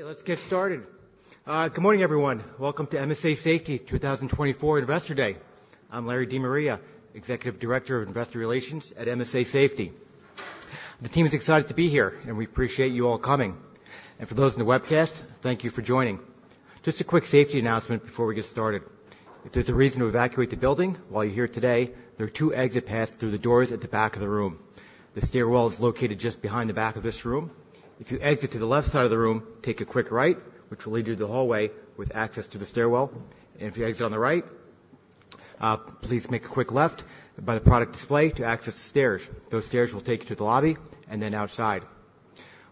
Let's get started. Good morning, everyone. Welcome to MSA Safety's 2024 Investor Day. I'm Larry De Maria, Executive Director of Investor Relations at MSA Safety. The team is excited to be here, and we appreciate you all coming. For those in the webcast, thank you for joining. Just a quick safety announcement before we get started. If there's a reason to evacuate the building while you're here today, there are two exit paths through the doors at the back of the room. The stairwell is located just behind the back of this room. If you exit to the left side of the room, take a quick right, which will lead you to the hallway with access to the stairwell. If you exit on the right, please make a quick left by the product display to access the stairs. Those stairs will take you to the lobby and then outside.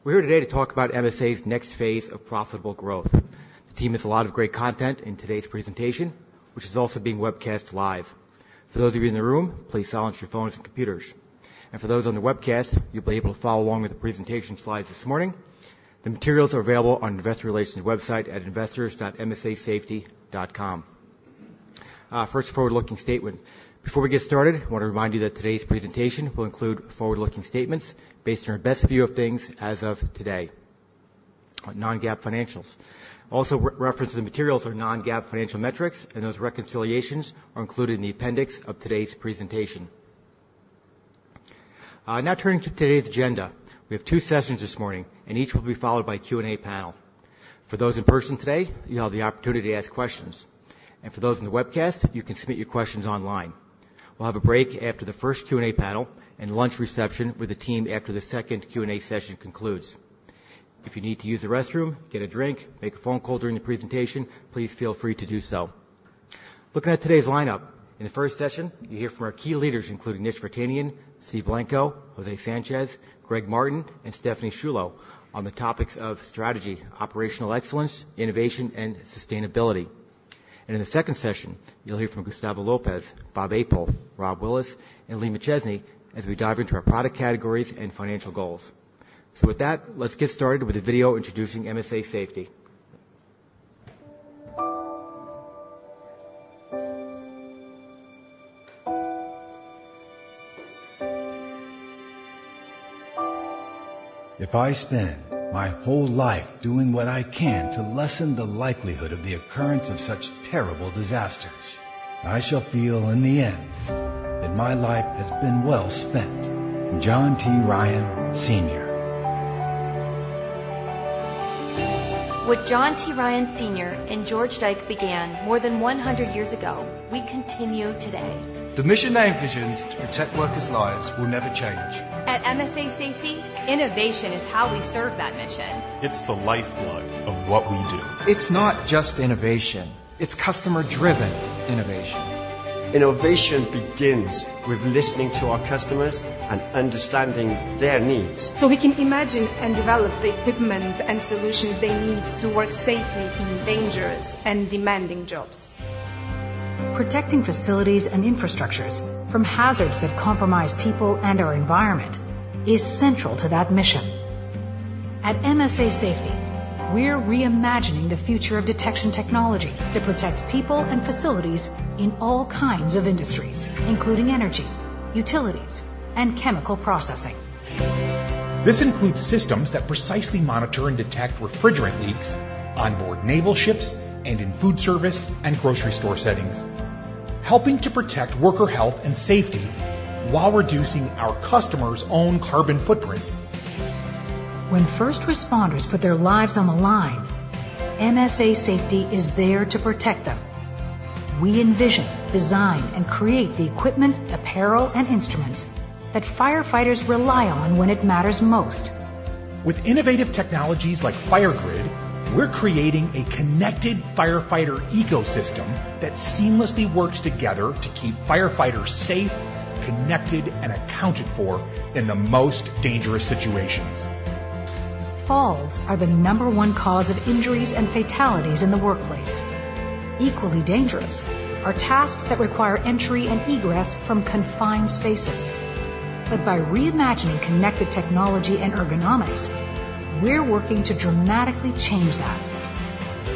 We're here today to talk about MSA's next phase of profitable growth. The team has a lot of great content in today's presentation, which is also being webcast live. For those of you in the room, please silence your phones and computers, and for those on the webcast, you'll be able to follow along with the presentation slides this morning. The materials are available on Investor Relations website at investors.msasafety.com. First, forward-looking statement. Before we get started, I want to remind you that today's presentation will include forward-looking statements based on our best view of things as of today. Non-GAAP financials. Also, references to materials are non-GAAP financial metrics, and those reconciliations are included in the appendix of today's presentation. Now turning to today's agenda, we have two sessions this morning, and each will be followed by a Q&A panel. For those in person today, you'll have the opportunity to ask questions, and for those in the webcast, you can submit your questions online. We'll have a break after the first Q&A panel and lunch reception with the team after the second Q&A session concludes. If you need to use the restroom, get a drink, make a phone call during the presentation, please feel free to do so. Looking at today's lineup, in the first session, you'll hear from our key leaders, including Nish Vartanian, Steve Blanco, José Sanchez, Greg Martin, and Stephanie Sciullo, on the topics of strategy, operational excellence, innovation, and sustainability. In the second session, you'll hear from Gustavo Lopez, Bob Apel, Rob Willis, and Lee McChesney as we dive into our product categories and financial goals. With that, let's get started with a video introducing MSA Safety. If I spend my whole life doing what I can to lessen the likelihood of the occurrence of such terrible disasters, I shall feel in the end that my life has been well spent," John T. Ryan Sr. What John T. Ryan Sr. and George Deike began more than 100 years ago, we continue today. The mission they envisioned to protect workers' lives will never change. At MSA Safety, innovation is how we serve that mission. It's the lifeblood of what we do. It's not just innovation, it's customer-driven innovation. Innovation begins with listening to our customers and understanding their needs. So we can imagine and develop the equipment and solutions they need to work safely in dangerous and demanding jobs. Protecting facilities and infrastructures from hazards that compromise people and our environment is central to that mission. At MSA Safety, we're reimagining the future of detection technology to protect people and facilities in all kinds of industries, including energy, utilities, and chemical processing. This includes systems that precisely monitor and detect refrigerant leaks on board naval ships and in food service and grocery store settings, helping to protect worker health and safety while reducing our customers' own carbon footprint. When first responders put their lives on the line, MSA Safety is there to protect them. We envision, design, and create the equipment, apparel, and instruments that firefighters rely on when it matters most. With innovative technologies like FireGrid, we're creating a connected firefighter ecosystem that seamlessly works together to keep firefighters safe, connected, and accounted for in the most dangerous situations. Falls are the number one cause of injuries and fatalities in the workplace. Equally dangerous are tasks that require entry and egress from confined spaces. But by reimagining connected technology and ergonomics, we're working to dramatically change that.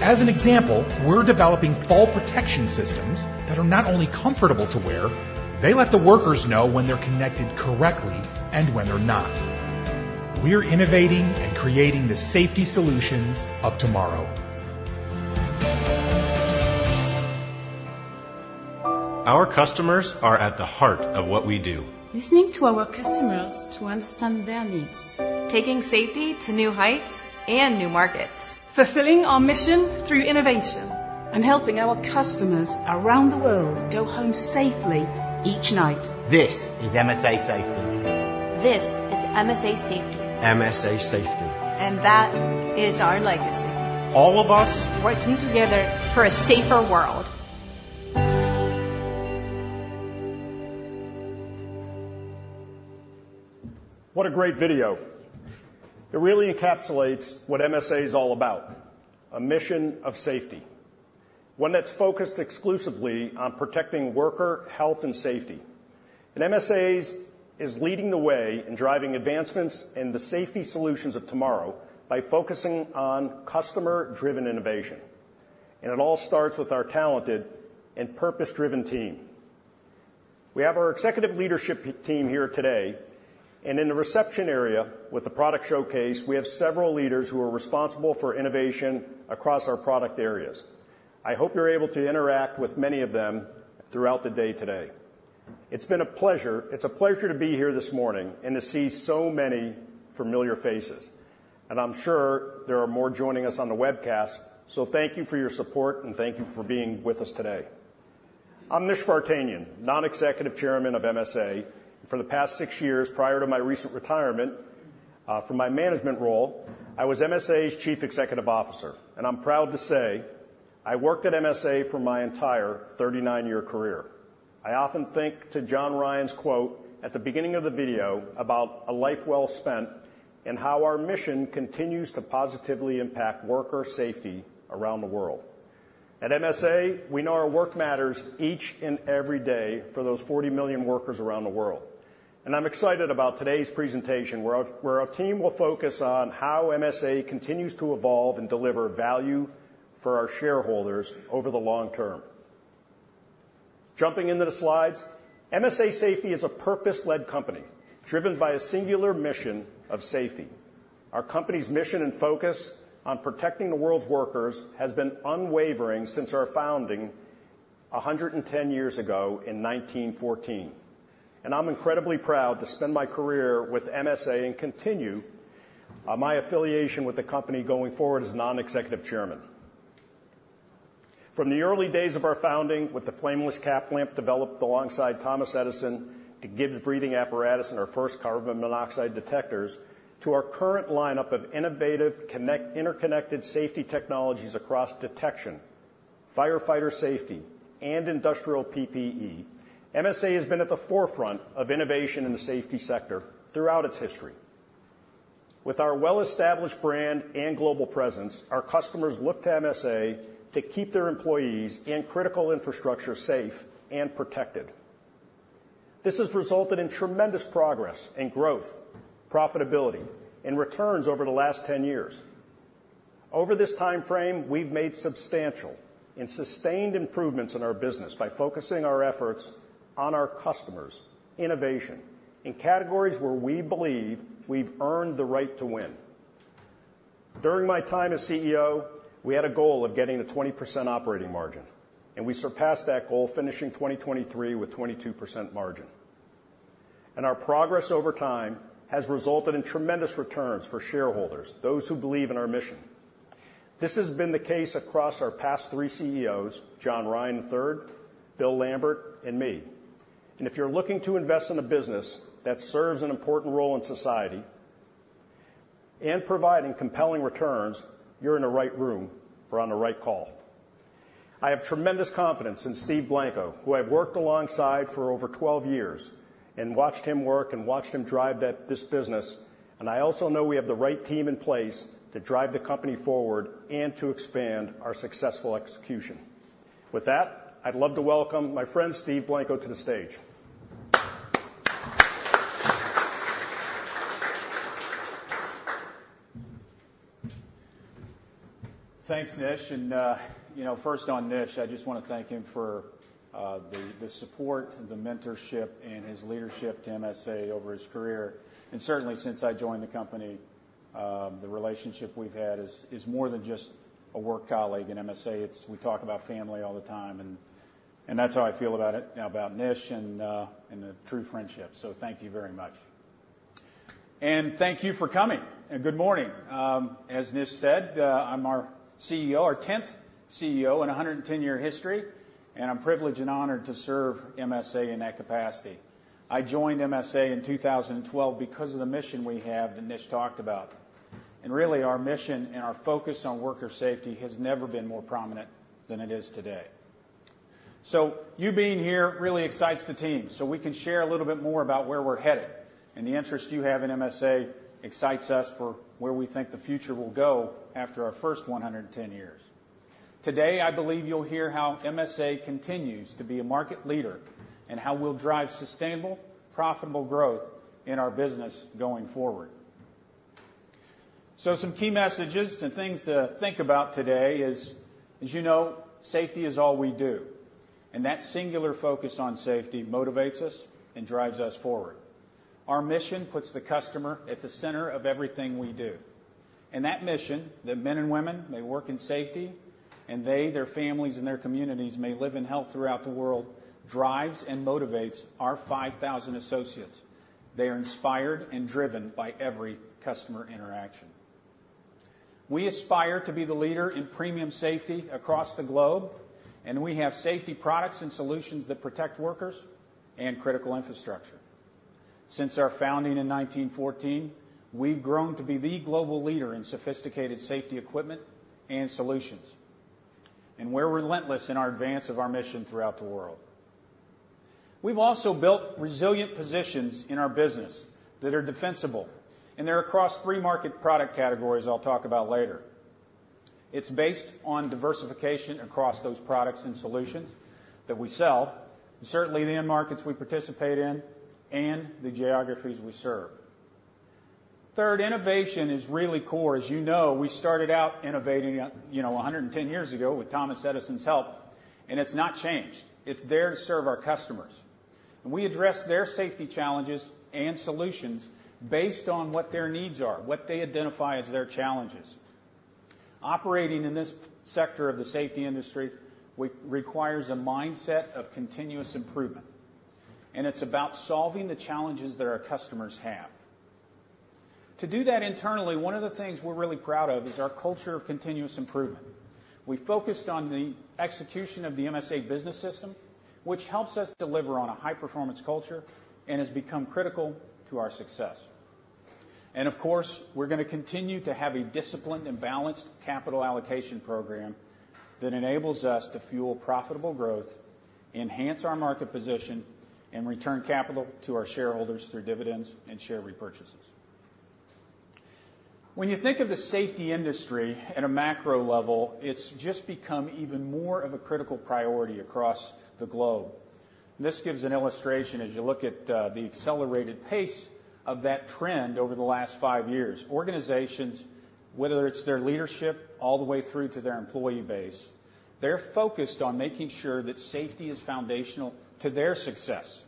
As an example, we're developing fall protection systems that are not only comfortable to wear, they let the workers know when they're connected correctly and when they're not. We're innovating and creating the safety solutions of tomorrow. Our customers are at the heart of what we do. Listening to our customers to understand their needs. Taking safety to new heights and new markets. Fulfilling our mission through innovation. Helping our customers around the world go home safely each night. This is MSA Safety. This is MSA Safety. MSA Safety. That is our legacy. All of us- Working together- For a safer world. What a great video! It really encapsulates what MSA is all about, a mission of safety, one that's focused exclusively on protecting worker health and safety. MSA is leading the way in driving advancements in the safety solutions of tomorrow by focusing on customer-driven innovation. It all starts with our talented and purpose-driven team.... We have our executive leadership team here today, and in the reception area with the product showcase, we have several leaders who are responsible for innovation across our product areas. I hope you're able to interact with many of them throughout the day today. It's a pleasure to be here this morning and to see so many familiar faces, and I'm sure there are more joining us on the webcast. So thank you for your support, and thank you for being with us today. I'm Nish Vartanian, Non-Executive Chairman of MSA. For the past six years, prior to my recent retirement, from my management role, I was MSA's Chief Executive Officer, and I'm proud to say I worked at MSA for my entire 39-year career. I often think to John Ryan's quote at the beginning of the video about a life well spent and how our mission continues to positively impact worker safety around the world. At MSA, we know our work matters each and every day for those 40 million workers around the world, and I'm excited about today's presentation, where our team will focus on how MSA continues to evolve and deliver value for our shareholders over the long term. Jumping into the slides, MSA Safety is a purpose-led company, driven by a singular mission of safety. Our company's mission and focus on protecting the world's workers has been unwavering since our founding 110 years ago in 1914, and I'm incredibly proud to spend my career with MSA and continue my affiliation with the company going forward as non-executive chairman. From the early days of our founding, with the flameless cap lamp developed alongside Thomas Edison, to Gibbs breathing apparatus and our first carbon monoxide detectors, to our current lineup of innovative, interconnected safety technologies across detection, firefighter safety, and industrial PPE, MSA has been at the forefront of innovation in the safety sector throughout its history. With our well-established brand and global presence, our customers look to MSA to keep their employees and critical infrastructure safe and protected. This has resulted in tremendous progress and growth, profitability, and returns over the last ten years. Over this time frame, we've made substantial and sustained improvements in our business by focusing our efforts on our customers, innovation, in categories where we believe we've earned the right to win. During my time as CEO, we had a goal of getting a 20% operating margin, and we surpassed that goal, finishing 2023 with 22% margin. Our progress over time has resulted in tremendous returns for shareholders, those who believe in our mission. This has been the case across our past three CEOs, John T. Ryan III, Bill Lambert, and me. If you're looking to invest in a business that serves an important role in society and providing compelling returns, you're in the right room or on the right call. I have tremendous confidence in Steve Blanco, who I've worked alongside for over 12 years and watched him work and watched him drive that, this business, and I also know we have the right team in place to drive the company forward and to expand our successful execution. With that, I'd love to welcome my friend, Steve Blanco, to the stage. Thanks, Nish. And, you know, first on Nish, I just want to thank him for the support, the mentorship, and his leadership to MSA over his career. And certainly, since I joined the company, the relationship we've had is more than just a work colleague in MSA. It's... We talk about family all the time, and that's how I feel about it, about Nish, and a true friendship. So thank you very much. And thank you for coming, and good morning. As Nish said, I'm our CEO, our tenth CEO, in a 110-year history, and I'm privileged and honored to serve MSA in that capacity. I joined MSA in 2012 because of the mission we have that Nish talked about, and really, our mission and our focus on worker safety has never been more prominent than it is today. So you being here really excites the team, so we can share a little bit more about where we're headed. And the interest you have in MSA excites us for where we think the future will go after our first 110 years. Today, I believe you'll hear how MSA continues to be a market leader and how we'll drive sustainable, profitable growth in our business going forward. So some key messages and things to think about today is, as you know, safety is all we do, and that singular focus on safety motivates us and drives us forward. Our mission puts the customer at the center of everything we do, and that mission, that men and women may work in safety, and they, their families, and their communities may live in health throughout the world, drives and motivates our 5,000 associates. They are inspired and driven by every customer interaction. We aspire to be the leader in premium safety across the globe, and we have safety products and solutions that protect workers and critical infrastructure. Since our founding in 1914, we've grown to be the global leader in sophisticated safety equipment and solutions, and we're relentless in our advance of our mission throughout the world. We've also built resilient positions in our business that are defensible, and they're across three market product categories I'll talk about later. It's based on diversification across those products and solutions that we sell, and certainly the end markets we participate in and the geographies we serve. Third, innovation is really core. As you know, we started out innovating, you know, 110 years ago with Thomas Edison's help, and it's not changed. It's there to serve our customers, and we address their safety challenges and solutions based on what their needs are, what they identify as their challenges. Operating in this sector of the safety industry requires a mindset of continuous improvement, and it's about solving the challenges that our customers have. To do that internally, one of the things we're really proud of is our culture of continuous improvement. We focused on the execution of msa Business System, which helps us deliver on a high-performance culture and has become critical to our success. And of course, we're gonna continue to have a disciplined and balanced capital allocation program that enables us to fuel profitable growth, enhance our market position, and return capital to our shareholders through dividends and share repurchases. When you think of the safety industry at a macro level, it's just become even more of a critical priority across the globe. This gives an illustration as you look at the accelerated pace of that trend over the last five years. Organizations, whether it's their leadership, all the way through to their employee base, they're focused on making sure that safety is foundational to their success.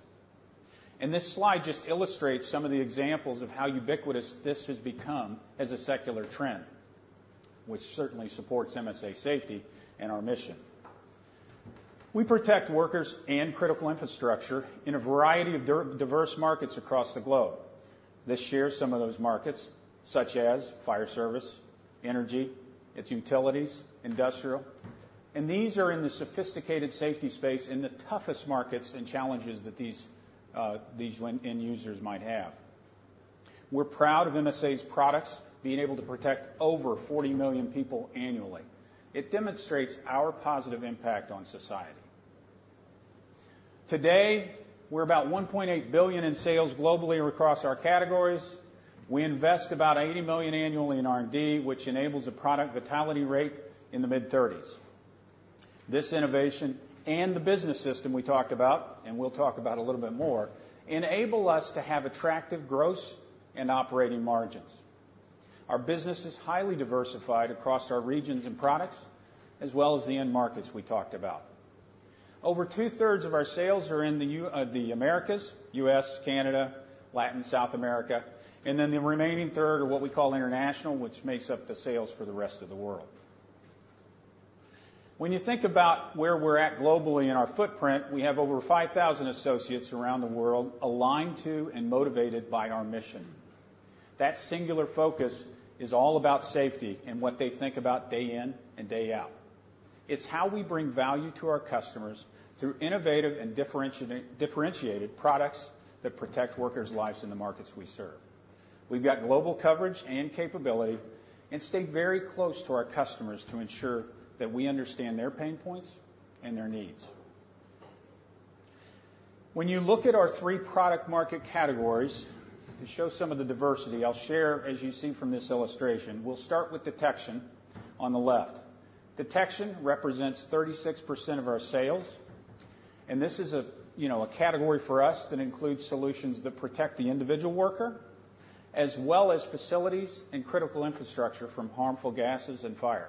And this slide just illustrates some of the examples of how ubiquitous this has become as a secular trend, which certainly supports MSA Safety and our mission. We protect workers and critical infrastructure in a variety of diverse markets across the globe. This shares some of those markets, such as fire service, energy, it's utilities, industrial, and these are in the sophisticated safety space, in the toughest markets and challenges that these, these end users might have. We're proud of MSA's products being able to protect over 40 million people annually. It demonstrates our positive impact on society. Today, we're about $1.8 billion in sales globally across our categories. We invest about $80 million annually in R&D, which enables a product vitality rate in the mid-30s. This innovation and the Business System we talked about, and we'll talk about a little bit more, enable us to have attractive gross and operating margins. Our business is highly diversified across our regions and products, as well as the end markets we talked about. Over two-thirds of our sales are in the U.S., the Americas, US, Canada, Latin, South America, and then the remaining third are what we call international, which makes up the sales for the rest of the world. When you think about where we're at globally in our footprint, we have over 5,000 associates around the world aligned to and motivated by our mission. That singular focus is all about safety and what they think about day in and day out. It's how we bring value to our customers through innovative and differentiated products that protect workers' lives in the markets we serve. We've got global coverage and capability, and stay very close to our customers to ensure that we understand their pain points and their needs. When you look at our three product market categories, to show some of the diversity, I'll share, as you see from this illustration. We'll start with detection on the left. Detection represents 36% of our sales, and this is a, you know, a category for us that includes solutions that protect the individual worker, as well as facilities and critical infrastructure from harmful gases and fire.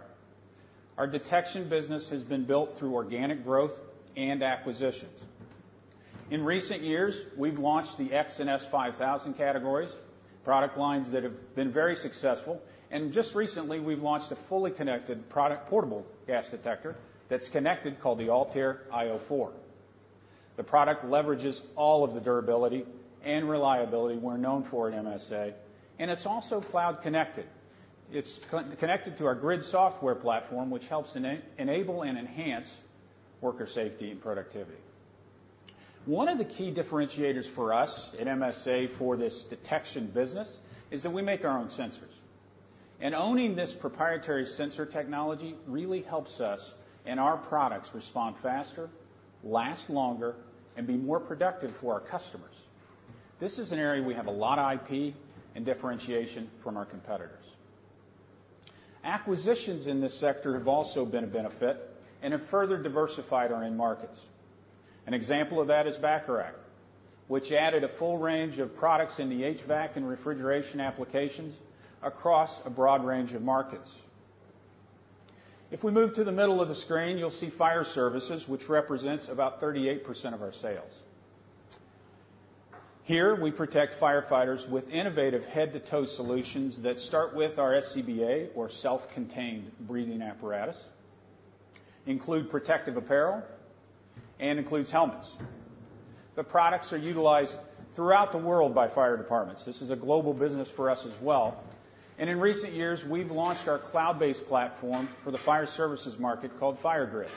Our detection business has been built through organic growth and acquisitions. In recent years, we've launched the X5000 and S5000 categories, product lines that have been very successful. And just recently, we've launched a fully connected product, portable gas detector that's connected, called the ALTAIR io4. The product leverages all of the durability and reliability we're known for at MSA, and it's also cloud connected. It's connected to our Grid software platform, which helps enable and enhance worker safety and productivity. One of the key differentiators for us at MSA for this detection business is that we make our own sensors. Owning this proprietary sensor technology really helps us, and our products respond faster, last longer, and be more productive for our customers. This is an area we have a lot of IP and differentiation from our competitors. Acquisitions in this sector have also been a benefit and have further diversified our end markets. An example of that is Bacharach, which added a full range of products in the HVAC and refrigeration applications across a broad range of markets. If we move to the middle of the screen, you'll see fire services, which represents about 38% of our sales. Here, we protect firefighters with innovative head-to-toe solutions that start with our SCBA, or self-contained breathing apparatus, include protective apparel, and includes helmets. The products are utilized throughout the world by fire departments. This is a global business for us as well. In recent years, we've launched our cloud-based platform for the fire services market called FireGrid.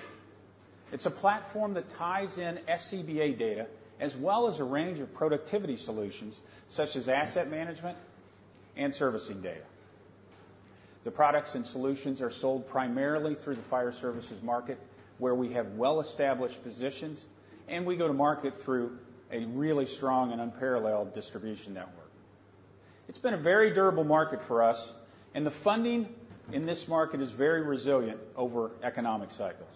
It's a platform that ties in SCBA data, as well as a range of productivity solutions such as asset management and servicing data. The products and solutions are sold primarily through the fire services market, where we have well-established positions, and we go to market through a really strong and unparalleled distribution network. It's been a very durable market for us, and the funding in this market is very resilient over economic cycles.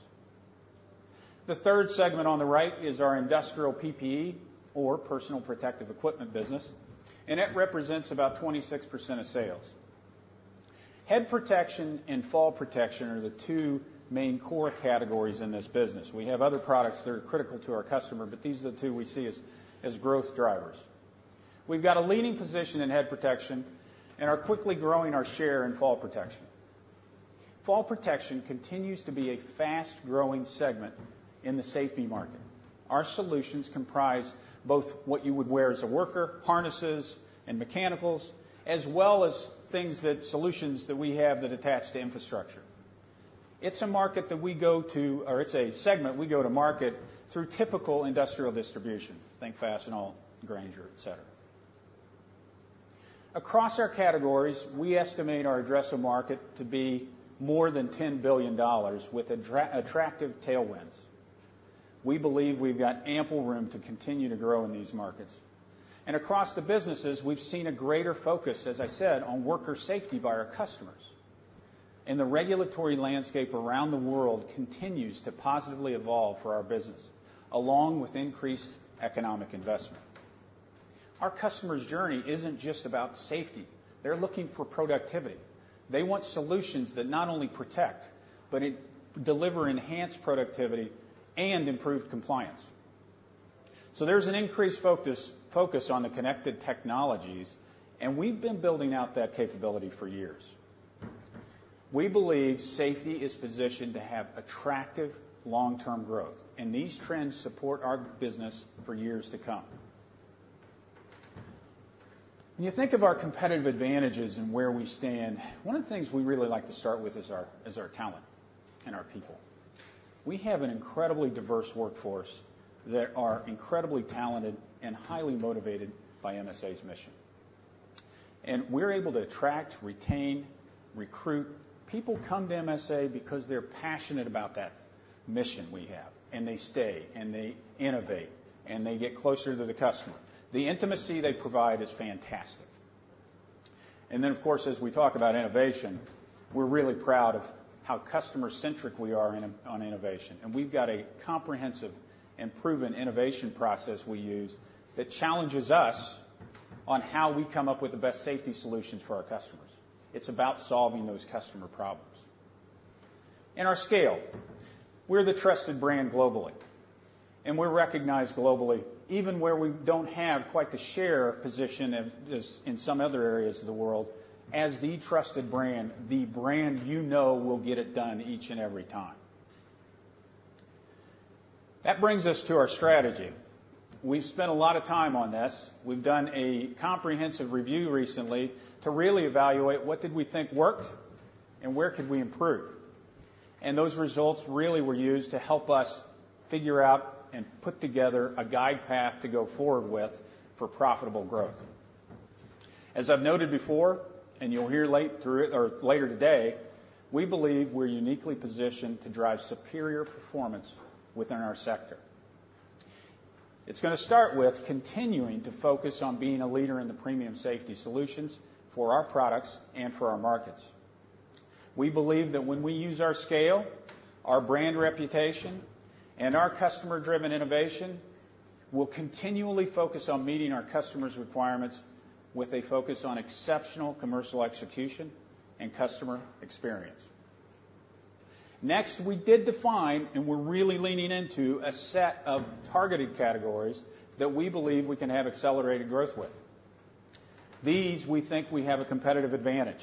The third segment on the right is our industrial PPE or personal protective equipment business, and it represents about 26% of sales. Head protection and fall protection are the two main core categories in this business. We have other products that are critical to our customer, but these are the two we see as growth drivers. We've got a leading position in head protection and are quickly growing our share in fall protection. Fall protection continues to be a fast-growing segment in the safety market. Our solutions comprise both what you would wear as a worker, harnesses and mechanicals, as well as things that, solutions that we have that attach to infrastructure. It's a market that we go to, or it's a segment we go to market through typical industrial distribution, think Fastenal, Grainger, et cetera. Across our categories, we estimate our addressable market to be more than $10 billion with attractive tailwinds. We believe we've got ample room to continue to grow in these markets. And across the businesses, we've seen a greater focus, as I said, on worker safety by our customers, and the regulatory landscape around the world continues to positively evolve for our business, along with increased economic investment. Our customers' journey isn't just about safety. They're looking for productivity. They want solutions that not only protect, but it deliver enhanced productivity and improved compliance. So there's an increased focus on the connected technologies, and we've been building out that capability for years. We believe safety is positioned to have attractive long-term growth, and these trends support our business for years to come. When you think of our competitive advantages and where we stand, one of the things we really like to start with is our talent and our people. We have an incredibly diverse workforce that are incredibly talented and highly motivated by MSA's mission, and we're able to attract, retain, recruit. People come to MSA because they're passionate about that mission we have, and they stay, and they innovate, and they get closer to the customer. The intimacy they provide is fantastic. And then, of course, as we talk about innovation, we're really proud of how customer-centric we are in on innovation. And we've got a comprehensive and proven innovation process we use that challenges us on how we come up with the best safety solutions for our customers. It's about solving those customer problems. Our scale. We're the trusted brand globally, and we're recognized globally, even where we don't have quite the share position as, as in some other areas of the world, as the trusted brand, the brand you know will get it done each and every time. That brings us to our strategy. We've spent a lot of time on this. We've done a comprehensive review recently to really evaluate what did we think worked and where could we improve. Those results really were used to help us figure out and put together a guide path to go forward with for profitable growth. As I've noted before, and you'll hear late through... Or later today, we believe we're uniquely positioned to drive superior performance within our sector. It's gonna start with continuing to focus on being a leader in the premium safety solutions for our products and for our markets. We believe that when we use our scale, our brand reputation, and our customer-driven innovation, we'll continually focus on meeting our customers' requirements with a focus on exceptional commercial execution and customer experience. Next, we did define, and we're really leaning into a set of targeted categories that we believe we can have accelerated growth with. These we think we have a competitive advantage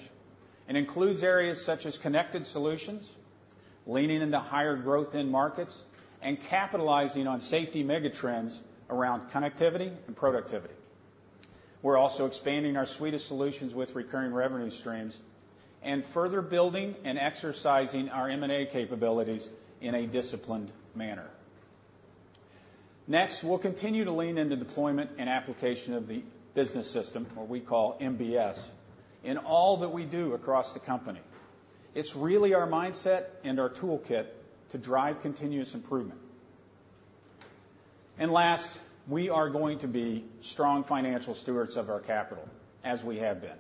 and includes areas such as connected solutions, leaning into higher growth end markets, and capitalizing on safety megatrends around connectivity and productivity. We're also expanding our suite of solutions with recurring revenue streams and further building and exercising our M&A capabilities in a disciplined manner. Next, we'll continue to lean into deployment and application of Business System, what we call MBS, in all that we do across the company. It's really our mindset and our toolkit to drive continuous improvement. Last, we are going to be strong financial stewards of our capital, as we have been,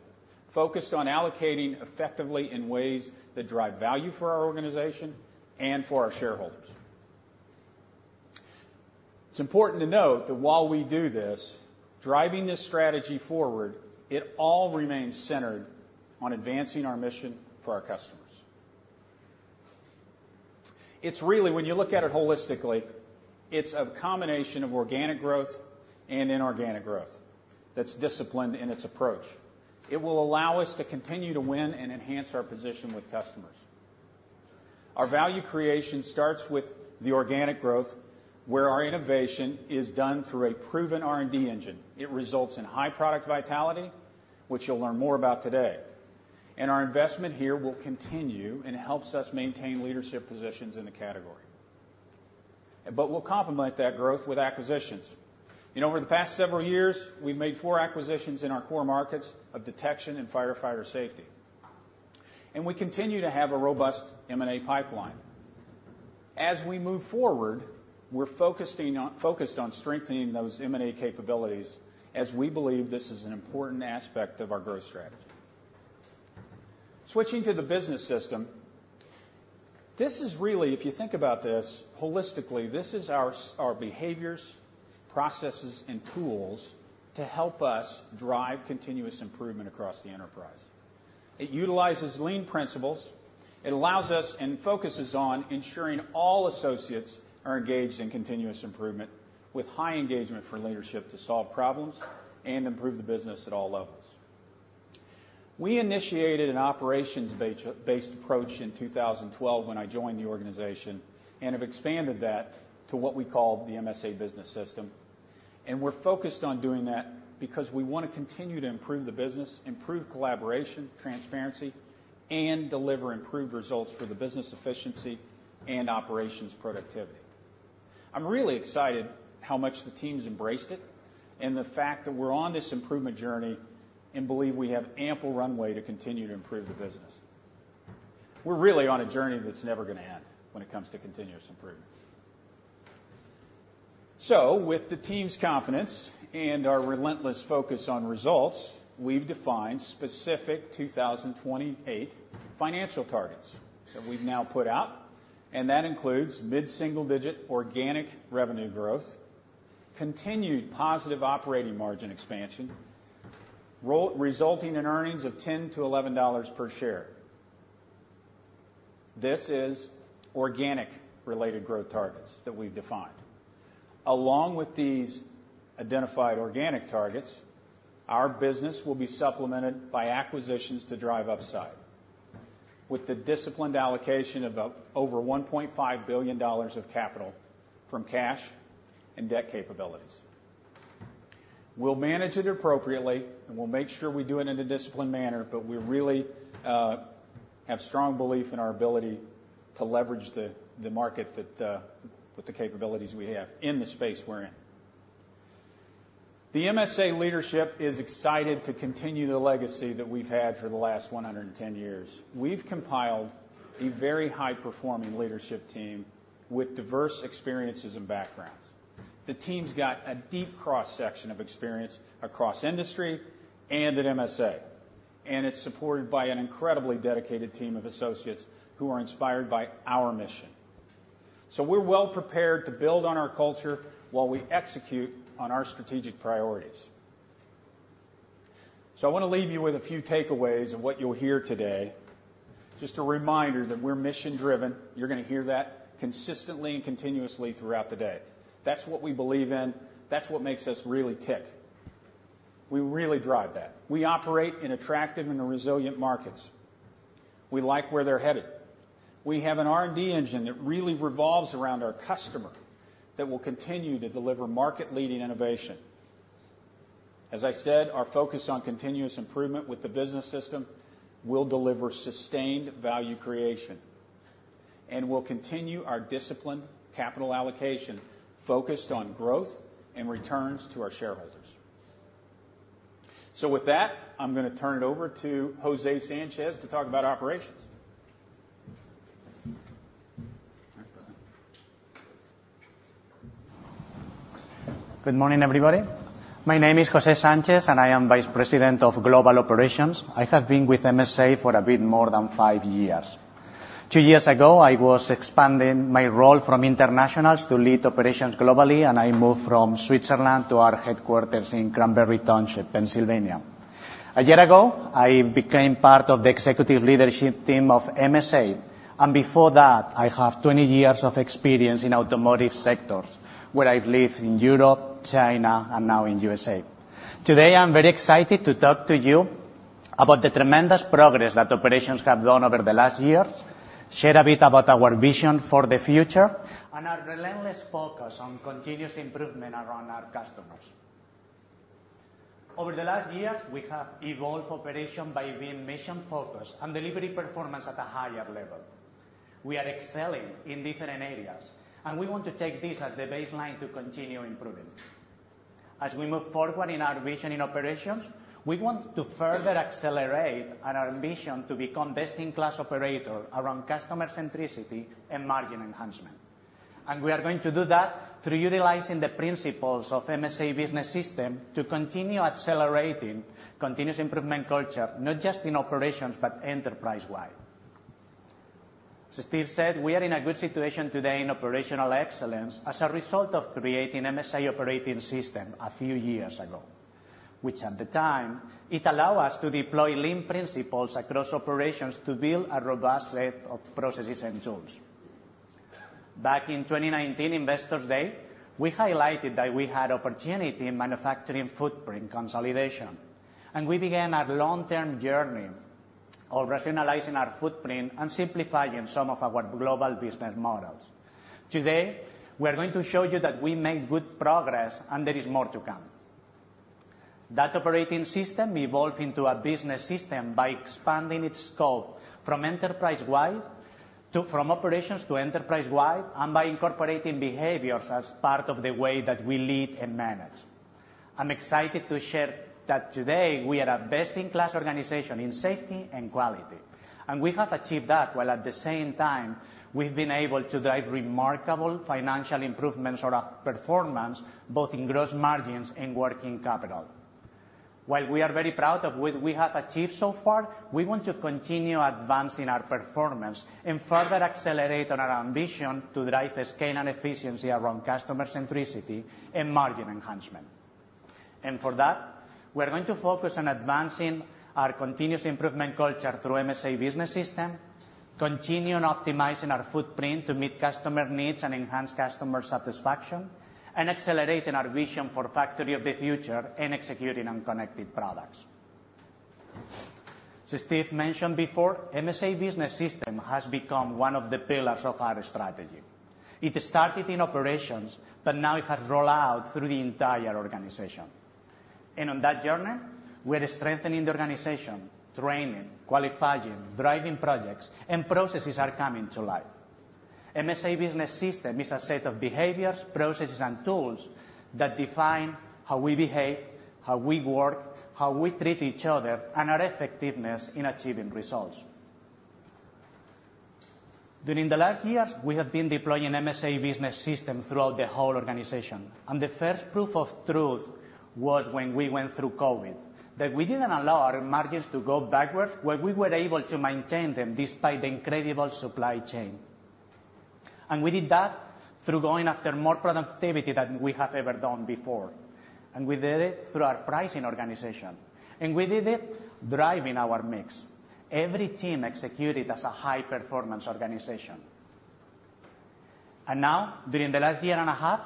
focused on allocating effectively in ways that drive value for our organization and for our shareholders. It's important to note that while we do this, driving this strategy forward, it all remains centered on advancing our mission for our customers. It's really, when you look at it holistically, it's a combination of organic growth and inorganic growth that's disciplined in its approach. It will allow us to continue to win and enhance our position with customers. Our value creation starts with the organic growth, where our innovation is done through a proven R&D engine. It results in high product vitality, which you'll learn more about today. And our investment here will continue and helps us maintain leadership positions in the category. We'll complement that growth with acquisitions. You know, over the past several years, we've made four acquisitions in our core markets of detection and firefighter safety, and we continue to have a robust M&A pipeline. As we move forward, we're focusing on strengthening those M&A capabilities as we believe this is an important aspect of our growth strategy. Switching to Business System, this is really, if you think about this holistically, this is our behaviors, processes, and tools to help us drive continuous improvement across the enterprise. It utilizes lean principles. It allows us and focuses on ensuring all associates are engaged in continuous improvement, with high engagement for leadership to solve problems and improve the business at all levels. We initiated an operations-based approach in 2012 when I joined the organization, and have expanded that to what we call the MSA Business System. We're focused on doing that because we want to continue to improve the business, improve collaboration, transparency, and deliver improved results for the business efficiency and operations productivity. I'm really excited how much the team's embraced it, and the fact that we're on this improvement journey, and believe we have ample runway to continue to improve the business. We're really on a journey that's never gonna end when it comes to continuous improvement. So with the team's confidence and our relentless focus on results, we've defined specific 2028 financial targets that we've now put out, and that includes mid-single-digit organic revenue growth, continued positive operating margin expansion, resulting in earnings of $10-$11 per share. This is organic related growth targets that we've defined. Along with these identified organic targets, our business will be supplemented by acquisitions to drive upside, with the disciplined allocation of about over $1.5 billion of capital from cash and debt capabilities. We'll manage it appropriately, and we'll make sure we do it in a disciplined manner, but we really have strong belief in our ability to leverage the market with the capabilities we have in the space we're in. The MSA leadership is excited to continue the legacy that we've had for the last 110 years. We've compiled a very high-performing leadership team with diverse experiences and backgrounds. The team's got a deep cross-section of experience across industry and at MSA, and it's supported by an incredibly dedicated team of associates who are inspired by our mission. So we're well prepared to build on our culture while we execute on our strategic priorities. So I wanna leave you with a few takeaways of what you'll hear today. Just a reminder that we're mission-driven. You're gonna hear that consistently and continuously throughout the day. That's what we believe in. That's what makes us really tick. We really drive that. We operate in attractive and resilient markets. We like where they're headed. We have an R&D engine that really revolves around our customer, that will continue to deliver market-leading innovation. As I said, our focus on continuous improvement with the Business System will deliver sustained value creation, and we'll continue our disciplined capital allocation, focused on growth and returns to our shareholders. So with that, I'm gonna turn it over to José Sanchez to talk about operations. Good morning, everybody. My name is José Sanchez, and I am Vice President of Global Operations. I have been with MSA for a bit more than 5 years. 2 years ago, I was expanding my role from internationals to lead operations globally, and I moved from Switzerland to our headquarters in Cranberry Township, Pennsylvania. 1 year ago, I became part of the executive leadership team of MSA, and before that, I have 20 years of experience in automotive sectors, where I've lived in Europe, China, and now in USA. Today, I'm very excited to talk to you about the tremendous progress that operations have done over the last years, share a bit about our vision for the future, and our relentless focus on continuous improvement around our customers. Over the last years, we have evolved operation by being mission focused and delivering performance at a higher level. We are excelling in different areas, and we want to take this as the baseline to continue improving. As we move forward in our vision in operations, we want to further accelerate on our mission to become best-in-class operator around customer centricity and margin enhancement. We are going to do that through utilizing the principles of MSA Business System to continue accelerating continuous improvement culture, not just in operations, but enterprise-wide. So Steve said, we are in a good situation today in operational excellence as a result of creating MSA Business System a few years ago, which at the time, it allow us to deploy lean principles across operations to build a robust set of processes and tools. Back in 2019 Investor Day, we highlighted that we had opportunity in manufacturing footprint consolidation, and we began a long-term journey of rationalizing our footprint and simplifying some of our global business models. Today, we are going to show you that we made good progress, and there is more to come. That operating system evolved into a Business System by expanding its scope from enterprise-wide to... from operations to enterprise-wide, and by incorporating behaviors as part of the way that we lead and manage. I'm excited to share that today, we are a best-in-class organization in safety and quality, and we have achieved that, while at the same time, we've been able to drive remarkable financial improvements of our performance, both in gross margins and working capital.... While we are very proud of what we have achieved so far, we want to continue advancing our performance and further accelerate on our ambition to drive scale and efficiency around customer centricity and margin enhancement. For that, we're going to focus on advancing our continuous improvement culture through MSA Business System, continue on optimizing our footprint to meet customer needs and enhance customer satisfaction, and accelerating our vision for Factory of the Future, and executing on connected products. As Steve mentioned before, MSA Business System has become one of the pillars of our strategy. It started in operations, but now it has rolled out through the entire organization. On that journey, we are strengthening the organization, training, qualifying, driving projects, and processes are coming to life. MSA Business System is a set of behaviors, processes, and tools that define how we behave, how we work, how we treat each other, and our effectiveness in achieving results. During the last years, we have been deploying MSA Business System throughout the whole organization, and the first proof of truth was when we went through COVID, that we didn't allow our margins to go backwards, where we were able to maintain them despite the incredible supply chain. We did that through going after more productivity than we have ever done before, and we did it through our pricing organization, and we did it driving our mix. Every team executed as a high-performance organization. Now, during the last year and a half,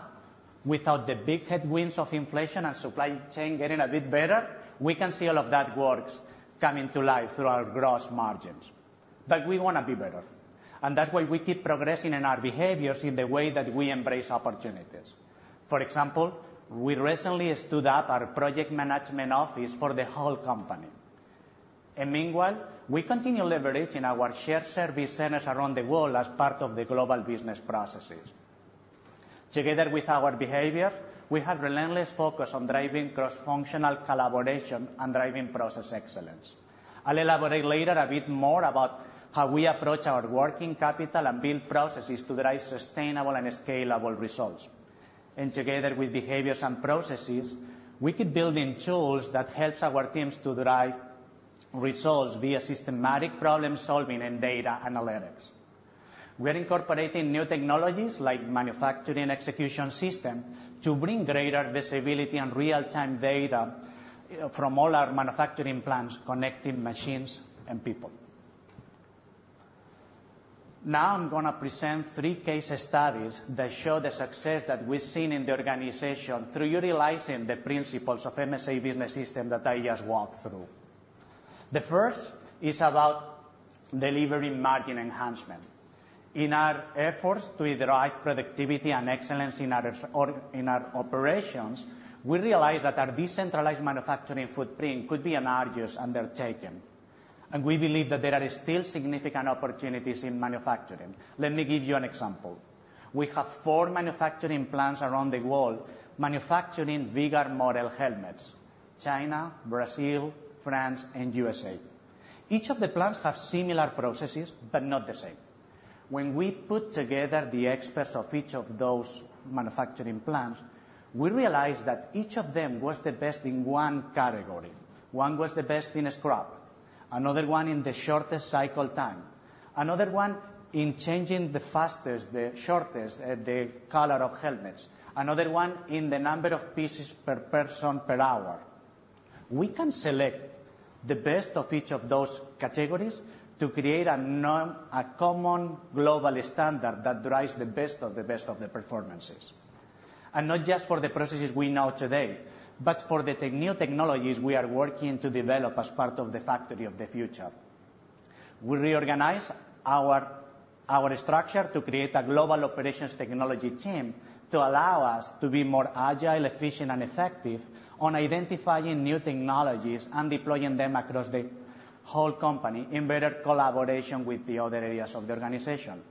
without the big headwinds of inflation and supply chain getting a bit better, we can see all of that works coming to life through our gross margins. But we wanna be better, and that's why we keep progressing in our behaviors in the way that we embrace opportunities. For example, we recently stood up our Project Management Office for the whole company. Meanwhile, we continue leveraging our shared service centers around the world as part of the global business processes. Together with our behavior, we have relentless focus on driving cross-functional collaboration and driving process excellence. I'll elaborate later a bit more about how we approach our working capital and build processes to drive sustainable and scalable results. Together with behaviors and processes, we keep building tools that helps our teams to drive results via systematic problem-solving and data analytics. We're incorporating new technologies, like manufacturing execution system, to bring greater visibility and real-time data, from all our manufacturing plants, connecting machines and people. Now, I'm gonna present three case studies that show the success that we've seen in the organization through utilizing the principles of MSA Business System that I just walked through. The first is about delivering margin enhancement. In our efforts to derive productivity and excellence in our operations, we realized that our decentralized manufacturing footprint could be an arduous undertaking, and we believe that there are still significant opportunities in manufacturing. Let me give you an example. We have four manufacturing plants around the world manufacturing V-Gard model helmets: China, Brazil, France, and USA. Each of the plants have similar processes, but not the same. When we put together the experts of each of those manufacturing plants, we realized that each of them was the best in one category. One was the best in scrap, another one in the shortest cycle time, another one in changing the fastest, the shortest, the color of helmets, another one in the number of pieces per person per hour. We can select the best of each of those categories to create a norm, a common global standard that drives the best of the best of the performances, not just for the processes we know today, but for the tech, new technologies we are working to develop as part of the Factory of the Future. We reorganized our structure to create a Global Operations Technology Team to allow us to be more agile, efficient, and effective on identifying new technologies and deploying them across the whole company in better collaboration with the other areas of the organization.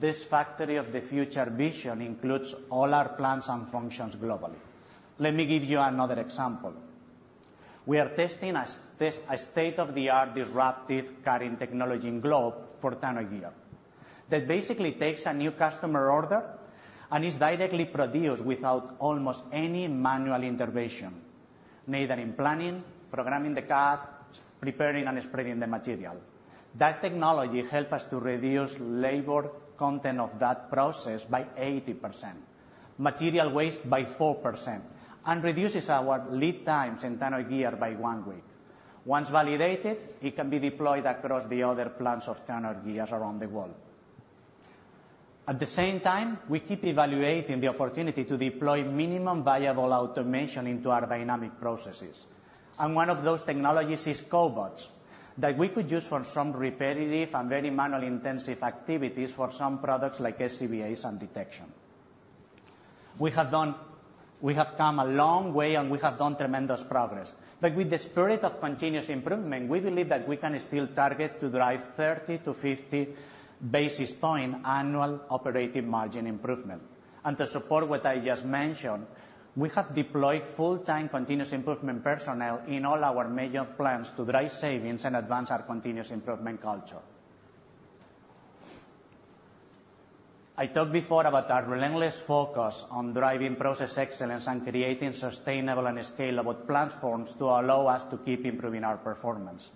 This Factory of the Future vision includes all our plants and functions globally. Let me give you another example. We are testing a state-of-the-art disruptive cutting technology in Globe for turnout gear, that basically takes a new customer order and is directly produced without almost any manual intervention, neither in planning, programming the cuts, preparing and spreading the material. That technology help us to reduce labor content of that process by 80%, material waste by 4%, and reduces our lead times in turnout gear by one week. Once validated, it can be deployed across the other plants of turnout gear around the world. At the same time, we keep evaluating the opportunity to deploy minimum viable automation into our dynamic processes, and one of those technologies is cobots, that we could use for some repetitive and very manual-intensive activities for some products like SCBAs and detection. We have come a long way, and we have done tremendous progress, but with the spirit of continuous improvement, we believe that we can still target to drive 30-50 basis points annual operating margin improvement. To support what I just mentioned, we have deployed full-time continuous improvement personnel in all our major plants to drive savings and advance our continuous improvement culture. I talked before about our relentless focus on driving process excellence and creating sustainable and scalable platforms to allow us to keep improving our performance.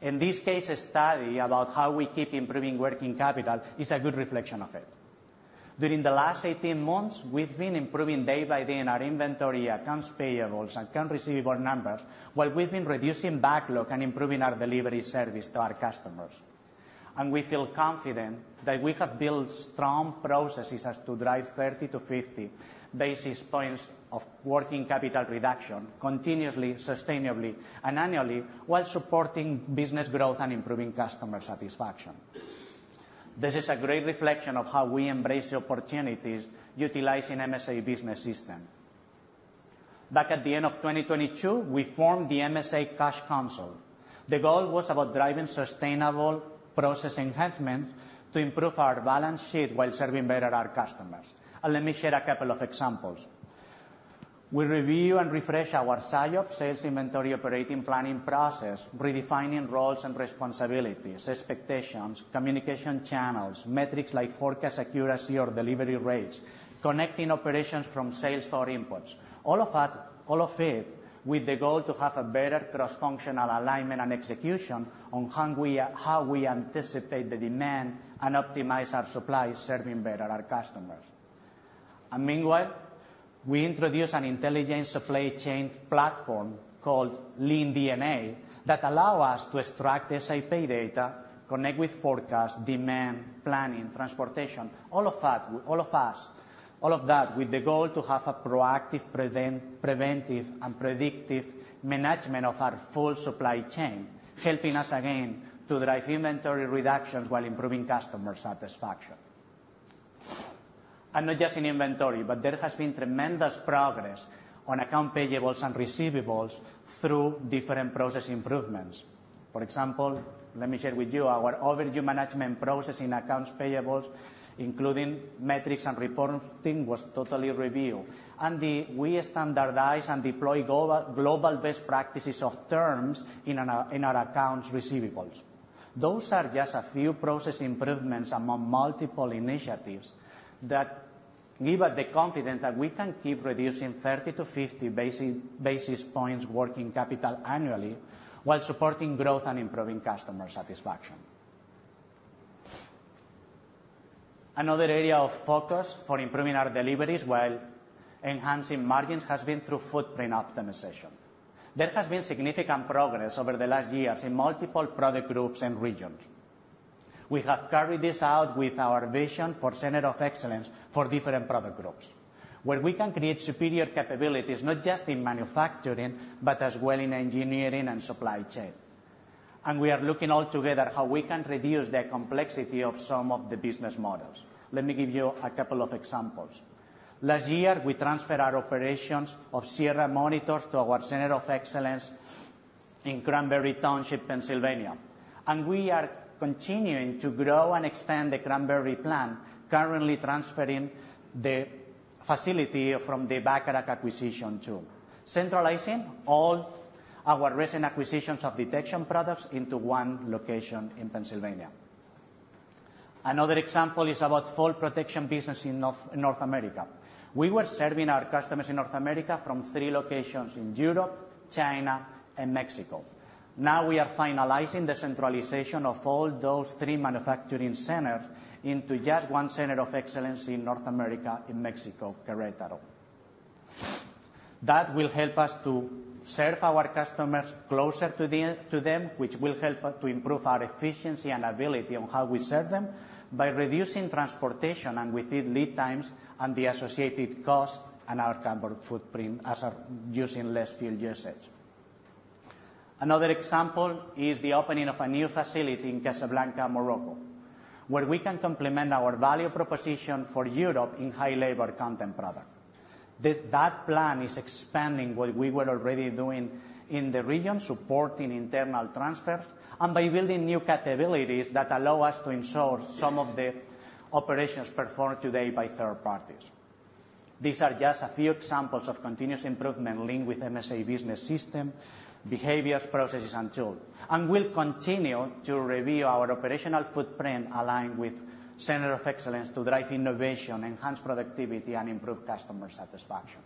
In this case study about how we keep improving working capital is a good reflection of it. During the last 18 months, we've been improving day by day in our inventory, accounts payables, and account receivable numbers, while we've been reducing backlog and improving our delivery service to our customers. We feel confident that we have built strong processes to drive 30-50 basis points of working capital reduction continuously, sustainably, and annually, while supporting business growth and improving customer satisfaction. This is a great reflection of how we embrace the opportunities utilizing MSA Business System. Back at the end of 2022, we formed the MSA Cash Council. The goal was about driving sustainable process enhancement to improve our balance sheet while serving better our customers. Let me share a couple of examples. We review and refresh our SIOP, Sales Inventory Operations Planning process, redefining roles and responsibilities, expectations, communication channels, metrics like forecast accuracy or delivery rates, connecting operations from sales for inputs. All of that, all of it, with the goal to have a better cross-functional alignment and execution on how we, how we anticipate the demand and optimize our supply, serving better our customers. Meanwhile, we introduce an intelligent supply chain platform called LeanDNA, that allow us to extract the SIOP data, connect with forecast, demand, planning, transportation. All of that, with the goal to have a proactive, preventive and predictive management of our full supply chain, helping us again to drive inventory reductions while improving customer satisfaction. And not just in inventory, but there has been tremendous progress on account payables and receivables through different process improvements. For example, let me share with you, our overdue management process in accounts payables, including metrics and reporting, was totally reviewed. And we standardize and deploy global best practices of terms in our, in our accounts receivables. Those are just a few process improvements among multiple initiatives that give us the confidence that we can keep reducing 30-50 basis points working capital annually, while supporting growth and improving customer satisfaction. Another area of focus for improving our deliveries while enhancing margins, has been through footprint optimization. There has been significant progress over the last years in multiple product groups and regions. We have carried this out with our vision for Center of Excellence for different product groups, where we can create superior capabilities, not just in manufacturing, but as well in engineering and supply chain. We are looking all together how we can reduce the complexity of some of the business models. Let me give you a couple of examples. Last year, we transferred our operations of Sierra Monitor to our Center of Excellence in Cranberry Township, Pennsylvania. We are continuing to grow and expand the Cranberry plant, currently transferring the facility from the Bacharach acquisition, too, centralizing all our recent acquisitions of detection products into one location in Pennsylvania. Another example is about fall protection business in North America. We were serving our customers in North America from three locations in Europe, China, and Mexico. Now, we are finalizing the centralization of all those three manufacturing centers into just one Center of Excellence in North America, in Mexico, Querétaro. That will help us to serve our customers closer to the, to them, which will help us to improve our efficiency and ability on how we serve them, by reducing transportation and within lead times and the associated cost and our carbon footprint as a-- using less fuel usage. Another example is the opening of a new facility in Casablanca, Morocco, where we can complement our value proposition for Europe in high labor content product. That plan is expanding what we were already doing in the region, supporting internal transfers, and by building new capabilities that allow us to in-source some of the operations performed today by third parties. These are just a few examples of continuous improvement linked with MSA Business System, behaviors, processes, and tools. We'll continue to review our operational footprint, aligned with Center of Excellence, to drive innovation, enhance productivity, and improve customer satisfaction.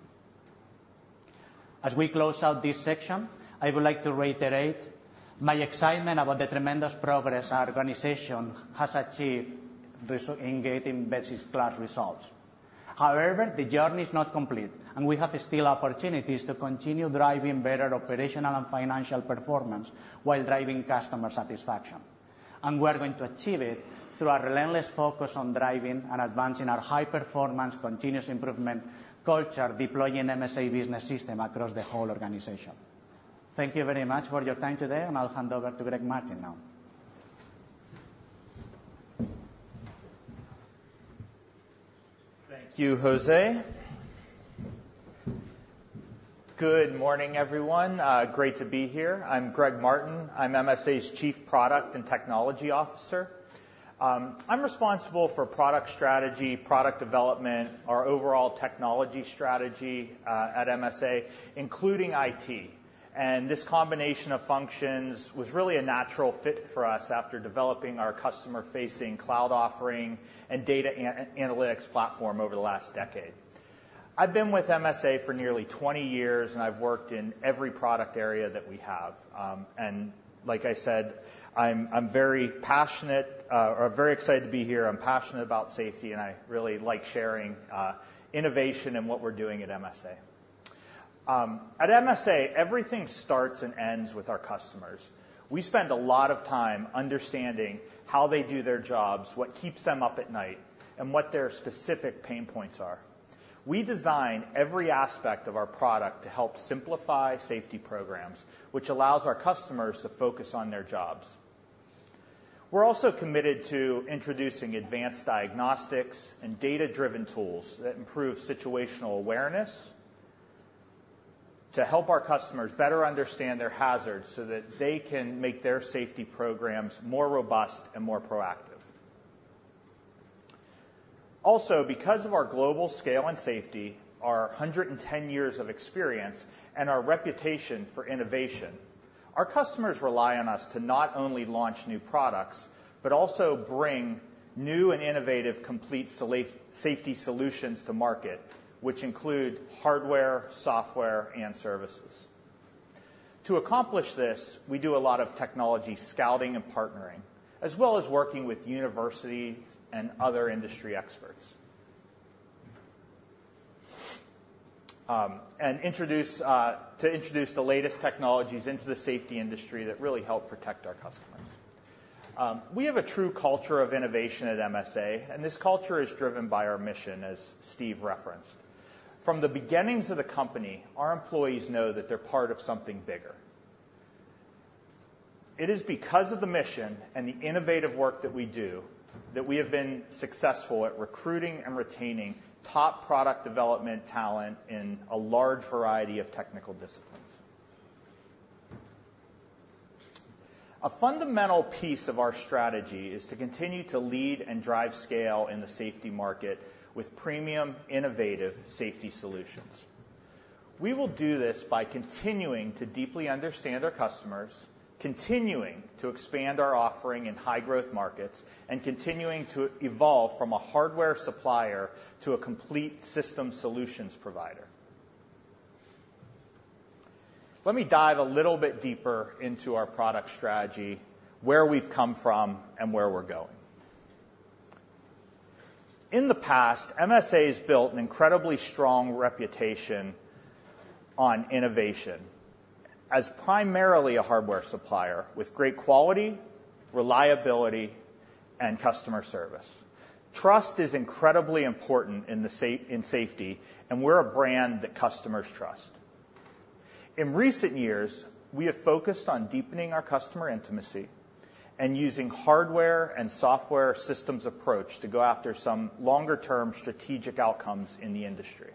As we close out this section, I would like to reiterate my excitement about the tremendous progress our organization has achieved resulting in getting best-in-class results. However, the journey is not complete, and we still have opportunities to continue driving better operational and financial performance, while driving customer satisfaction. We're going to achieve it through our relentless focus on driving and advancing our high performance, continuous improvement culture, deploying MSA Business System across the whole organization. Thank you very much for your time today, and I'll hand over to Greg Martin now. Thank you, José. Good morning, everyone. Great to be here. I'm Greg Martin. I'm MSA's Chief Product and Technology Officer. I'm responsible for product strategy, product development, our overall technology strategy at MSA, including IT. This combination of functions was really a natural fit for us after developing our customer-facing cloud offering and data analytics platform over the last decade. I've been with MSA for nearly 20 years, and I've worked in every product area that we have. Like I said, I'm very passionate or very excited to be here. I'm passionate about safety, and I really like sharing innovation and what we're doing at MSA. At MSA, everything starts and ends with our customers. We spend a lot of time understanding how they do their jobs, what keeps them up at night, and what their specific pain points are. We design every aspect of our product to help simplify safety programs, which allows our customers to focus on their jobs. We're also committed to introducing advanced diagnostics and data-driven tools that improve situational awareness, to help our customers better understand their hazards, so that they can make their safety programs more robust and more proactive. Also, because of our global scale and safety, our 110 years of experience, and our reputation for innovation, our customers rely on us to not only launch new products, but also bring new and innovative, complete safety solutions to market, which include hardware, software, and services. To accomplish this, we do a lot of technology scouting and partnering, as well as working with university and other industry experts to introduce the latest technologies into the safety industry that really help protect our customers. We have a true culture of innovation at MSA, and this culture is driven by our mission, as Steve referenced. From the beginnings of the company, our employees know that they're part of something bigger. It is because of the mission and the innovative work that we do that we have been successful at recruiting and retaining top product development talent in a large variety of technical disciplines. A fundamental piece of our strategy is to continue to lead and drive scale in the safety market with premium, innovative safety solutions. We will do this by continuing to deeply understand our customers, continuing to expand our offering in high-growth markets, and continuing to evolve from a hardware supplier to a complete system solutions provider. Let me dive a little bit deeper into our product strategy, where we've come from, and where we're going. In the past, MSA has built an incredibly strong reputation on innovation as primarily a hardware supplier with great quality, reliability, and customer service. Trust is incredibly important in safety, and we're a brand that customers trust. In recent years, we have focused on deepening our customer intimacy and using hardware and software systems approach to go after some longer-term strategic outcomes in the industry,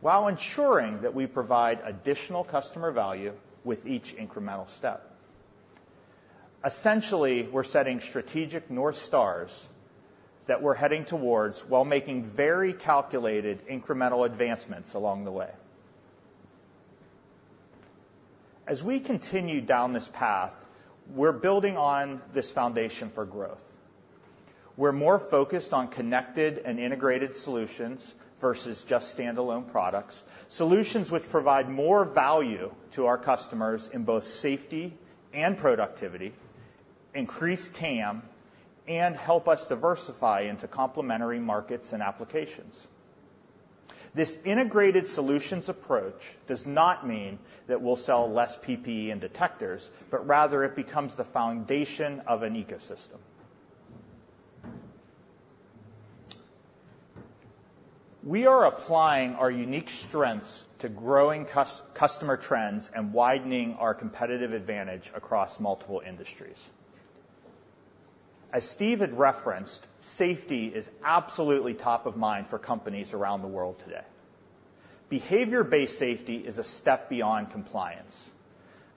while ensuring that we provide additional customer value with each incremental step. Essentially, we're setting strategic North Stars that we're heading towards while making very calculated, incremental advancements along the way. As we continue down this path, we're building on this foundation for growth. We're more focused on connected and integrated solutions versus just standalone products, solutions which provide more value to our customers in both safety and productivity, increase TAM, and help us diversify into complementary markets and applications. This integrated solutions approach does not mean that we'll sell less PPE and detectors, but rather it becomes the foundation of an ecosystem. We are applying our unique strengths to growing customer trends and widening our competitive advantage across multiple industries. As Steve had referenced, safety is absolutely top of mind for companies around the world today. Behavior-based safety is a step beyond compliance.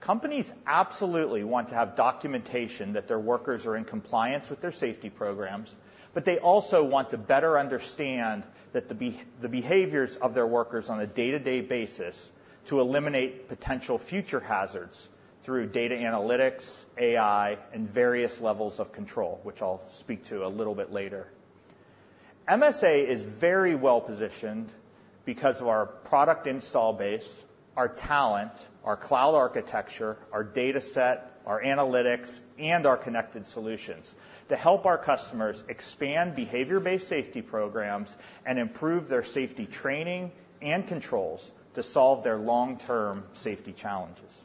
Companies absolutely want to have documentation that their workers are in compliance with their safety programs, but they also want to better understand the behaviors of their workers on a day-to-day basis to eliminate potential future hazards through data analytics, AI, and various levels of control, which I'll speak to a little bit later. MSA is very well positioned because of our product install base, our talent, our cloud architecture, our dataset, our analytics, and our connected solutions to help our customers expand behavior-based safety programs and improve their safety training and controls to solve their long-term safety challenges.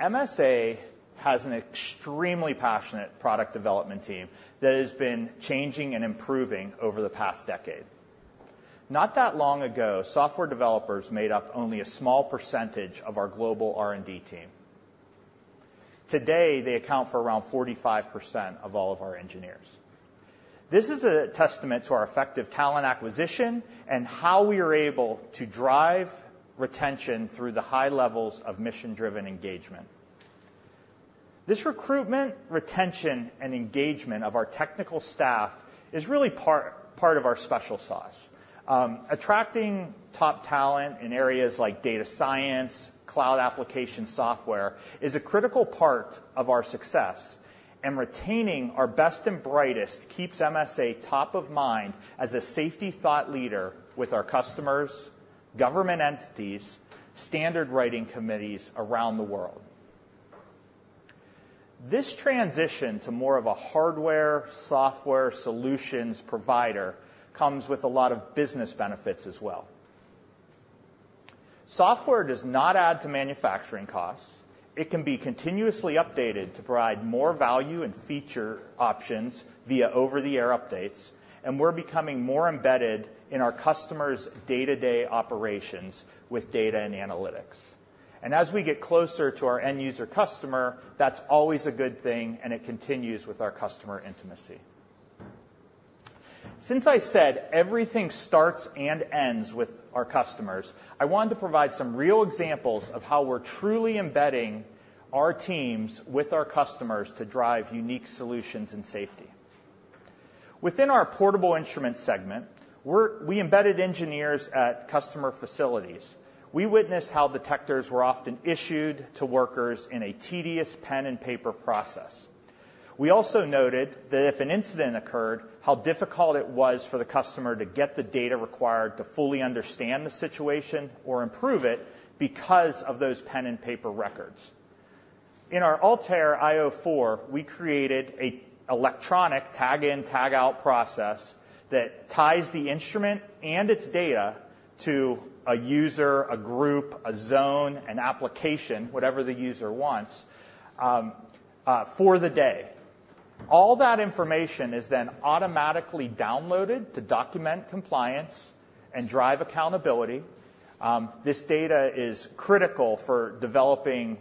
MSA has an extremely passionate product development team that has been changing and improving over the past decade. Not that long ago, software developers made up only a small percentage of our global R&D team. Today, they account for around 45% of all of our engineers. This is a testament to our effective talent acquisition and how we are able to drive retention through the high levels of mission-driven engagement. This recruitment, retention, and engagement of our technical staff is really part of our special sauce. Attracting top talent in areas like data science, cloud application software, is a critical part of our success. Retaining our best and brightest keeps MSA top of mind as a safety thought leader with our customers, government entities, standard writing committees around the world. This transition to more of a hardware, software, solutions provider comes with a lot of business benefits as well. Software does not add to manufacturing costs. It can be continuously updated to provide more value and feature options via over-the-air updates, and we're becoming more embedded in our customers' day-to-day operations with data and analytics. As we get closer to our end user customer, that's always a good thing, and it continues with our customer intimacy. Since I said everything starts and ends with our customers, I wanted to provide some real examples of how we're truly embedding our teams with our customers to drive unique solutions and safety. Within our portable instrument segment, we embedded engineers at customer facilities. We witnessed how detectors were often issued to workers in a tedious pen and paper process. We also noted that if an incident occurred, how difficult it was for the customer to get the data required to fully understand the situation or improve it because of those pen and paper records. In our ALTAIR io4, we created an electronic tag-in, tag-out process that ties the instrument and its data to a user, a group, a zone, an application, whatever the user wants, for the day. All that information is then automatically downloaded to document compliance and drive accountability. This data is critical for developing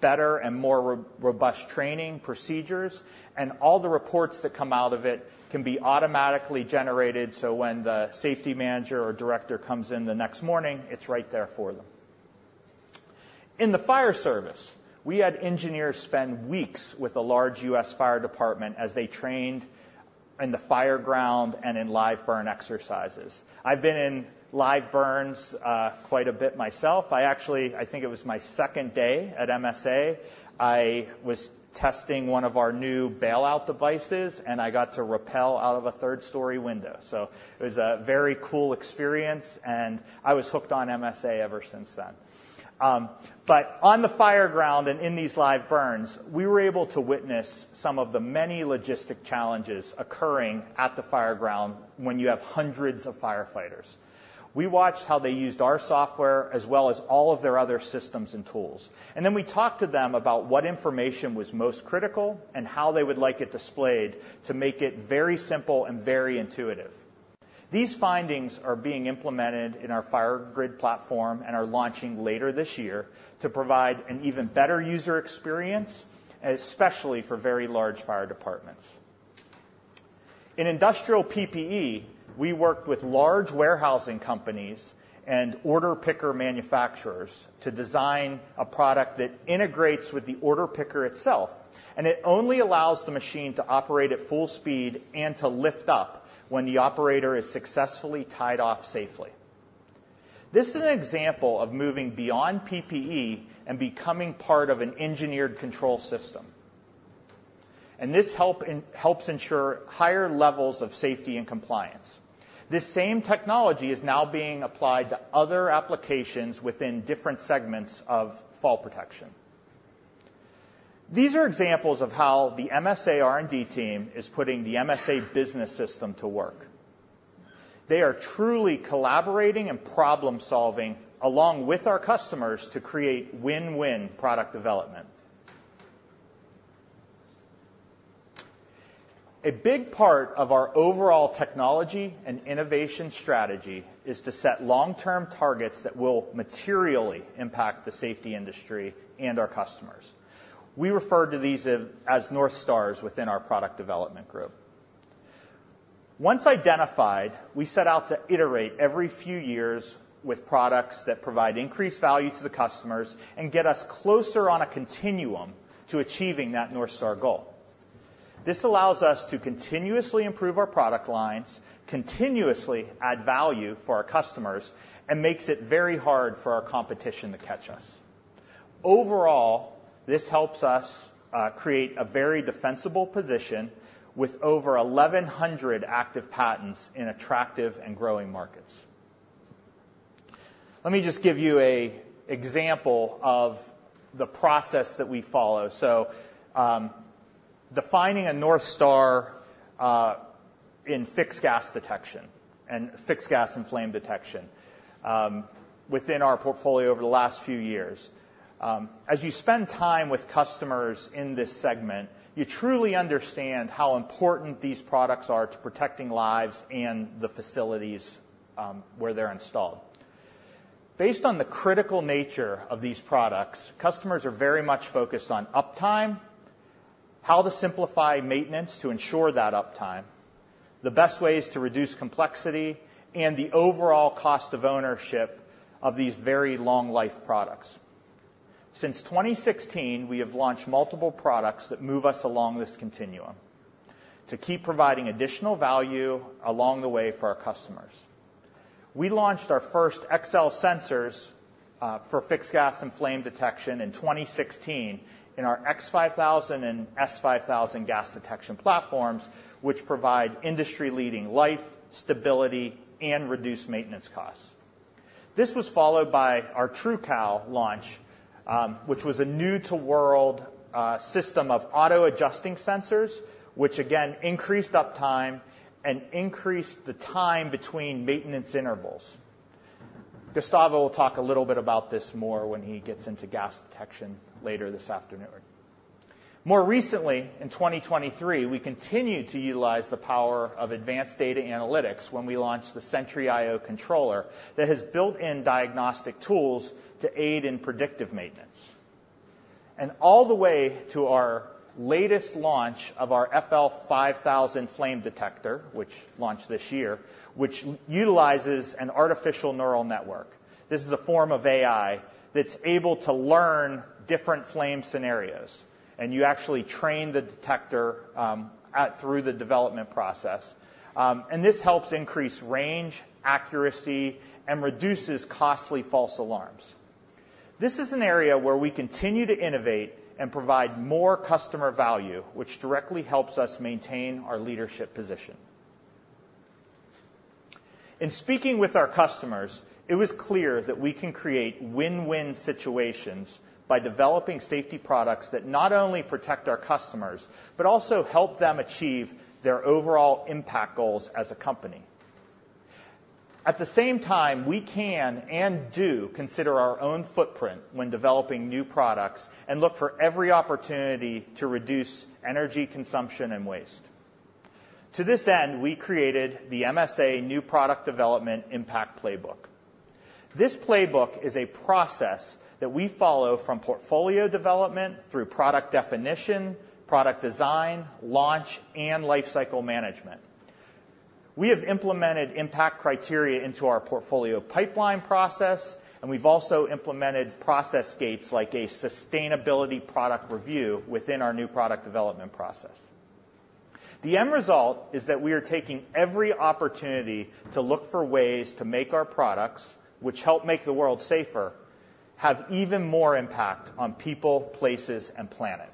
better and more robust training procedures, and all the reports that come out of it can be automatically generated, so when the safety manager or director comes in the next morning, it's right there for them. In the fire service, we had engineers spend weeks with a large U.S. fire department as they trained in the fireground and in live burn exercises. I've been in live burns, quite a bit myself. I actually, I think it was my second day at MSA, I was testing one of our new bailout devices, and I got to rappel out of a third-story window. So it was a very cool experience, and I was hooked on MSA ever since then. But on the fireground and in these live burns, we were able to witness some of the many logistic challenges occurring at the fireground when you have hundreds of firefighters. We watched how they used our software, as well as all of their other systems and tools. And then we talked to them about what information was most critical and how they would like it displayed to make it very simple and very intuitive. These findings are being implemented in our FireGrid platform and are launching later this year to provide an even better user experience, especially for very large fire departments. In industrial PPE, we worked with large warehousing companies and order picker manufacturers to design a product that integrates with the order picker itself, and it only allows the machine to operate at full speed and to lift up when the operator is successfully tied off safely. This is an example of moving beyond PPE and becoming part of an engineered control system, and this helps ensure higher levels of safety and compliance. This same technology is now being applied to other applications within different segments of fall protection. These are examples of how the MSA R&D team is putting the MSA Business System to work. They are truly collaborating and problem-solving, along with our customers, to create win-win product development. A big part of our overall technology and innovation strategy is to set long-term targets that will materially impact the safety industry and our customers. We refer to these as North Stars within our product development group. Once identified, we set out to iterate every few years with products that provide increased value to the customers and get us closer on a continuum to achieving that North Star goal. This allows us to continuously improve our product lines, continuously add value for our customers, and makes it very hard for our competition to catch us. Overall, this helps us create a very defensible position with over 1,100 active patents in attractive and growing markets. Let me just give you an example of the process that we follow. So, defining a North Star in fixed gas detection and fixed gas and flame detection within our portfolio over the last few years. As you spend time with customers in this segment, you truly understand how important these products are to protecting lives and the facilities where they're installed. Based on the critical nature of these products, customers are very much focused on uptime, how to simplify maintenance to ensure that uptime, the best ways to reduce complexity, and the overall cost of ownership of these very long-life products. Since 2016, we have launched multiple products that move us along this continuum to keep providing additional value along the way for our customers. We launched our first XCell sensors for fixed gas and flame detection in 2016 in our X5000 and S5000 gas detection platforms, which provide industry-leading life, stability, and reduced maintenance costs. This was followed by our TruCal launch, which was a new-to-world system of auto-adjusting sensors, which again, increased uptime and increased the time between maintenance intervals. Gustavo will talk a little bit about this more when he gets into gas detection later this afternoon. More recently, in 2023, we continued to utilize the power of advanced data analytics when we launched the SENTRY io controller that has built-in diagnostic tools to aid in predictive maintenance. All the way to our latest launch of our FL5000 flame detector, which launched this year, which utilizes an artificial neural network. This is a form of AI that's able to learn different flame scenarios, and you actually train the detector through the development process. And this helps increase range, accuracy, and reduces costly false alarms. This is an area where we continue to innovate and provide more customer value, which directly helps us maintain our leadership position. In speaking with our customers, it was clear that we can create win-win situations by developing safety products that not only protect our customers, but also help them achieve their overall impact goals as a company. At the same time, we can and do consider our own footprint when developing new products and look for every opportunity to reduce energy consumption and waste. To this end, we created the MSA New Product Development Impact Playbook. This playbook is a process that we follow from portfolio development through product definition, product design, launch, and lifecycle management. We have implemented impact criteria into our portfolio pipeline process, and we've also implemented process gates like a sustainability product review within our new product development process. The end result is that we are taking every opportunity to look for ways to make our products, which help make the world safer, have even more impact on people, places, and planet.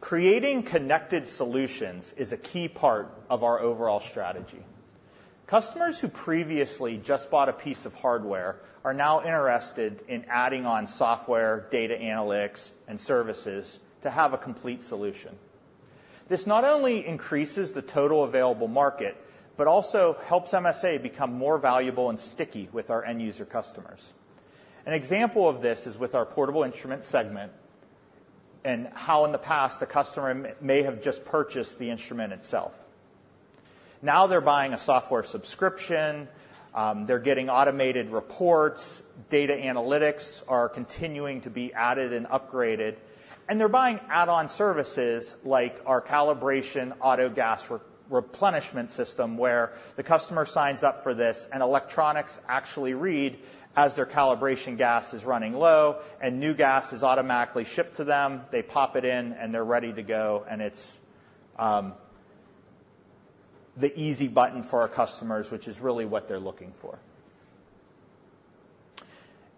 Creating connected solutions is a key part of our overall strategy. Customers who previously just bought a piece of hardware are now interested in adding on software, data analytics, and services to have a complete solution. This not only increases the total available market, but also helps MSA become more valuable and sticky with our end user customers. An example of this is with our portable instrument segment and how in the past, a customer may have just purchased the instrument itself. Now they're buying a software subscription, they're getting automated reports, data analytics are continuing to be added and upgraded, and they're buying add-on services like our calibration auto gas replenishment system, where the customer signs up for this, and electronics actually read as their calibration gas is running low and new gas is automatically shipped to them. They pop it in, and they're ready to go, and it's the easy button for our customers, which is really what they're looking for.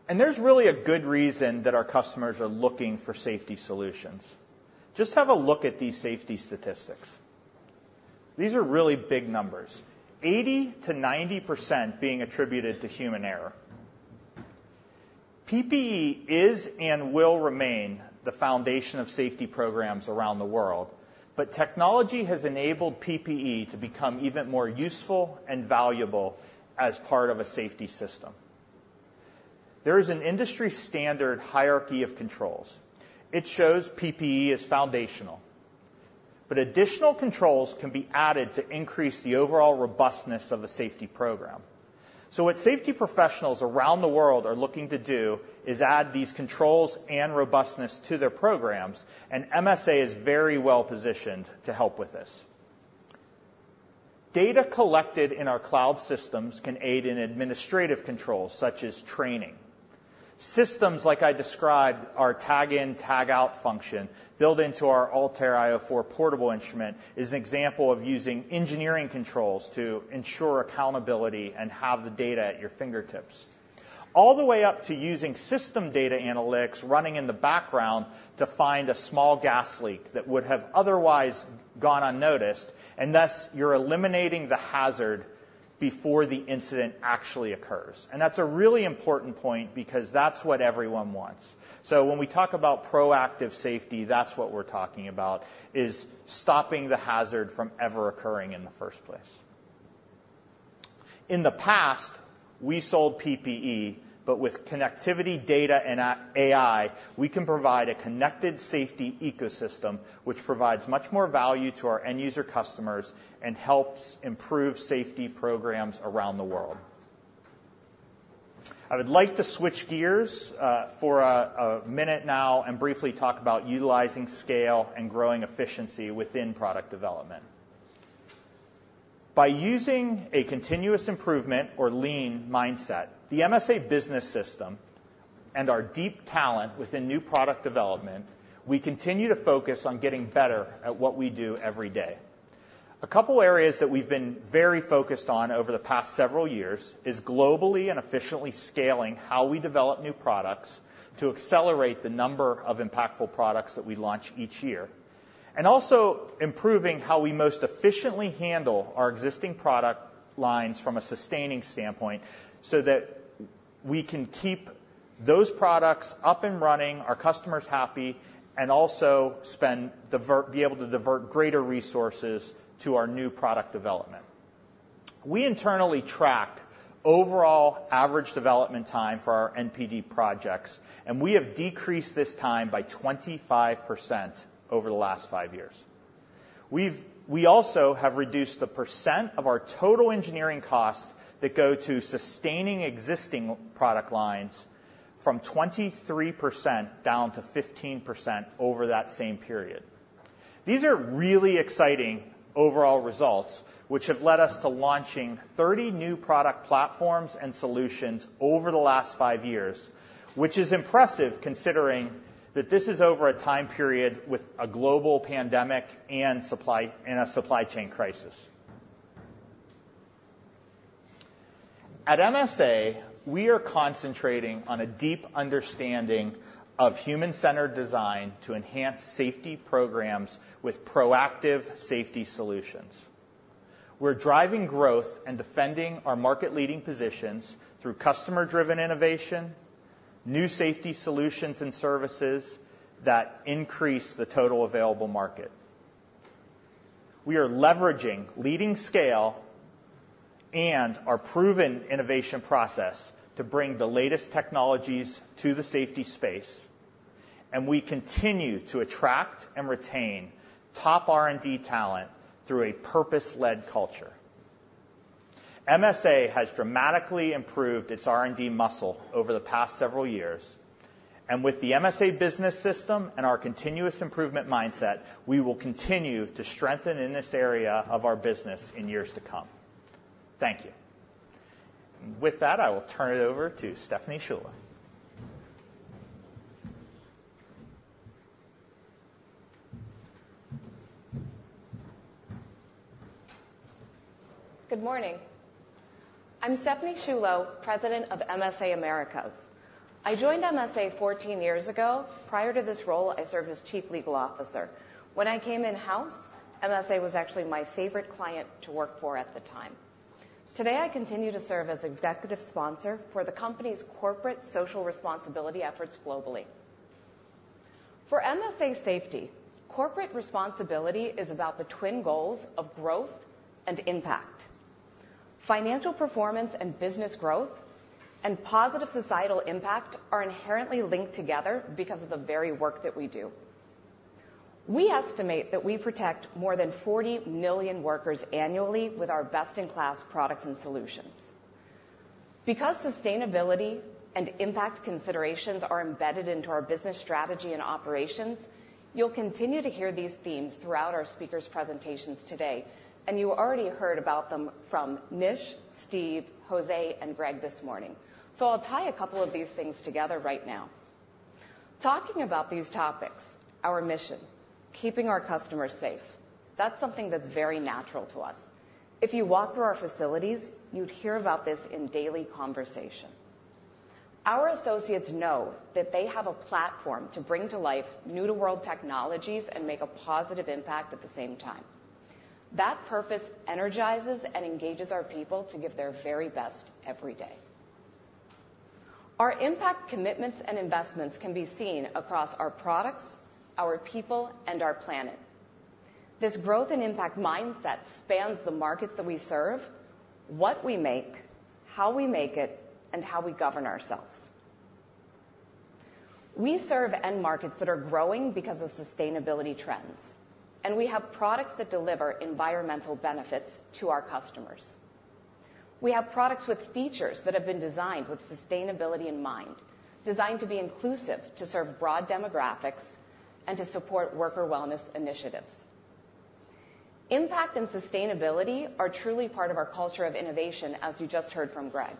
And there's really a good reason that our customers are looking for safety solutions. Just have a look at these safety statistics. These are really big numbers, 80%-90% being attributed to human error. PPE is and will remain the foundation of safety programs around the world, but technology has enabled PPE to become even more useful and valuable as part of a safety system. There is an industry-standard hierarchy of controls. It shows PPE is foundational, but additional controls can be added to increase the overall robustness of a safety program. So what safety professionals around the world are looking to do is add these controls and robustness to their programs, and MSA is very well positioned to help with this. Data collected in our cloud systems can aid in administrative controls, such as training. Systems, like I described, our tag in, tag out function, built into our ALTAIR io4 portable instrument, is an example of using engineering controls to ensure accountability and have the data at your fingertips. All the way up to using system data analytics running in the background to find a small gas leak that would have otherwise gone unnoticed, and thus, you're eliminating the hazard before the incident actually occurs. That's a really important point because that's what everyone wants. So when we talk about proactive safety, that's what we're talking about, is stopping the hazard from ever occurring in the first place. In the past, we sold PPE, but with connectivity, data, and AI, we can provide a connected safety ecosystem, which provides much more value to our end user customers and helps improve safety programs around the world.... I would like to switch gears for a minute now and briefly talk about utilizing scale and growing efficiency within product development. By using a continuous improvement or lean mindset, the MSA Business System, and our deep talent within new product development, we continue to focus on getting better at what we do every day. A couple areas that we've been very focused on over the past several years is globally and efficiently scaling how we develop new products to accelerate the number of impactful products that we launch each year, and also improving how we most efficiently handle our existing product lines from a sustaining standpoint, so that we can keep those products up and running, our customers happy, and also be able to divert greater resources to our new product development. We internally track overall average development time for our NPD projects, and we have decreased this time by 25% over the last 5 years. We also have reduced the percent of our total engineering costs that go to sustaining existing product lines from 23% down to 15% over that same period. These are really exciting overall results, which have led us to launching 30 new product platforms and solutions over the last 5 years, which is impressive, considering that this is over a time period with a global pandemic and a supply chain crisis. At MSA, we are concentrating on a deep understanding of human-centered design to enhance safety programs with proactive safety solutions. We're driving growth and defending our market-leading positions through customer-driven innovation, new safety solutions and services that increase the total available market. We are leveraging leading scale and our proven innovation process to bring the latest technologies to the safety space, and we continue to attract and retain top R&D talent through a purpose-led culture. MSA has dramatically improved its R&D muscle over the past several years, and with msa Business System and our continuous improvement mindset, we will continue to strengthen in this area of our business in years to come. Thank you. With that, I will turn it over to Stephanie Sciullo. Good morning. I'm Stephanie Sciullo, President of MSA Americas. I joined MSA 14 years ago. Prior to this role, I served as Chief Legal Officer. When I came in-house, MSA was actually my favorite client to work for at the time. Today, I continue to serve as executive sponsor for the company's corporate social responsibility efforts globally. For MSA Safety, corporate responsibility is about the twin goals of growth and impact. Financial performance and business growth and positive societal impact are inherently linked together because of the very work that we do. We estimate that we protect more than 40 million workers annually with our best-in-class products and solutions. Because sustainability and impact considerations are embedded into our business strategy and operations, you'll continue to hear these themes throughout our speakers' presentations today, and you already heard about them from Nish, Steve, Jose, and Greg this morning. I'll tie a couple of these things together right now. Talking about these topics, our mission, keeping our customers safe, that's something that's very natural to us. If you walk through our facilities, you'd hear about this in daily conversation. Our associates know that they have a platform to bring to life new-to-world technologies and make a positive impact at the same time. That purpose energizes and engages our people to give their very best every day. Our impact, commitments, and investments can be seen across our products, our people, and our planet. This growth and impact mindset spans the markets that we serve, what we make, how we make it, and how we govern ourselves. We serve end markets that are growing because of sustainability trends, and we have products that deliver environmental benefits to our customers. We have products with features that have been designed with sustainability in mind, designed to be inclusive, to serve broad demographics, and to support worker wellness initiatives. Impact and sustainability are truly part of our culture of innovation, as you just heard from Greg.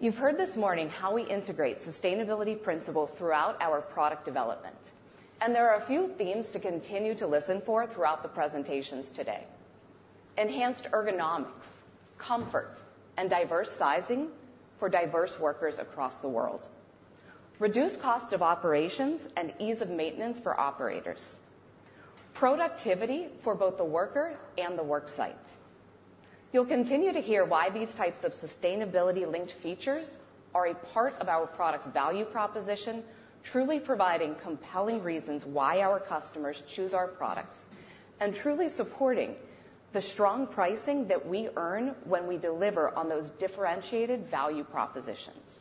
You've heard this morning how we integrate sustainability principles throughout our product development, and there are a few themes to continue to listen for throughout the presentations today. Enhanced ergonomics, comfort, and diverse sizing for diverse workers across the world. Reduced cost of operations and ease of maintenance for operators. Productivity for both the worker and the work site. You'll continue to hear why these types of sustainability-linked features are a part of our product's value proposition, truly providing compelling reasons why our customers choose our products, and truly supporting the strong pricing that we earn when we deliver on those differentiated value propositions....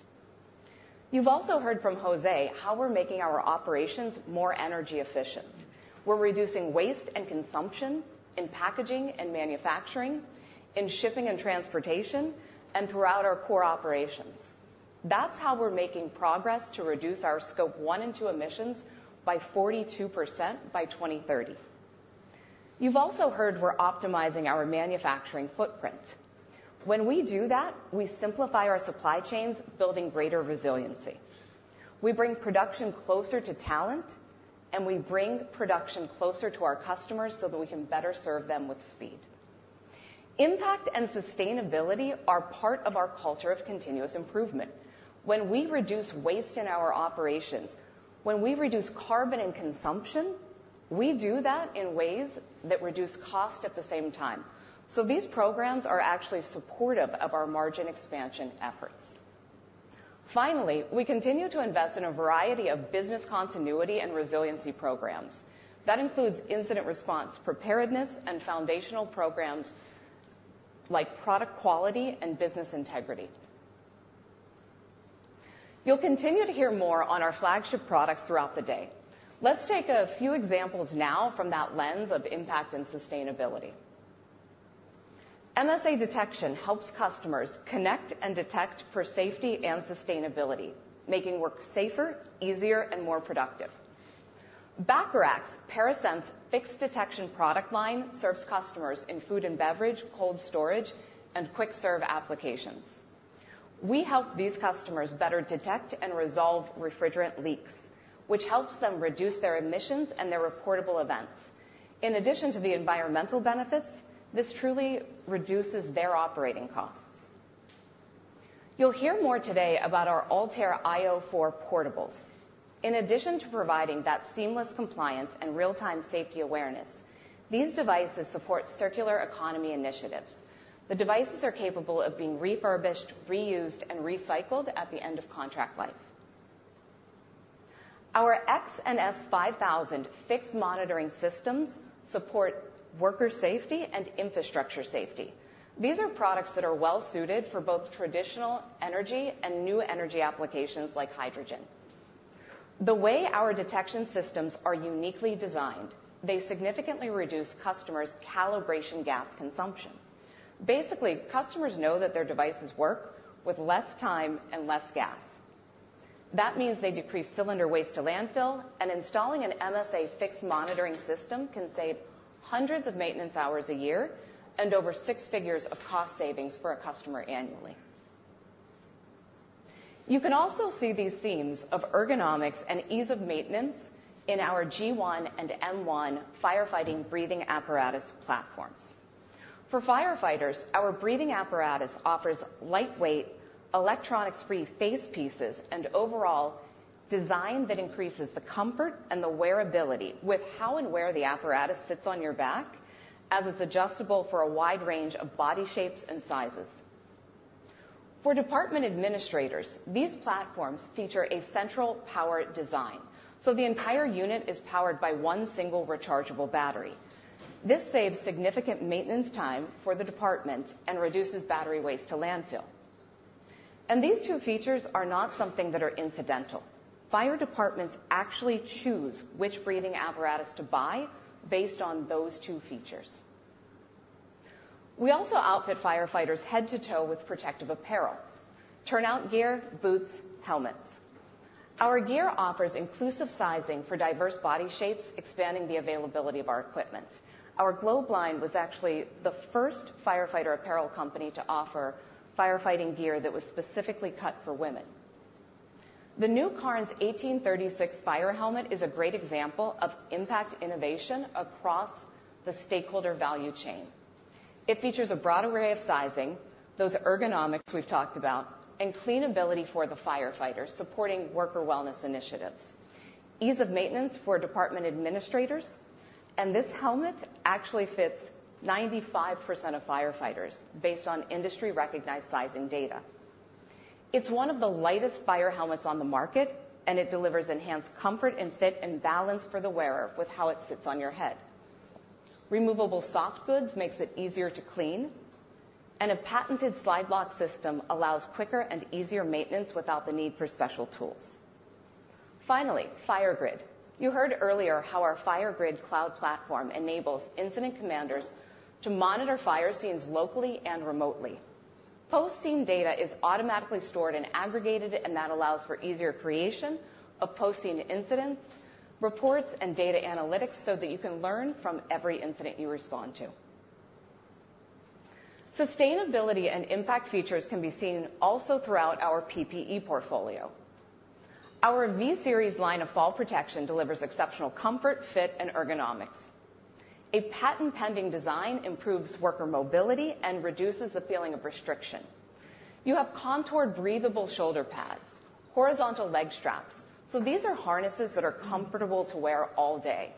You've also heard from Jose how we're making our operations more energy efficient. We're reducing waste and consumption in packaging and manufacturing, in shipping and transportation, and throughout our core operations. That's how we're making progress to reduce our Scope 1 and 2 emissions by 42% by 2030. You've also heard we're optimizing our manufacturing footprint. When we do that, we simplify our supply chains, building greater resiliency. We bring production closer to talent, and we bring production closer to our customers so that we can better serve them with speed. Impact and sustainability are part of our culture of continuous improvement. When we reduce waste in our operations, when we reduce carbon and consumption, we do that in ways that reduce cost at the same time. So these programs are actually supportive of our margin expansion efforts. Finally, we continue to invest in a variety of business continuity and resiliency programs. That includes incident response, preparedness, and foundational programs like product quality and business integrity. You'll continue to hear more on our flagship products throughout the day. Let's take a few examples now from that lens of impact and sustainability. MSA Detection helps customers connect and detect for safety and sustainability, making work safer, easier, and more productive. Bacharach Parasense fixed detection product line serves customers in food and beverage, cold storage, and quick-serve applications. We help these customers better detect and resolve refrigerant leaks, which helps them reduce their emissions and their reportable events. In addition to the environmental benefits, this truly reduces their operating costs. You'll hear more today about our ALTAIR io4 portables. In addition to providing that seamless compliance and real-time safety awareness, these devices support circular economy initiatives. The devices are capable of being refurbished, reused, and recycled at the end of contract life. Our X5000 and S5000 fixed monitoring systems support worker safety and infrastructure safety. These are products that are well suited for both traditional energy and new energy applications like hydrogen. The way our detection systems are uniquely designed, they significantly reduce customers' calibration gas consumption. Basically, customers know that their devices work with less time and less gas. That means they decrease cylinder waste to landfill, and installing an MSA fixed monitoring system can save hundreds of maintenance hours a year and over six figures of cost savings for a customer annually. You can also see these themes of ergonomics and ease of maintenance in our G1 and M1 firefighting breathing apparatus platforms. For firefighters, our breathing apparatus offers lightweight, electronics-free facepieces and overall design that increases the comfort and the wearability with how and where the apparatus sits on your back, as it's adjustable for a wide range of body shapes and sizes. For department administrators, these platforms feature a central power design, so the entire unit is powered by one single rechargeable battery. This saves significant maintenance time for the department and reduces battery waste to landfill. And these two features are not something that are incidental. Fire departments actually choose which breathing apparatus to buy based on those two features. We also outfit firefighters head to toe with protective apparel, turnout gear, boots, helmets. Our gear offers inclusive sizing for diverse body shapes, expanding the availability of our equipment. Our Globe line was actually the first firefighter apparel company to offer firefighting gear that was specifically cut for women. The new Cairns 1836 fire helmet is a great example of impact innovation across the stakeholder value chain. It features a broad array of sizing, those ergonomics we've talked about, and cleanability for the firefighters, supporting worker wellness initiatives, ease of maintenance for department administrators, and this helmet actually fits 95% of firefighters based on industry-recognized sizing data. It's one of the lightest fire helmets on the market, and it delivers enhanced comfort and fit and balance for the wearer with how it sits on your head. Removable soft goods makes it easier to clean, and a patented Slide-Lock system allows quicker and easier maintenance without the need for special tools. Finally, FireGrid. You heard earlier how our FireGrid cloud platform enables incident commanders to monitor fire scenes locally and remotely. Post-scene data is automatically stored and aggregated, and that allows for easier creation of post-scene incidents, reports, and data analytics so that you can learn from every incident you respond to. Sustainability and impact features can be seen also throughout our PPE portfolio. Our V-Series line of fall protection delivers exceptional comfort, fit, and ergonomics. A patent-pending design improves worker mobility and reduces the feeling of restriction. You have contoured, breathable shoulder pads, horizontal leg straps. So these are harnesses that are comfortable to wear all day.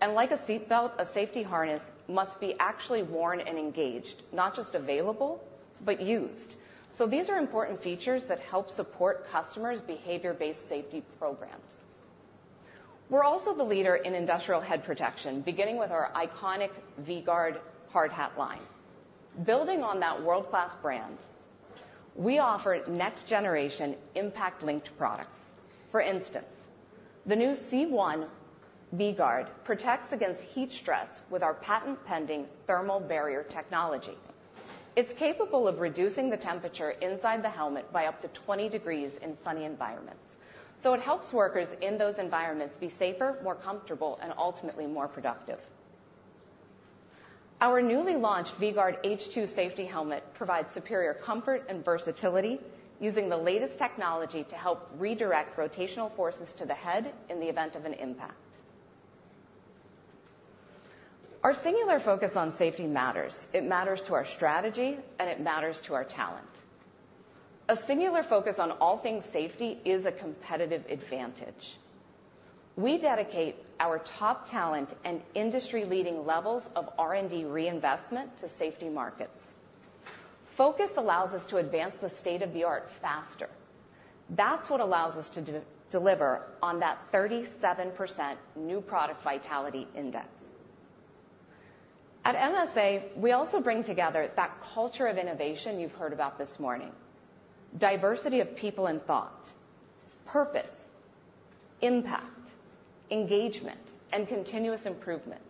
And like a seatbelt, a safety harness must be actually worn and engaged, not just available, but used. So these are important features that help support customers' behavior-based safety programs. We're also the leader in industrial head protection, beginning with our iconic V-Gard hard hat line. Building on that world-class brand, we offer next-generation impact-linked products. For instance, the new V-Gard C1 protects against heat stress with our patent-pending thermal barrier technology. It's capable of reducing the temperature inside the helmet by up to 20 degrees in sunny environments, so it helps workers in those environments be safer, more comfortable, and ultimately, more productive. Our newly launched V-Gard H1 safety helmet provides superior comfort and versatility, using the latest technology to help redirect rotational forces to the head in the event of an impact. Our singular focus on safety matters. It matters to our strategy, and it matters to our talent. A singular focus on all things safety is a competitive advantage. We dedicate our top talent and industry-leading levels of R&D reinvestment to safety markets. Focus allows us to advance the state of the art faster. That's what allows us to deliver on that 37% New Product Vitality Index. At MSA, we also bring together that culture of innovation you've heard about this morning, diversity of people and thought, purpose, impact, engagement, and continuous improvement.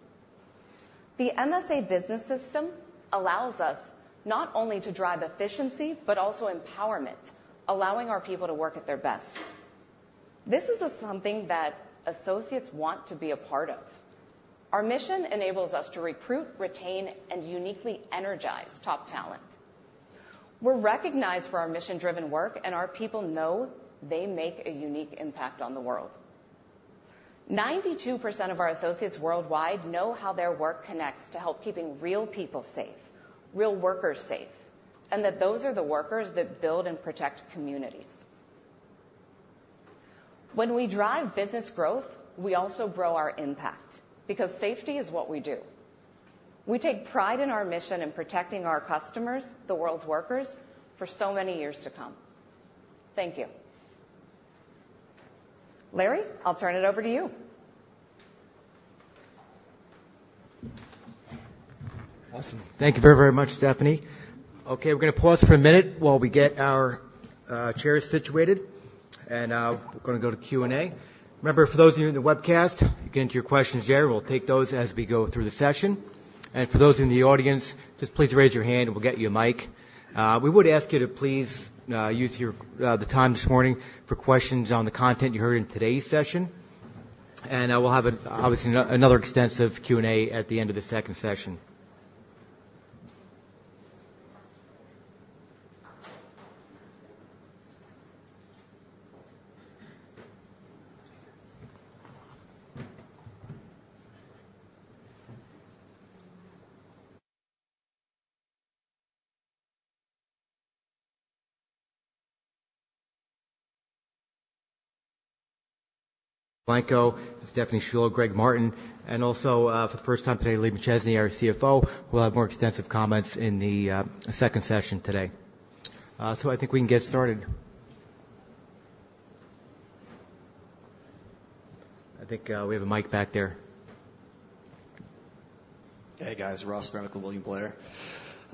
The MSA Business System allows us not only to drive efficiency, but also empowerment, allowing our people to work at their best. This is something that associates want to be a part of. Our mission enables us to recruit, retain, and uniquely energize top talent. We're recognized for our mission-driven work, and our people know they make a unique impact on the world. 92% of our associates worldwide know how their work connects to help keeping real people safe, real workers safe, and that those are the workers that build and protect communities. When we drive business growth, we also grow our impact, because safety is what we do. We take pride in our mission in protecting our customers, the world's workers, for so many years to come. Thank you. Larry, I'll turn it over to you. Awesome. Thank you very, very much, Stephanie. Okay, we're going to pause for a minute while we get our chairs situated, and we're going to go to Q&A. Remember, for those of you in the webcast, you get into your questions there; we'll take those as we go through the session. And for those in the audience, just please raise your hand, and we'll get you a mic. We would ask you to please use the time this morning for questions on the content you heard in today's session, and we'll have, obviously, another extensive Q&A at the end of the second session. Steve Blanco, Stephanie Sciullo, Greg Martin, and also, for the first time today, Lee McChesney, our CFO, who will have more extensive comments in the second session today. So I think we can get started. I think, we have a mic back there. Hey, guys. Ross Brown with William Blair.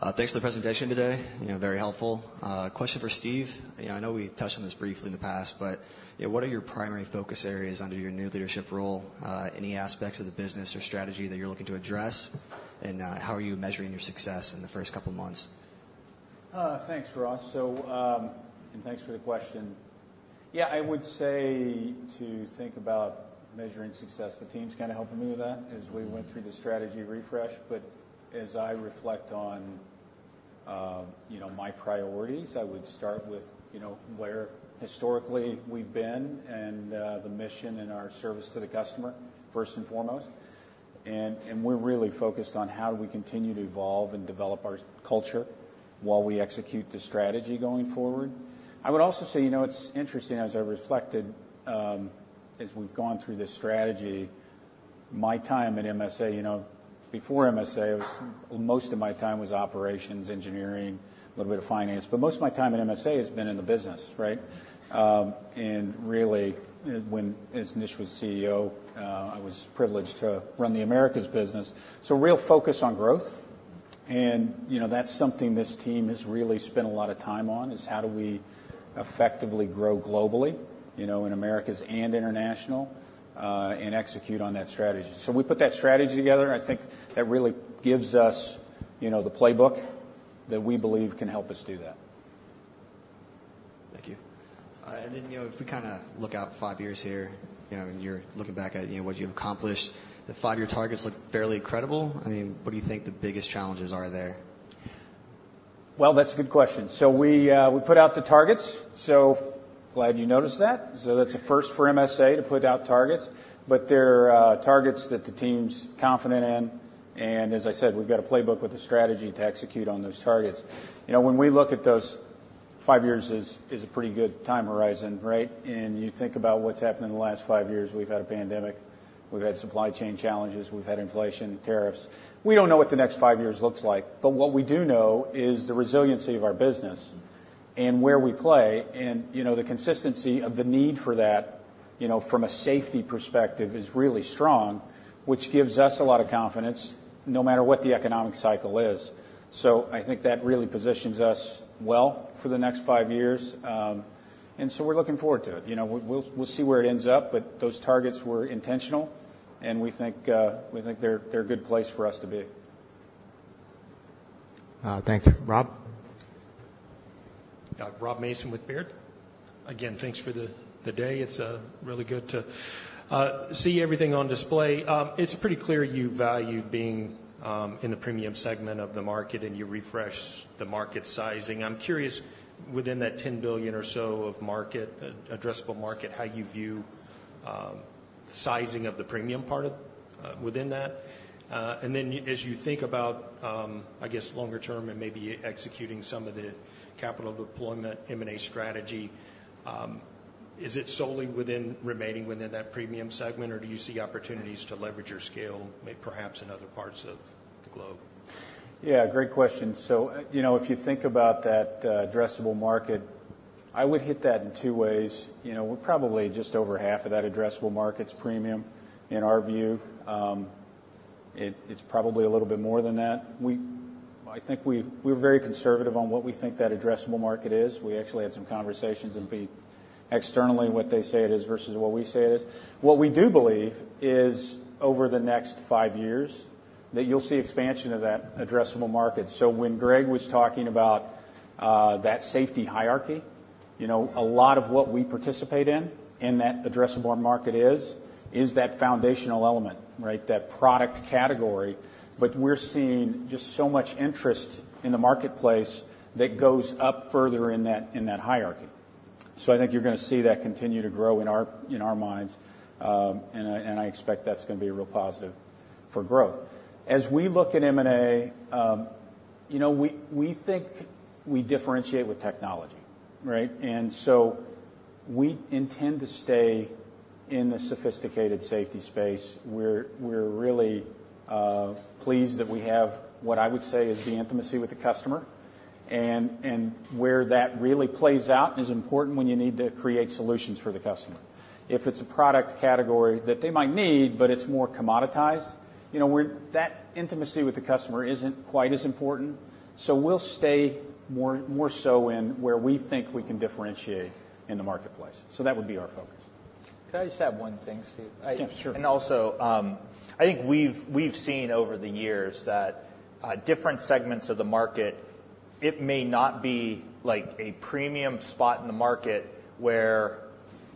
Thanks for the presentation today. You know, very helpful. Question for Steve. I know we touched on this briefly in the past, but, yeah, what are your primary focus areas under your new leadership role? Any aspects of the business or strategy that you're looking to address? And, how are you measuring your success in the first couple of months? Thanks, Ross. So, and thanks for the question. Yeah, I would say to think about measuring success, the team's kind of helping me with that as we went through the strategy refresh. But as I reflect on, you know, my priorities, I would start with, you know, where historically we've been and, the mission and our service to the customer, first and foremost. And, and we're really focused on how do we continue to evolve and develop our culture while we execute the strategy going forward. I would also say, you know, it's interesting, as I reflected, as we've gone through this strategy, my time at MSA, you know, before MSA, it was most of my time was operations, engineering, a little bit of finance, but most of my time at MSA has been in the business, right? and really, when Nish was CEO, I was privileged to run the Americas business. So real focus on growth, and, you know, that's something this team has really spent a lot of time on, is how do we effectively grow globally, you know, in Americas and international, and execute on that strategy. So we put that strategy together. I think that really gives us, you know, the playbook that we believe can help us do that. Thank you. And then, you know, if we kind of look out five years here, you know, and you're looking back at, you know, what you've accomplished, the five-year targets look fairly incredible. I mean, what do you think the biggest challenges are there? Well, that's a good question. So we, we put out the targets, so glad you noticed that. So that's a first for MSA to put out targets, but they're targets that the team's confident in, and as I said, we've got a playbook with a strategy to execute on those targets. You know, when we look at those, five years is a pretty good time horizon, right? And you think about what's happened in the last five years, we've had a pandemic, we've had supply chain challenges, we've had inflation, tariffs. We don't know what the next five years looks like, but what we do know is the resiliency of our business. and where we play, and, you know, the consistency of the need for that, you know, from a safety perspective, is really strong, which gives us a lot of confidence, no matter what the economic cycle is. So I think that really positions us well for the next five years, and so we're looking forward to it. You know, we'll see where it ends up, but those targets were intentional, and we think we think they're a good place for us to be. Thanks. Rob? Rob Mason with Baird. Again, thanks for the, the day. It's really good to see everything on display. It's pretty clear you value being in the premium segment of the market, and you refreshed the market sizing. I'm curious, within that $10 billion or so of market addressable market, how you view the sizing of the premium part of within that? And then, as you think about, I guess, longer term and maybe executing some of the capital deployment M&A strategy, is it solely within remaining within that premium segment, or do you see opportunities to leverage your scale, maybe perhaps in other parts of the globe? Yeah, great question. So, you know, if you think about that, addressable market, I would hit that in two ways. You know, we're probably just over half of that addressable market's premium. In our view, it, it's probably a little bit more than that. I think we, we're very conservative on what we think that addressable market is. We actually had some conversations with people externally, what they say it is versus what we say it is. What we do believe is, over the next five years, that you'll see expansion of that addressable market. So when Greg was talking about, that safety hierarchy, you know, a lot of what we participate in, in that addressable market is, is that foundational element, right? That product category. But we're seeing just so much interest in the marketplace that goes up further in that, in that hierarchy. So I think you're gonna see that continue to grow in our minds, and I expect that's gonna be a real positive for growth. As we look at M&A, you know, we think we differentiate with technology, right? And so we intend to stay in the sophisticated safety space. We're really pleased that we have what I would say is the intimacy with the customer. And where that really plays out is important when you need to create solutions for the customer. If it's a product category that they might need, but it's more commoditized, you know, where that intimacy with the customer isn't quite as important. So we'll stay more so in where we think we can differentiate in the marketplace. So that would be our focus. Can I just add one thing, Steve? Yeah, sure. And also, I think we've seen over the years that different segments of the market, it may not be like a premium spot in the market, where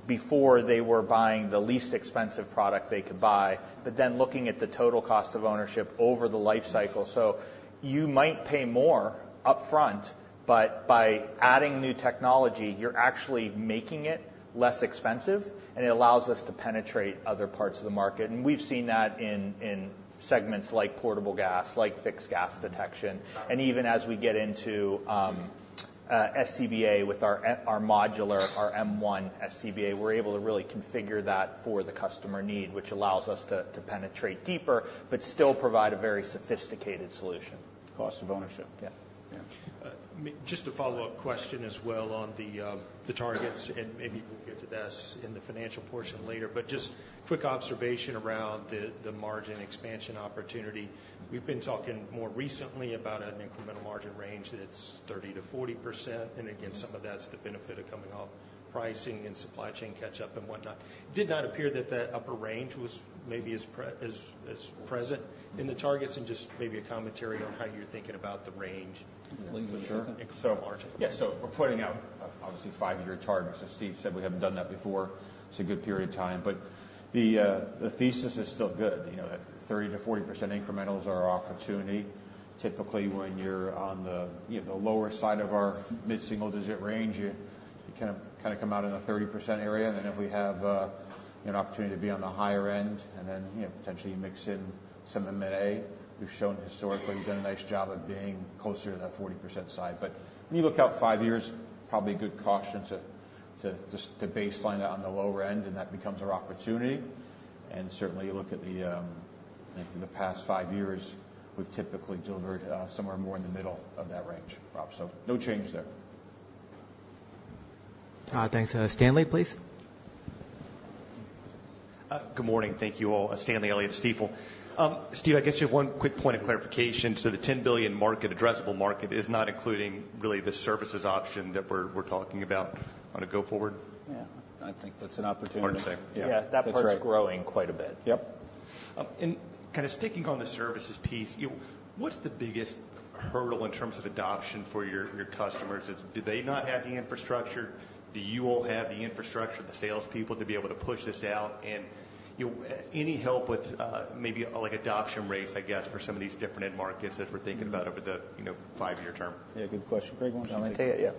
before they were buying the least expensive product they could buy, but then looking at the total cost of ownership over the life cycle. So you might pay more upfront, but by adding new technology, you're actually making it less expensive, and it allows us to penetrate other parts of the market. And we've seen that in segments like portable gas, like fixed gas detection. And even as we get into SCBA, with our modular, our M1 SCBA, we're able to really configure that for the customer need, which allows us to penetrate deeper, but still provide a very sophisticated solution. Cost of ownership. Yeah. Just a follow-up question as well on the targets, and maybe we'll get to this in the financial portion later. But just quick observation around the margin expansion opportunity. We've been talking more recently about an incremental margin range that's 30%-40%, and again, some of that's the benefit of coming off pricing and supply chain catch-up and whatnot. Did not appear that the upper range was maybe as present in the targets and just maybe a commentary on how you're thinking about the range- Sure. and so margin. Yeah. So we're pointing out, obviously, five-year targets. As Steve said, we haven't done that before. It's a good period of time, but the thesis is still good. You know, that 30%-40% incrementals are our opportunity. Typically, when you're on the, you know, the lower side of our mid-single-digit range, you kind of come out in the 30% area. And then if we have an opportunity to be on the higher end and then, you know, potentially mix in some M&A, we've shown historically, we've done a nice job of being closer to that 40% side. But when you look out five years, probably a good caution to just to baseline that on the lower end, and that becomes our opportunity. And certainly, you look at the, I think in the past five years, we've typically delivered, somewhere more in the middle of that range, Rob. So no change there. Thanks. Stanley, please. Good morning. Thank you all. Stanley Elliott, Stifel. Steve, I guess just one quick point of clarification. So the $10 billion addressable market is not including really the services option that we're, we're talking about on a go forward? Yeah, I think that's an opportunity. Wanted to say. Yeah. Yeah, that part's growing quite a bit. And kind of sticking on the services piece, you know, what's the biggest hurdle in terms of adoption for your, your customers? It's—do they not have the infrastructure? Do you all have the infrastructure, the salespeople, to be able to push this out? And, you know, any help with, maybe, like, adoption rates, I guess, for some of these different end markets as we're thinking about over the, you know, five-year term? Yeah, good question. Greg, you want to take it?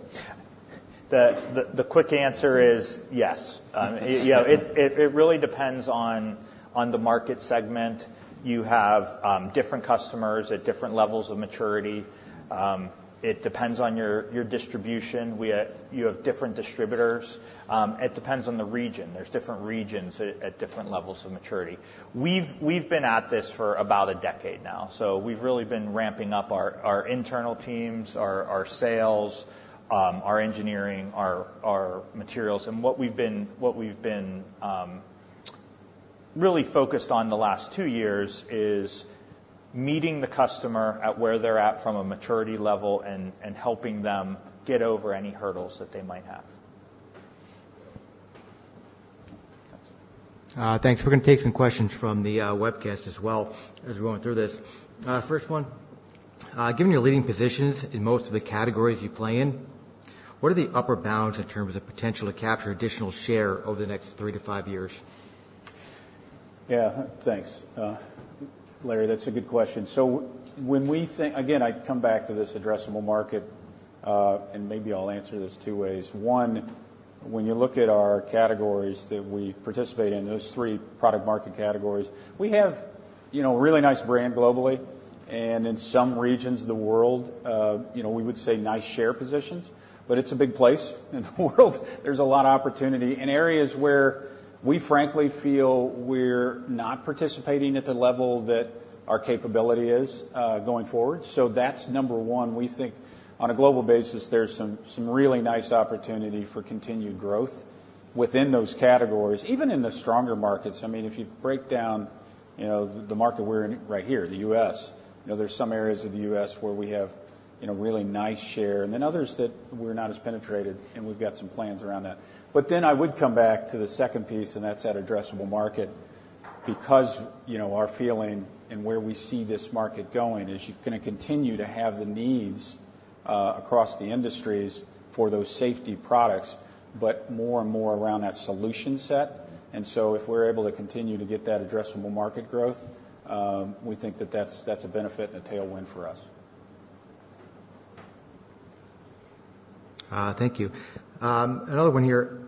Yeah. The quick answer is yes. You know, it really depends on the market segment. You have different customers at different levels of maturity. It depends on your distribution. You have different distributors. It depends on the region. There's different regions at different levels of maturity. We've been at this for about a decade now, so we've really been ramping up our internal teams, our sales, our engineering, our materials, and what we've been...... really focused on the last two years is meeting the customer at where they're at from a maturity level and, and helping them get over any hurdles that they might have. Thanks. Thanks. We're gonna take some questions from the webcast as well as we're going through this. First one: given your leading positions in most of the categories you play in, what are the upper bounds in terms of potential to capture additional share over the next three to five years? Yeah, thanks, Larry, that's a good question. So when we think—again, I come back to this addressable market, and maybe I'll answer this two ways. One, when you look at our categories that we participate in, those three product market categories, we have, you know, a really nice brand globally. And in some regions of the world, you know, we would say nice share positions, but it's a big place in the world. There's a lot of opportunity in areas where we frankly feel we're not participating at the level that our capability is, going forward. So that's number one. We think on a global basis, there's some really nice opportunity for continued growth within those categories, even in the stronger markets. I mean, if you break down, you know, the market we're in right here, the US, you know, there's some areas of the US where we have, you know, really nice share, and then others that we're not as penetrated, and we've got some plans around that. But then I would come back to the second piece, and that's that addressable market. Because, you know, our feeling and where we see this market going is you're gonna continue to have the needs, across the industries for those safety products, but more and more around that solution set. And so if we're able to continue to get that addressable market growth, we think that that's, that's a benefit and a tailwind for us. Thank you. Another one here.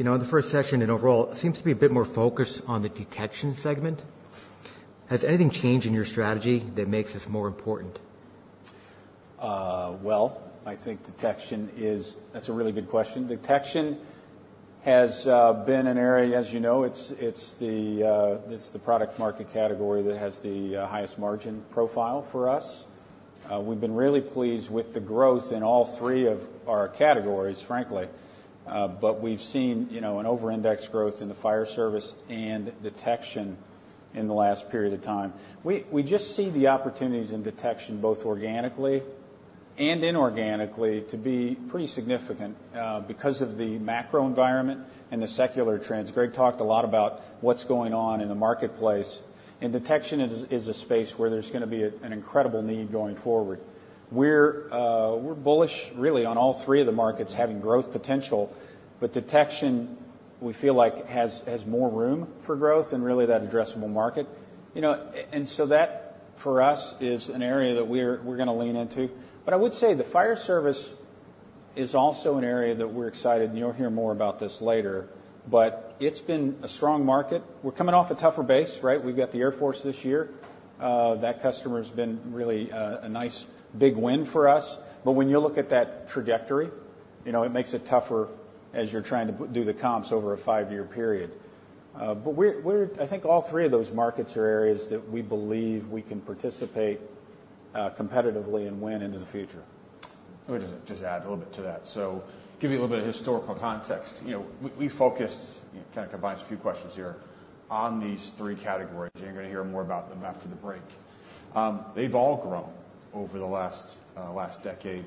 You know, the first session and overall, it seems to be a bit more focused on the detection segment. Has anything changed in your strategy that makes this more important? Well, I think detection is... That's a really good question. Detection has been an area, as you know, it's the product market category that has the highest margin profile for us. We've been really pleased with the growth in all three of our categories, frankly. But we've seen, you know, an overindex growth in the fire service and detection in the last period of time. We just see the opportunities in detection, both organically and inorganically, to be pretty significant, because of the macro environment and the secular trends. Greg talked a lot about what's going on in the marketplace, and detection is a space where there's gonna be an incredible need going forward. We're bullish, really, on all three of the markets having growth potential, but detection, we feel like, has more room for growth and really that addressable market. You know, and so that, for us, is an area that we're gonna lean into. But I would say the fire service is also an area that we're excited, and you'll hear more about this later, but it's been a strong market. We're coming off a tougher base, right? We've got the Air Force this year. That customer's been really a nice big win for us. But when you look at that trajectory, you know, it makes it tougher as you're trying to do the comps over a five-year period. But we're, I think all three of those markets are areas that we believe we can participate competitively and win into the future. Let me just add a little bit to that. So give you a little bit of historical context. You know, we focus, you know, kind of combines a few questions here, on these three categories, and you're gonna hear more about them after the break. They've all grown over the last last decade,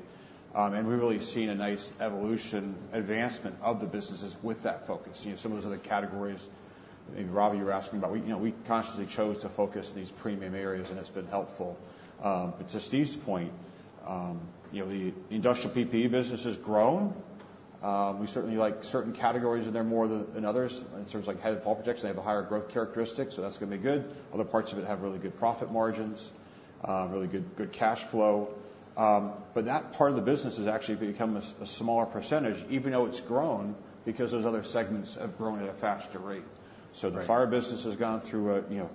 and we've really seen a nice evolution, advancement of the businesses with that focus. You know, some of those other categories, maybe, Robbie, you were asking about, we, you know, we consciously chose to focus in these premium areas, and it's been helpful. But to Steve's point, you know, the industrial PPE business has grown. We certainly like certain categories in there more than others, in terms of, like, head and fall protection, they have a higher growth characteristic, so that's gonna be good. Other parts of it have really good profit margins, really good, good cash flow. But that part of the business has actually become a smaller percentage, even though it's grown, because those other segments have grown at a faster rate. So the fire business has gone through a, you know,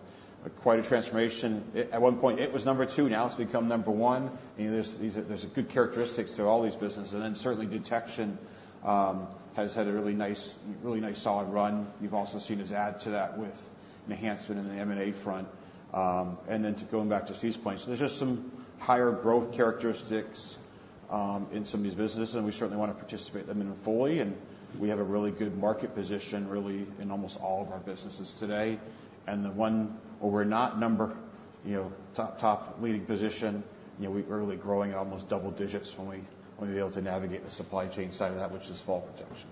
quite a transformation. At one point, it was number 2, now it's become number 1. You know, there's a good characteristics to all these businesses. And then, certainly, detection has had a really nice, really nice, solid run. You've also seen us add to that with an enhancement in the M&A front. And then going back to Steve's point, so there's just some higher growth characteristics in some of these businesses, and we certainly want to participate in them fully, and we have a really good market position, really, in almost all of our businesses today. The one where we're not number one, you know, top leading position, you know, we're really growing at almost double digits when we are able to navigate the supply chain side of that, which is fall protection.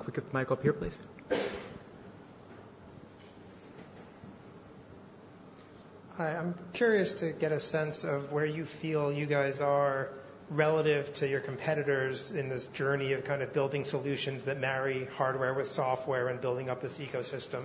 Quick mic up here, please. Hi, I'm curious to get a sense of where you feel you guys are relative to your competitors in this journey of kind of building solutions that marry hardware with software and building up this ecosystem.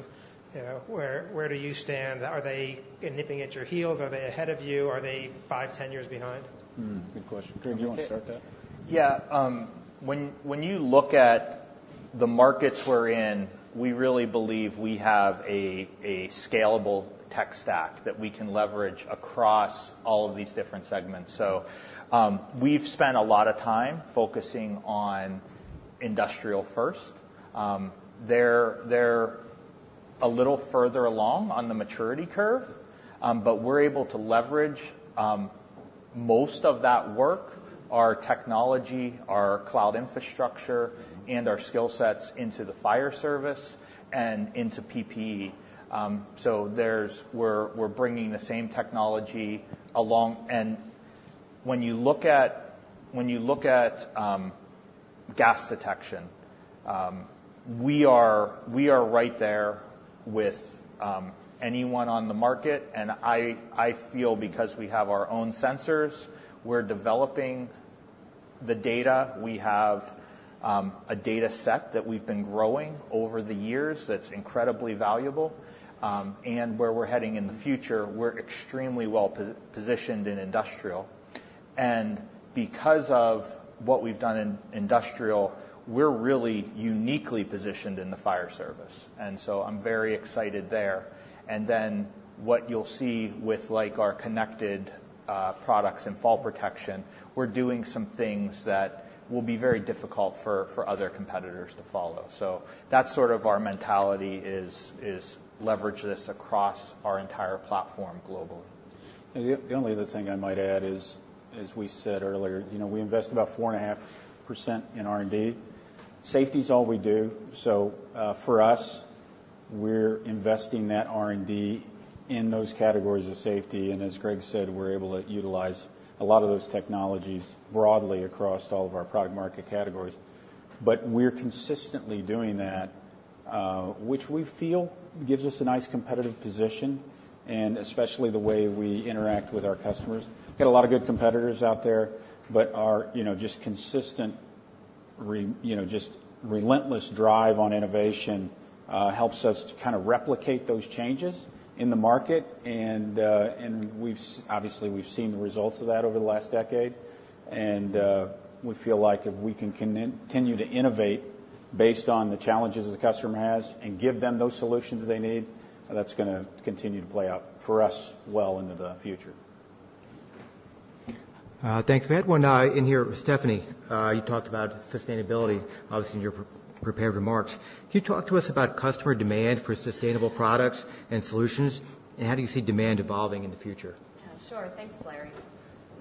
You know, where, where do you stand? Are they nipping at your heels? Are they ahead of you? Are they 5, 10 years behind? Hmm, good question. Greg, do you want to start that? Yeah, when you look at the markets we're in, we really believe we have a scalable tech stack that we can leverage across all of these different segments. So, we've spent a lot of time focusing on industrial first. They're, they're-... a little further along on the maturity curve, but we're able to leverage most of that work, our technology, our cloud infrastructure, and our skill sets into the fire service and into PPE. So there's-- we're bringing the same technology along. And when you look at gas detection, we are right there with anyone on the market. And I feel because we have our own sensors, we're developing the data. We have a data set that we've been growing over the years that's incredibly valuable. And where we're heading in the future, we're extremely well positioned in industrial. And because of what we've done in industrial, we're really uniquely positioned in the fire service, and so I'm very excited there. And then, what you'll see with, like, our connected products and fall protection, we're doing some things that will be very difficult for other competitors to follow. So that's sort of our mentality, is to leverage this across our entire platform globally. And the only other thing I might add is, as we said earlier, you know, we invest about 4.5% in R&D. Safety is all we do, so for us, we're investing that R&D in those categories of safety. And as Greg said, we're able to utilize a lot of those technologies broadly across all of our product market categories. But we're consistently doing that, which we feel gives us a nice competitive position, and especially the way we interact with our customers. We've got a lot of good competitors out there, but our, you know, just consistent re- you know, just relentless drive on innovation helps us to kind of replicate those changes in the market. And we've obviously seen the results of that over the last decade. And, we feel like if we can continue to innovate based on the challenges the customer has and give them those solutions they need, that's gonna continue to play out for us well into the future. Thanks. We had one in here. Stephanie, you talked about sustainability, obviously, in your pre-prepared remarks. Can you talk to us about customer demand for sustainable products and solutions, and how do you see demand evolving in the future? Sure. Thanks, Larry.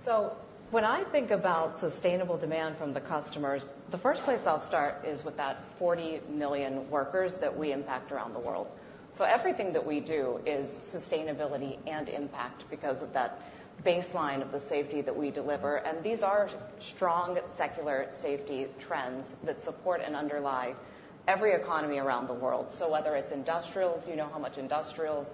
So when I think about sustainable demand from the customers, the first place I'll start is with that 40 million workers that we impact around the world. So everything that we do is sustainability and impact because of that baseline of the safety that we deliver, and these are strong, secular safety trends that support and underlie every economy around the world. So whether it's industrials, you know how much industrials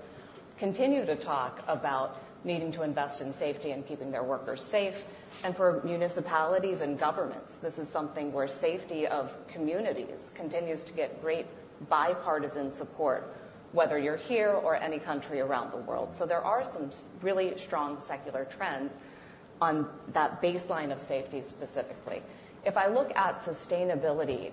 continue to talk about needing to invest in safety and keeping their workers safe. And for municipalities and governments, this is something where safety of communities continues to get great bipartisan support, whether you're here or any country around the world. So there are some really strong secular trends on that baseline of safety, specifically. If I look at sustainability,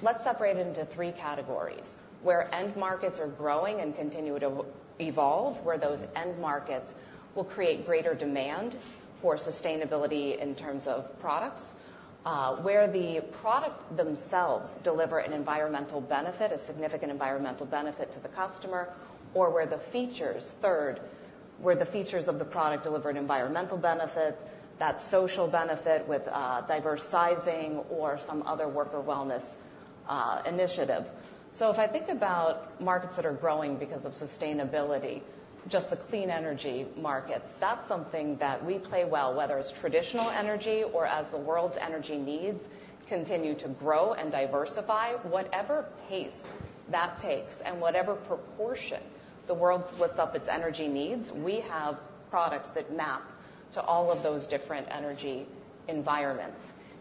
let's separate it into three categories: where end markets are growing and continue to evolve, where those end markets will create greater demand for sustainability in terms of products. Where the products themselves deliver an environmental benefit, a significant environmental benefit to the customer. Or where the features, third, where the features of the product deliver an environmental benefit, that social benefit with diverse sizing or some other worker wellness initiative. So if I think about markets that are growing because of sustainability, just the clean energy markets, that's something that we play well, whether it's traditional energy or as the world's energy needs continue to grow and diversify. Whatever pace that takes and whatever proportion the world splits up its energy needs, we have products that map to all of those different energy environments.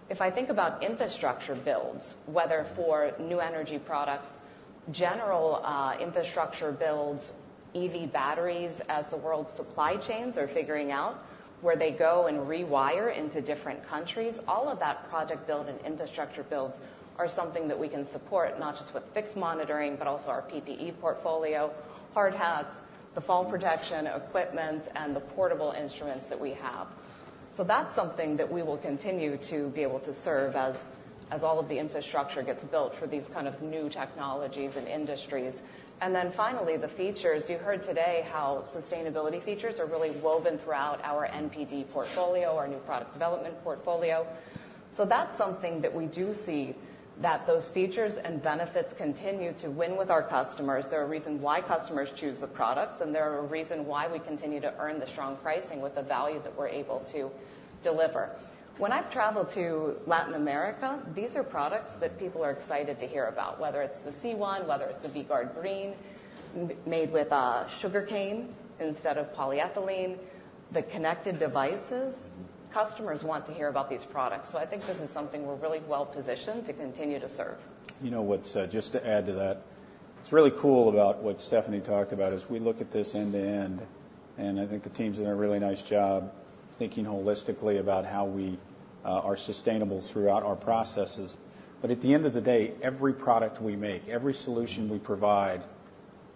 If I think about infrastructure builds, whether for new energy products, general, infrastructure builds, EV batteries, as the world's supply chains are figuring out where they go and rewire into different countries, all of that project build and infrastructure builds are something that we can support, not just with fixed monitoring, but also our PPE portfolio, hard hats, the fall protection equipment, and the portable instruments that we have. So that's something that we will continue to be able to serve as, as all of the infrastructure gets built for these kind of new technologies and industries. Then finally, the features. You heard today how sustainability features are really woven throughout our NPD portfolio, our new product development portfolio. So that's something that we do see, that those features and benefits continue to win with our customers. They're a reason why customers choose the products, and they're a reason why we continue to earn the strong pricing with the value that we're able to deliver. When I've traveled to Latin America, these are products that people are excited to hear about, whether it's the C1, whether it's the V-Gard Green, made with sugarcane instead of polyethylene, the connected devices. Customers want to hear about these products, so I think this is something we're really well positioned to continue to serve. You know what, just to add to that, what's really cool about what Stephanie talked about is we look at this end-to-end, and I think the team's doing a really nice job thinking holistically about how we are sustainable throughout our processes. But at the end of the day, every product we make, every solution we provide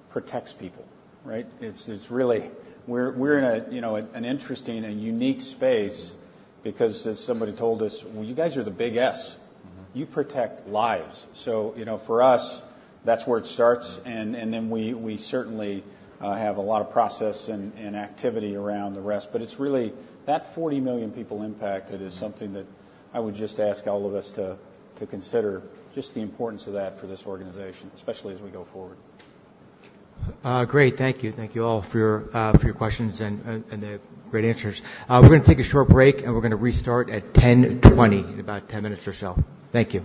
protects people, right? It's, it's really... We're, we're in a, you know, an interesting and unique space because as somebody told us: "Well, you guys are the Big S."... you protect lives. So, you know, for us, that's where it starts, and then we certainly have a lot of process and activity around the rest. It's really that 40 million people impacted is something that I would just ask all of us to consider, just the importance of that for this organization, especially as we go forward. Great. Thank you. Thank you all for your questions and the great answers. We're gonna take a short break, and we're gonna restart at 10:20, in about 10 minutes or so. Thank you.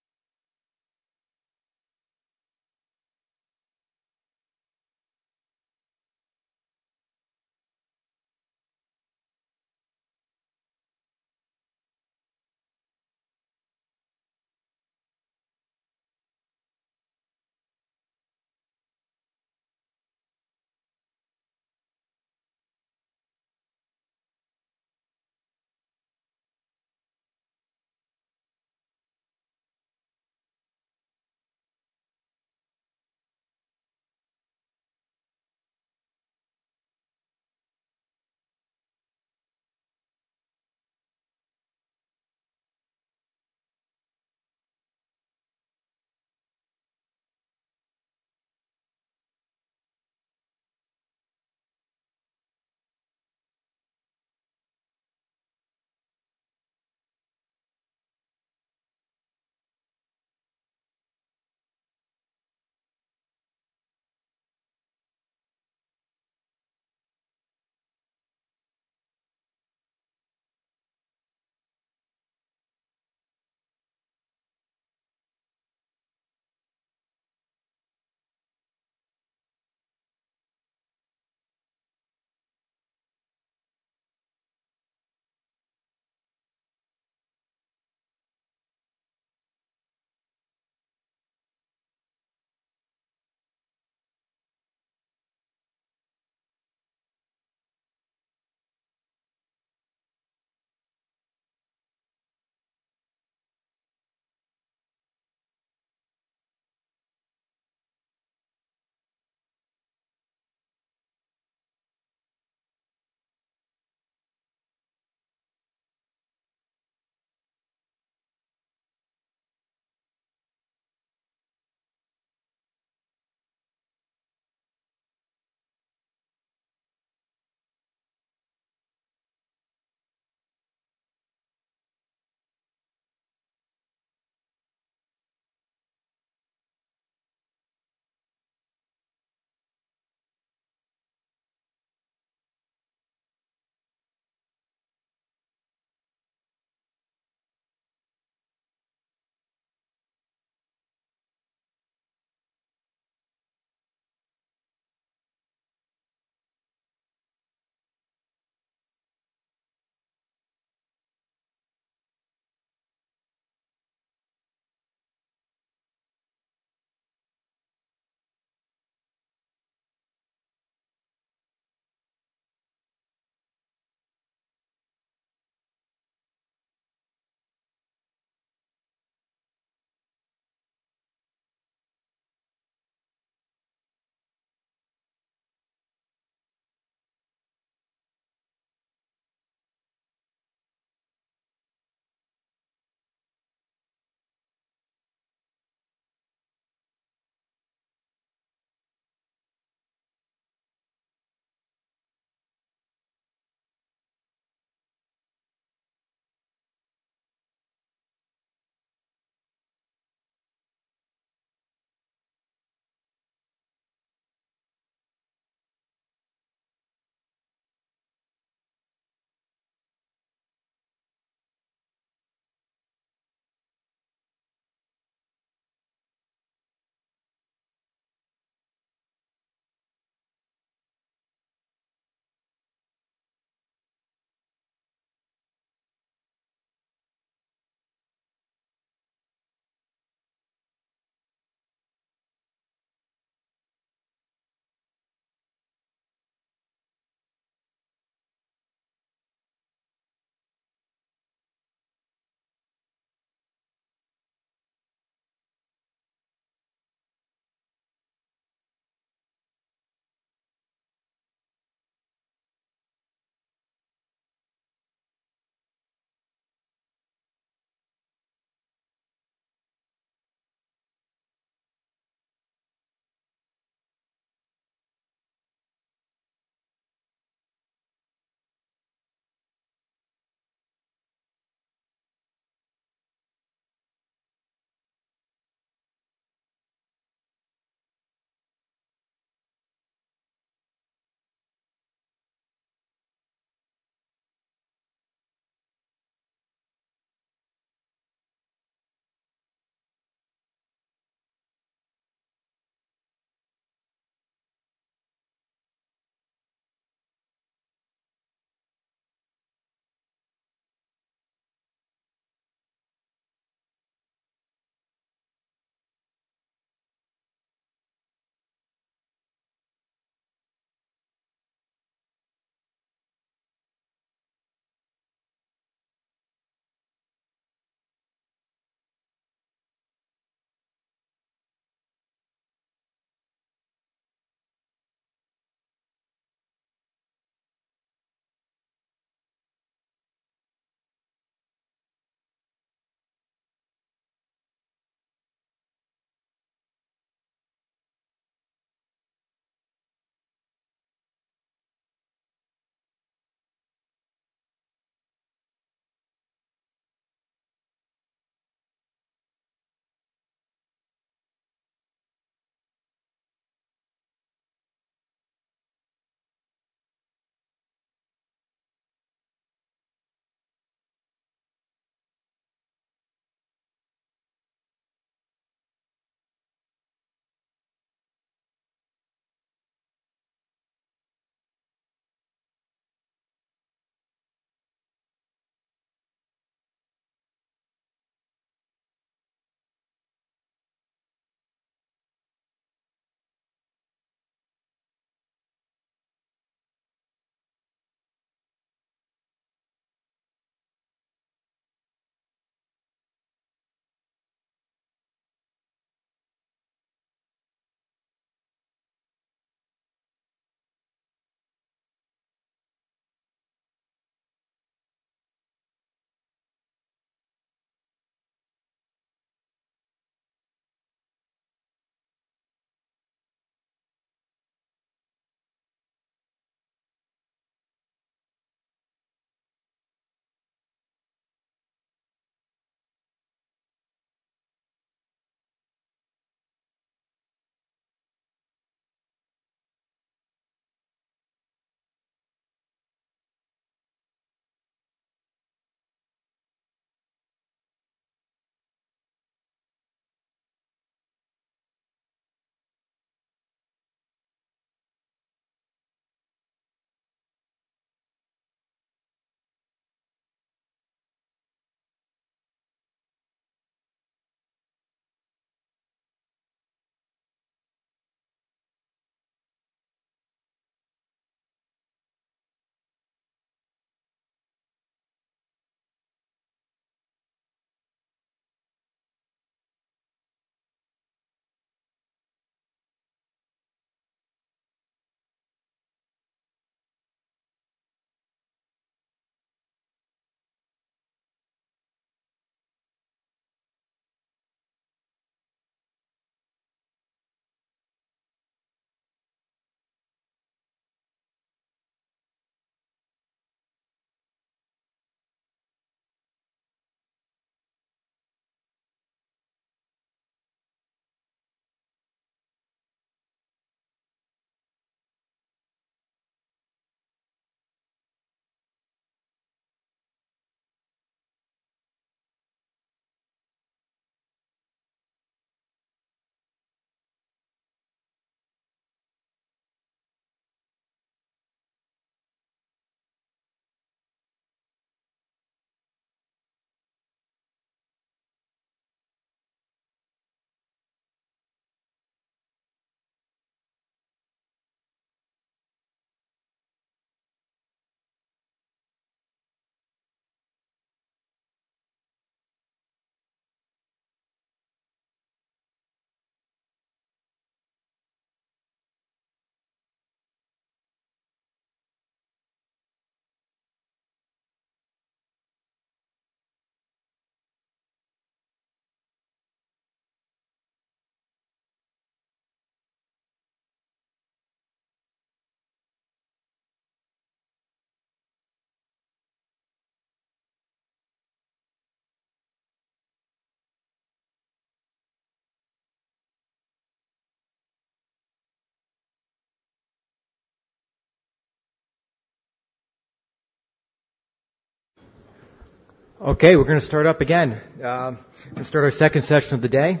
Okay, we're gonna start up again. Let's start our second session of the day,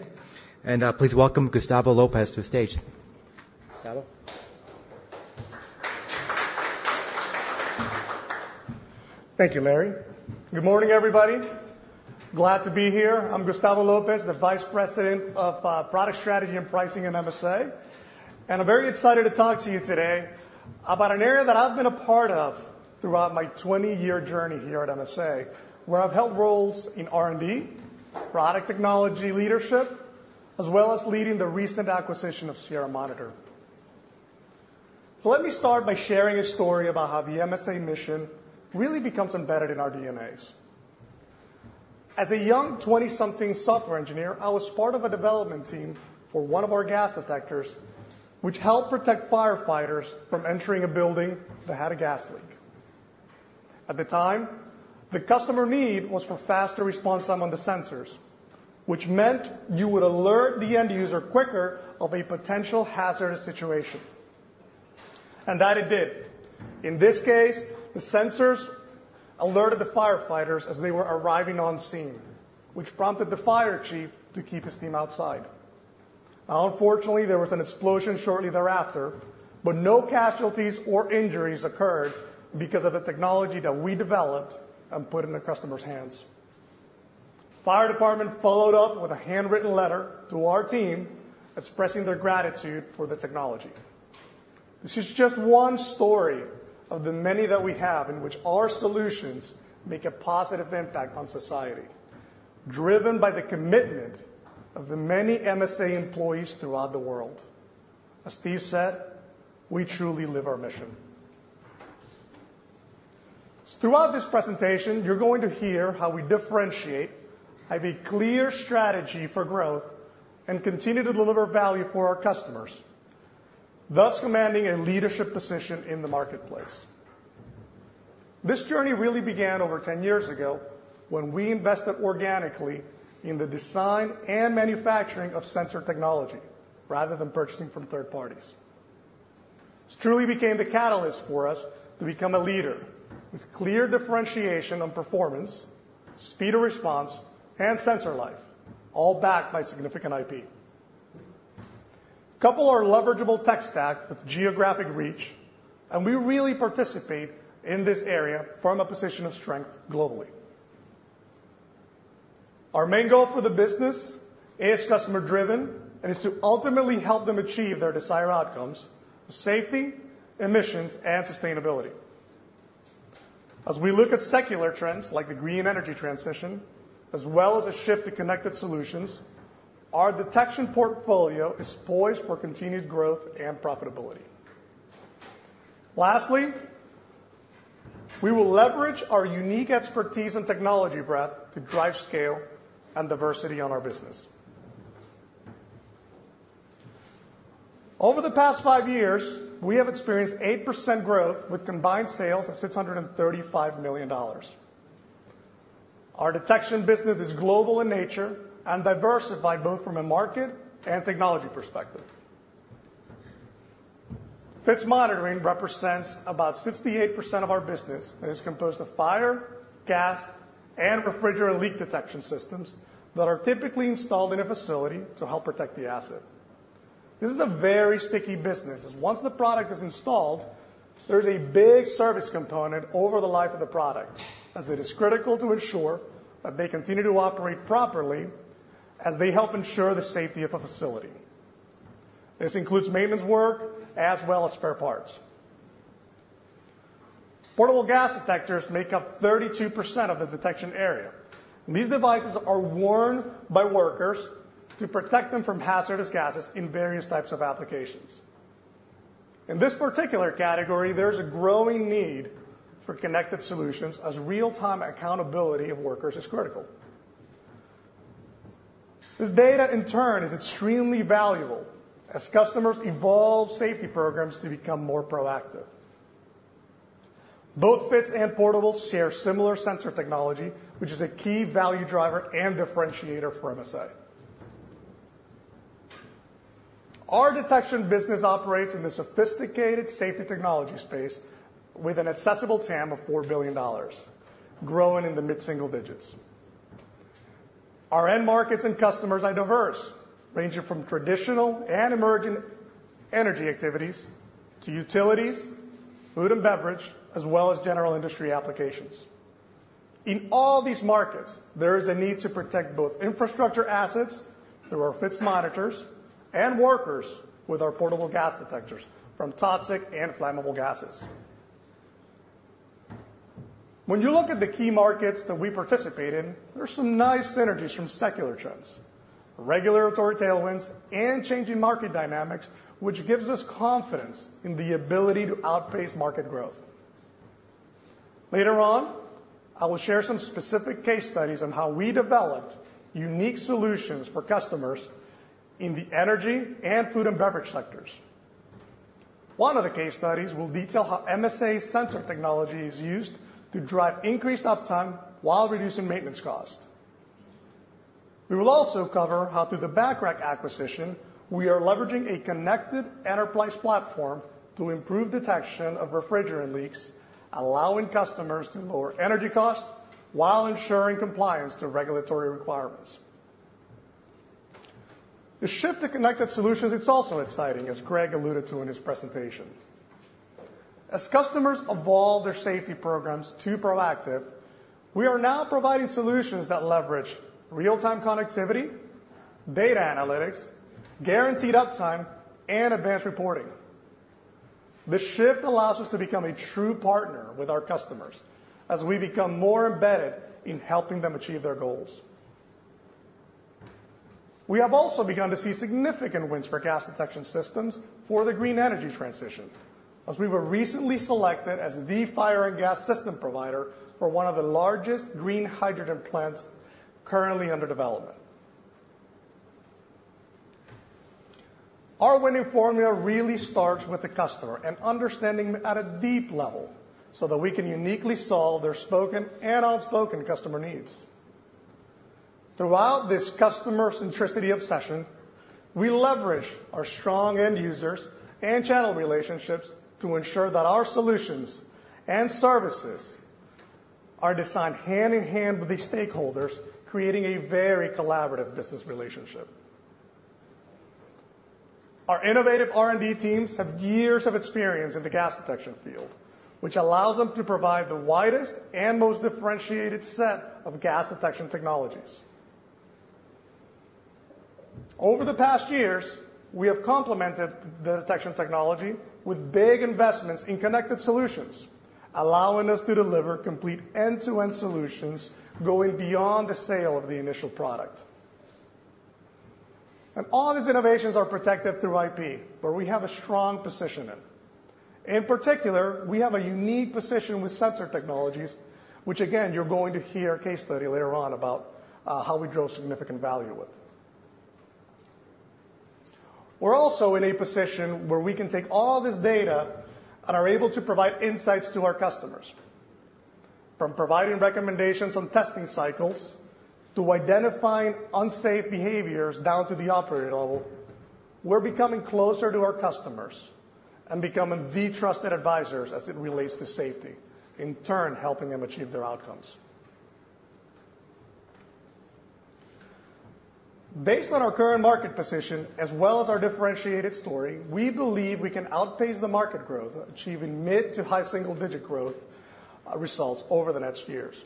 and please welcome Gustavo Lopez to the stage. Gustavo? Thank you, Larry. Good morning, everybody. Glad to be here. I'm Gustavo Lopez, the Vice President of Product Strategy and Pricing in MSA, and I'm very excited to talk to you today about an area that I've been a part of throughout my 20-year journey here at MSA, where I've held roles in R&D, product technology leadership, as well as leading the recent acquisition of Sierra Monitor. So let me start by sharing a story about how the MSA mission really becomes embedded in our DNA. As a young 20-something software engineer, I was part of a development team for one of our gas detectors, which helped protect firefighters from entering a building that had a gas leak. At the time, the customer need was for faster response time on the sensors, which meant you would alert the end user quicker of a potential hazardous situation. And that it did. In this case, the sensors alerted the firefighters as they were arriving on scene, which prompted the fire chief to keep his team outside. Now, unfortunately, there was an explosion shortly thereafter, but no casualties or injuries occurred because of the technology that we developed and put in the customer's hands. Fire department followed up with a handwritten letter to our team, expressing their gratitude for the technology. This is just one story of the many that we have in which our solutions make a positive impact on society, driven by the commitment of the many MSA employees throughout the world. As Steve said, "We truly live our mission." So throughout this presentation, you're going to hear how we differentiate, have a clear strategy for growth, and continue to deliver value for our customers, thus commanding a leadership position in the marketplace. This journey really began over 10 years ago when we invested organically in the design and manufacturing of sensor technology rather than purchasing from third parties. This truly became the catalyst for us to become a leader with clear differentiation on performance, speed of response, and sensor life, all backed by significant IP. Couple our leverageable tech stack with geographic reach, and we really participate in this area from a position of strength globally. Our main goal for the business is customer-driven and is to ultimately help them achieve their desired outcomes, safety, emissions, and sustainability. As we look at secular trends like the green energy transition, as well as a shift to connected solutions... Our detection portfolio is poised for continued growth and profitability. Lastly, we will leverage our unique expertise and technology breadth to drive scale and diversity on our business. Over the past five years, we have experienced 8% growth, with combined sales of $635 million. Our detection business is global in nature and diversified, both from a market and technology perspective. Fixed monitoring represents about 68% of our business, and is composed of fire, gas, and refrigerant leak detection systems that are typically installed in a facility to help protect the asset. This is a very sticky business, as once the product is installed, there's a big service component over the life of the product, as it is critical to ensure that they continue to operate properly, as they help ensure the safety of a facility. This includes maintenance work as well as spare parts. Portable gas detectors make up 32% of the detection area. These devices are worn by workers to protect them from hazardous gases in various types of applications. In this particular category, there's a growing need for connected solutions, as real-time accountability of workers is critical. This data, in turn, is extremely valuable as customers evolve safety programs to become more proactive. Both fixed and portable share similar sensor technology, which is a key value driver and differentiator for MSA. Our detection business operates in the sophisticated safety technology space with an accessible TAM of $4 billion, growing in the mid-single digits. Our end markets and customers are diverse, ranging from traditional and emerging energy activities to utilities, food and beverage, as well as general industry applications. In all these markets, there is a need to protect both infrastructure assets, through our fixed monitors, and workers, with our portable gas detectors, from toxic and flammable gases. When you look at the key markets that we participate in, there are some nice synergies from secular trends, regulatory tailwinds, and changing market dynamics, which gives us confidence in the ability to outpace market growth. Later on, I will share some specific case studies on how we developed unique solutions for customers in the energy and food and beverage sectors. One of the case studies will detail how MSA sensor technology is used to drive increased uptime while reducing maintenance cost. We will also cover how, through the Bacharach acquisition, we are leveraging a connected enterprise platform to improve detection of refrigerant leaks, allowing customers to lower energy cost while ensuring compliance to regulatory requirements. The shift to connected solutions, it's also exciting, as Greg alluded to in his presentation. As customers evolve their safety programs to proactive, we are now providing solutions that leverage real-time connectivity, data analytics, guaranteed uptime, and advanced reporting. This shift allows us to become a true partner with our customers as we become more embedded in helping them achieve their goals. We have also begun to see significant wins for gas detection systems for the green energy transition, as we were recently selected as the fire and gas system provider for one of the largest green hydrogen plants currently under development. Our winning formula really starts with the customer and understanding them at a deep level, so that we can uniquely solve their spoken and unspoken customer needs. Throughout this customer centricity obsession, we leverage our strong end users and channel relationships to ensure that our solutions and services are designed hand in hand with the stakeholders, creating a very collaborative business relationship. Our innovative R&D teams have years of experience in the gas detection field, which allows them to provide the widest and most differentiated set of gas detection technologies. Over the past years, we have complemented the detection technology with big investments in connected solutions, allowing us to deliver complete end-to-end solutions going beyond the sale of the initial product. All these innovations are protected through IP, where we have a strong position in. In particular, we have a unique position with sensor technologies, which, again, you're going to hear a case study later on about how we drove significant value with. We're also in a position where we can take all this data and are able to provide insights to our customers. From providing recommendations on testing cycles, to identifying unsafe behaviors down to the operator level, we're becoming closer to our customers and becoming the trusted advisors as it relates to safety, in turn, helping them achieve their outcomes. Based on our current market position, as well as our differentiated story, we believe we can outpace the market growth, achieving mid to high single-digit growth, results over the next years.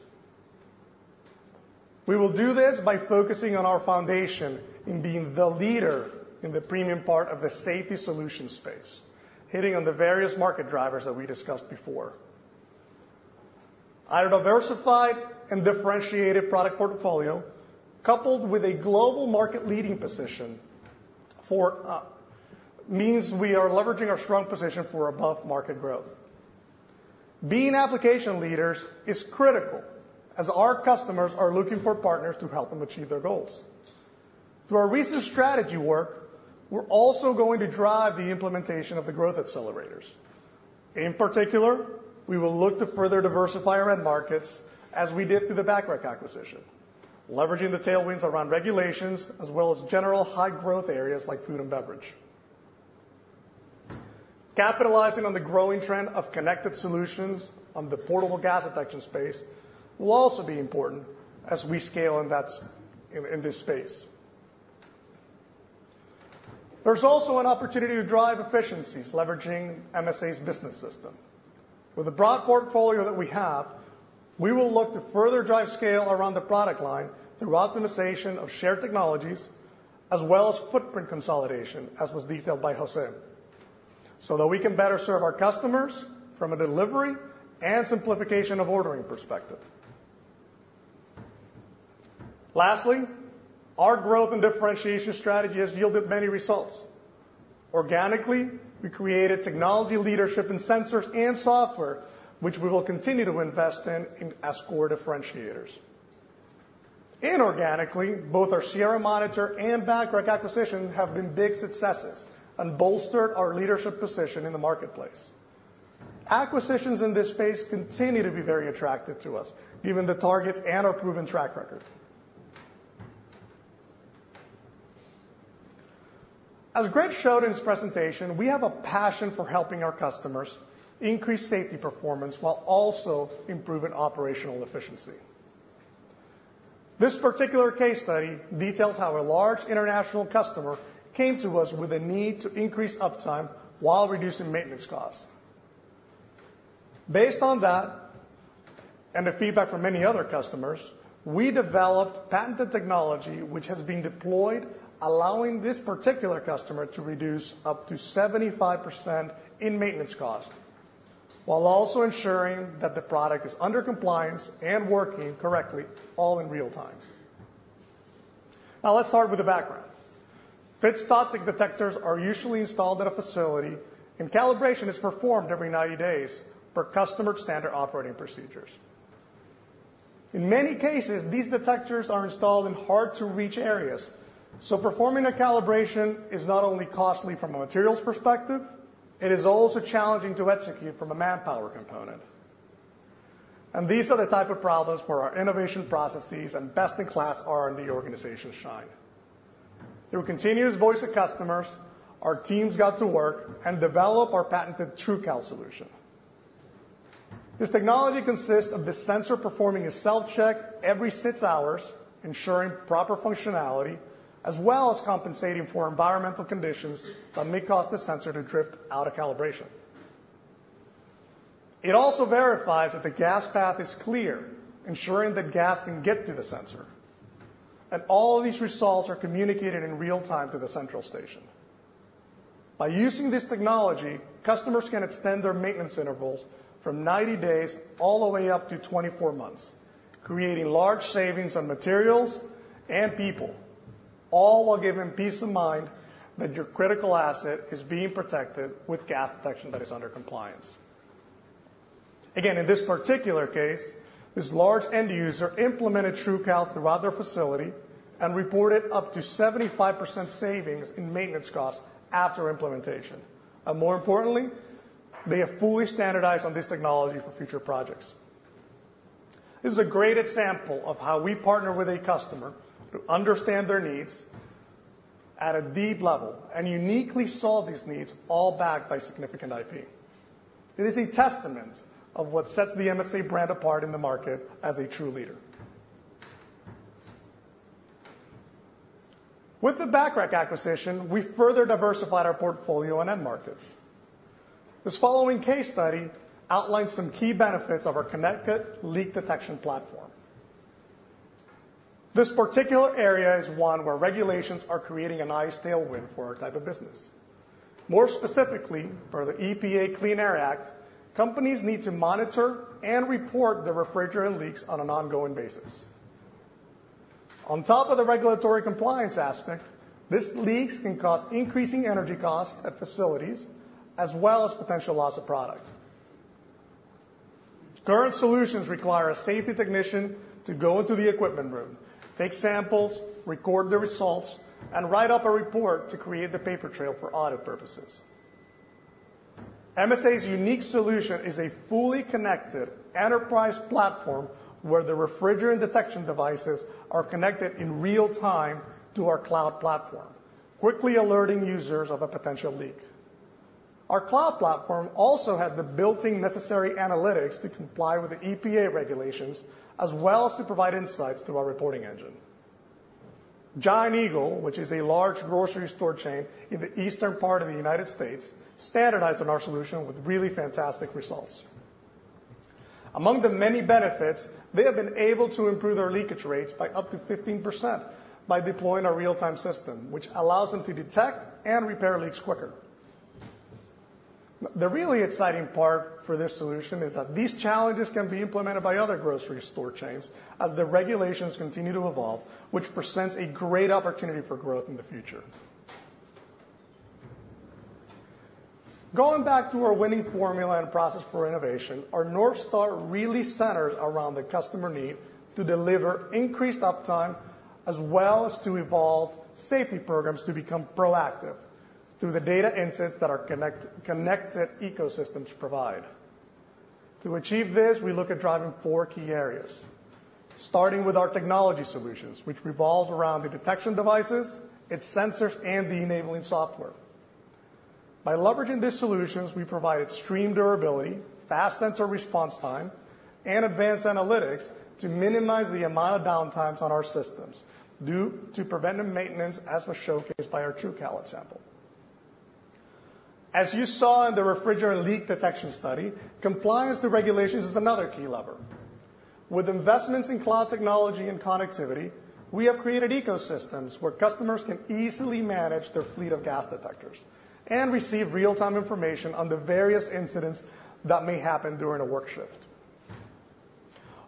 We will do this by focusing on our foundation in being the leader in the premium part of the safety solution space, hitting on the various market drivers that we discussed before.... Our diversified and differentiated product portfolio, coupled with a global market leading position, for, means we are leveraging our strong position for above-market growth. Being application leaders is critical, as our customers are looking for partners to help them achieve their goals. Through our recent strategy work, we're also going to drive the implementation of the Growth Accelerators. In particular, we will look to further diversify our end markets as we did through the Bacharach acquisition, leveraging the tailwinds around regulations, as well as general high growth areas like food and beverage. Capitalizing on the growing trend of connected solutions on the portable gas detection space will also be important as we scale in this space. There's also an opportunity to drive efficiencies, leveraging MSA's Business System. With the broad portfolio that we have, we will look to further drive scale around the product line through optimization of shared technologies, as well as footprint consolidation, as was detailed by Jose. So that we can better serve our customers from a delivery and simplification of ordering perspective. Lastly, our growth and differentiation strategy has yielded many results. Organically, we created technology leadership in sensors and software, which we will continue to invest in, in as core differentiators. Inorganically, both our Sierra Monitor and Bacharach acquisition have been big successes and bolstered our leadership position in the marketplace. Acquisitions in this space continue to be very attractive to us, given the targets and our proven track record. As Greg showed in his presentation, we have a passion for helping our customers increase safety performance while also improving operational efficiency. This particular case study details how a large international customer came to us with a need to increase uptime while reducing maintenance costs. Based on that, and the feedback from many other customers, we developed patented technology, which has been deployed, allowing this particular customer to reduce up to 75% in maintenance cost, while also ensuring that the product is under compliance and working correctly, all in real time. Now, let's start with the background. Fixed toxic detectors are usually installed at a facility, and calibration is performed every 90 days per customer's standard operating procedures. In many cases, these detectors are installed in hard-to-reach areas, so performing a calibration is not only costly from a materials perspective, it is also challenging to execute from a manpower component. These are the type of problems where our innovation processes and best-in-class R&D organizations shine. Through continuous voice of customers, our teams got to work and develop our patented TruCal solution. This technology consists of the sensor performing a self-check every 6 hours, ensuring proper functionality, as well as compensating for environmental conditions that may cause the sensor to drift out of calibration. It also verifies that the gas path is clear, ensuring that gas can get to the sensor. All of these results are communicated in real time to the central station. By using this technology, customers can extend their maintenance intervals from 90 days all the way up to 24 months, creating large savings on materials and people, all while giving peace of mind that your critical asset is being protected with gas detection that is under compliance. Again, in this particular case, this large end user implemented TruCal throughout their facility and reported up to 75% savings in maintenance costs after implementation. More importantly, they have fully standardized on this technology for future projects. This is a great example of how we partner with a customer to understand their needs at a deep level and uniquely solve these needs, all backed by significant IP. It is a testament of what sets the MSA brand apart in the market as a true leader. With the Bacharach acquisition, we further diversified our portfolio and end markets. This following case study outlines some key benefits of our connected leak detection platform. This particular area is one where regulations are creating a nice tailwind for our type of business. More specifically, per the EPA Clean Air Act, companies need to monitor and report their refrigerant leaks on an ongoing basis. On top of the regulatory compliance aspect, these leaks can cause increasing energy costs at facilities, as well as potential loss of product. Current solutions require a safety technician to go into the equipment room, take samples, record the results, and write up a report to create the paper trail for audit purposes. MSA's unique solution is a fully connected enterprise platform, where the refrigerant detection devices are connected in real time to our cloud platform, quickly alerting users of a potential leak. Our cloud platform also has the built-in necessary analytics to comply with the EPA regulations, as well as to provide insights through our reporting engine. Giant Eagle, which is a large grocery store chain in the eastern part of the United States, standardized on our solution with really fantastic results. Among the many benefits, they have been able to improve their leakage rates by up to 15% by deploying our real-time system, which allows them to detect and repair leaks quicker.... The really exciting part for this solution is that these challenges can be implemented by other grocery store chains as the regulations continue to evolve, which presents a great opportunity for growth in the future. Going back to our winning formula and process for innovation, our North Star really centers around the customer need to deliver increased uptime, as well as to evolve safety programs to become proactive through the data insights that our connected ecosystems provide. To achieve this, we look at driving four key areas, starting with our technology solutions, which revolves around the detection devices, its sensors, and the enabling software. By leveraging these solutions, we provide extreme durability, fast sensor response time, and advanced analytics to minimize the amount of downtimes on our systems due to preventive maintenance, as was showcased by our TruCal example. As you saw in the refrigerant leak detection study, compliance to regulations is another key lever. With investments in cloud technology and connectivity, we have created ecosystems where customers can easily manage their fleet of gas detectors and receive real-time information on the various incidents that may happen during a work shift.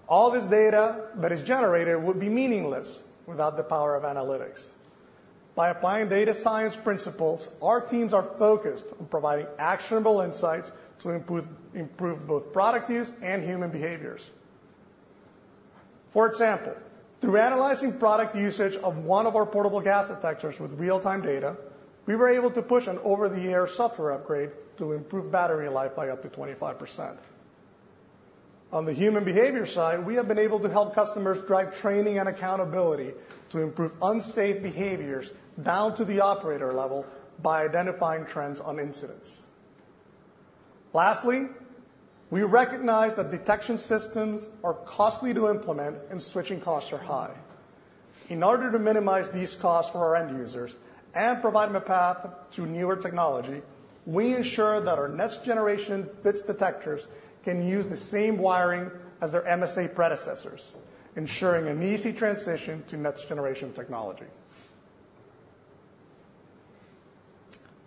All this data that is generated would be meaningless without the power of analytics. By applying data science principles, our teams are focused on providing actionable insights to improve, improve both product use and human behaviors. For example, through analyzing product usage of one of our portable gas detectors with real-time data, we were able to push an over-the-air software upgrade to improve battery life by up to 25%. On the human behavior side, we have been able to help customers drive training and accountability to improve unsafe behaviors down to the operator level by identifying trends on incidents. Lastly, we recognize that detection systems are costly to implement and switching costs are high. In order to minimize these costs for our end users and provide them a path to newer technology, we ensure that our next-generation fixed detectors can use the same wiring as their MSA predecessors, ensuring an easy transition to next-generation technology.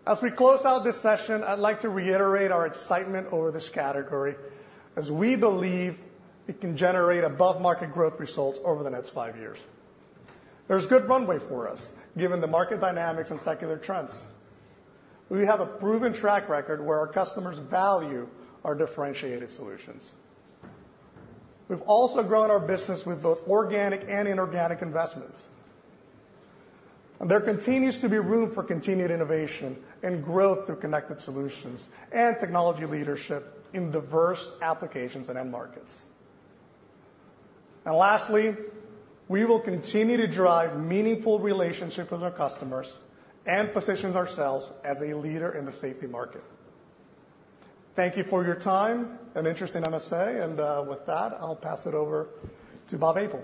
As we close out this session, I'd like to reiterate our excitement over this category, as we believe it can generate above-market growth results over the next five years. There's good runway for us, given the market dynamics and secular trends. We have a proven track record where our customers value our differentiated solutions. We've also grown our business with both organic and inorganic investments, and there continues to be room for continued innovation and growth through connected solutions and technology leadership in diverse applications and end markets. And lastly, we will continue to drive meaningful relationships with our customers and position ourselves as a leader in the safety market. Thank you for your time and interest in MSA, and with that, I'll pass it over to Bob Apel.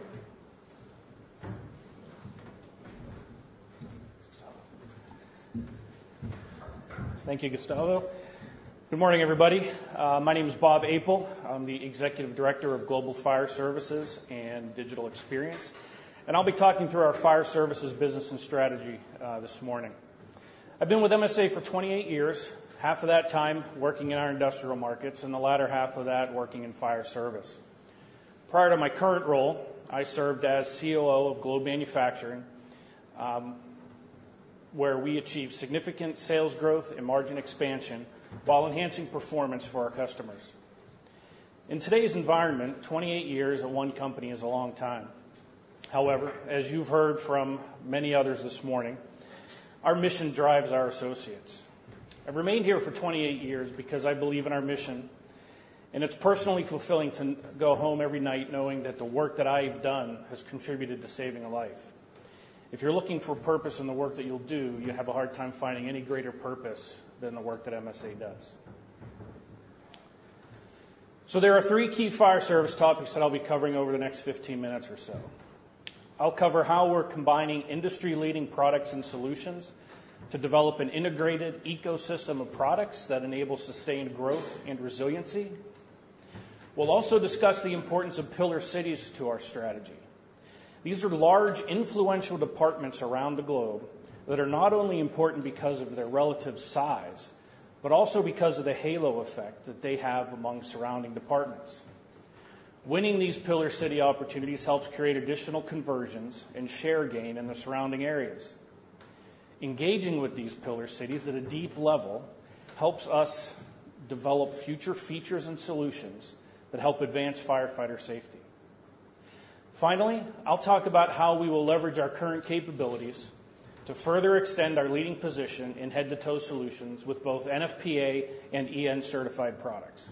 Thank you, Gustavo. Good morning, everybody. My name is Bob Apel. I'm the Executive Director of Global Fire Services and Digital Experience, and I'll be talking through our fire services business and strategy this morning. I've been with MSA for 28 years, half of that time working in our industrial markets, and the latter half of that working in fire service. Prior to my current role, I served as COO of Globe Manufacturing, where we achieved significant sales growth and margin expansion while enhancing performance for our customers. In today's environment, 28 years at one company is a long time. However, as you've heard from many others this morning, our mission drives our associates. I've remained here for 28 years because I believe in our mission, and it's personally fulfilling to go home every night knowing that the work that I've done has contributed to saving a life. If you're looking for purpose in the work that you'll do, you'll have a hard time finding any greater purpose than the work that MSA does. So there are three key fire service topics that I'll be covering over the next 15 minutes or so. I'll cover how we're combining industry-leading products and solutions to develop an integrated ecosystem of products that enable sustained growth and resiliency. We'll also discuss the importance of Pillar Cities to our strategy. These are large, influential departments around the globe that are not only important because of their relative size, but also because of the halo effect that they have among surrounding departments. Winning these Pillar City opportunities helps create additional conversions and share gain in the surrounding areas. Engaging with these Pillar Cities at a deep level helps us develop future features and solutions that help advance firefighter safety. Finally, I'll talk about how we will leverage our current capabilities to further extend our leading position in head-to-toe solutions with both NFPA and EN-certified products.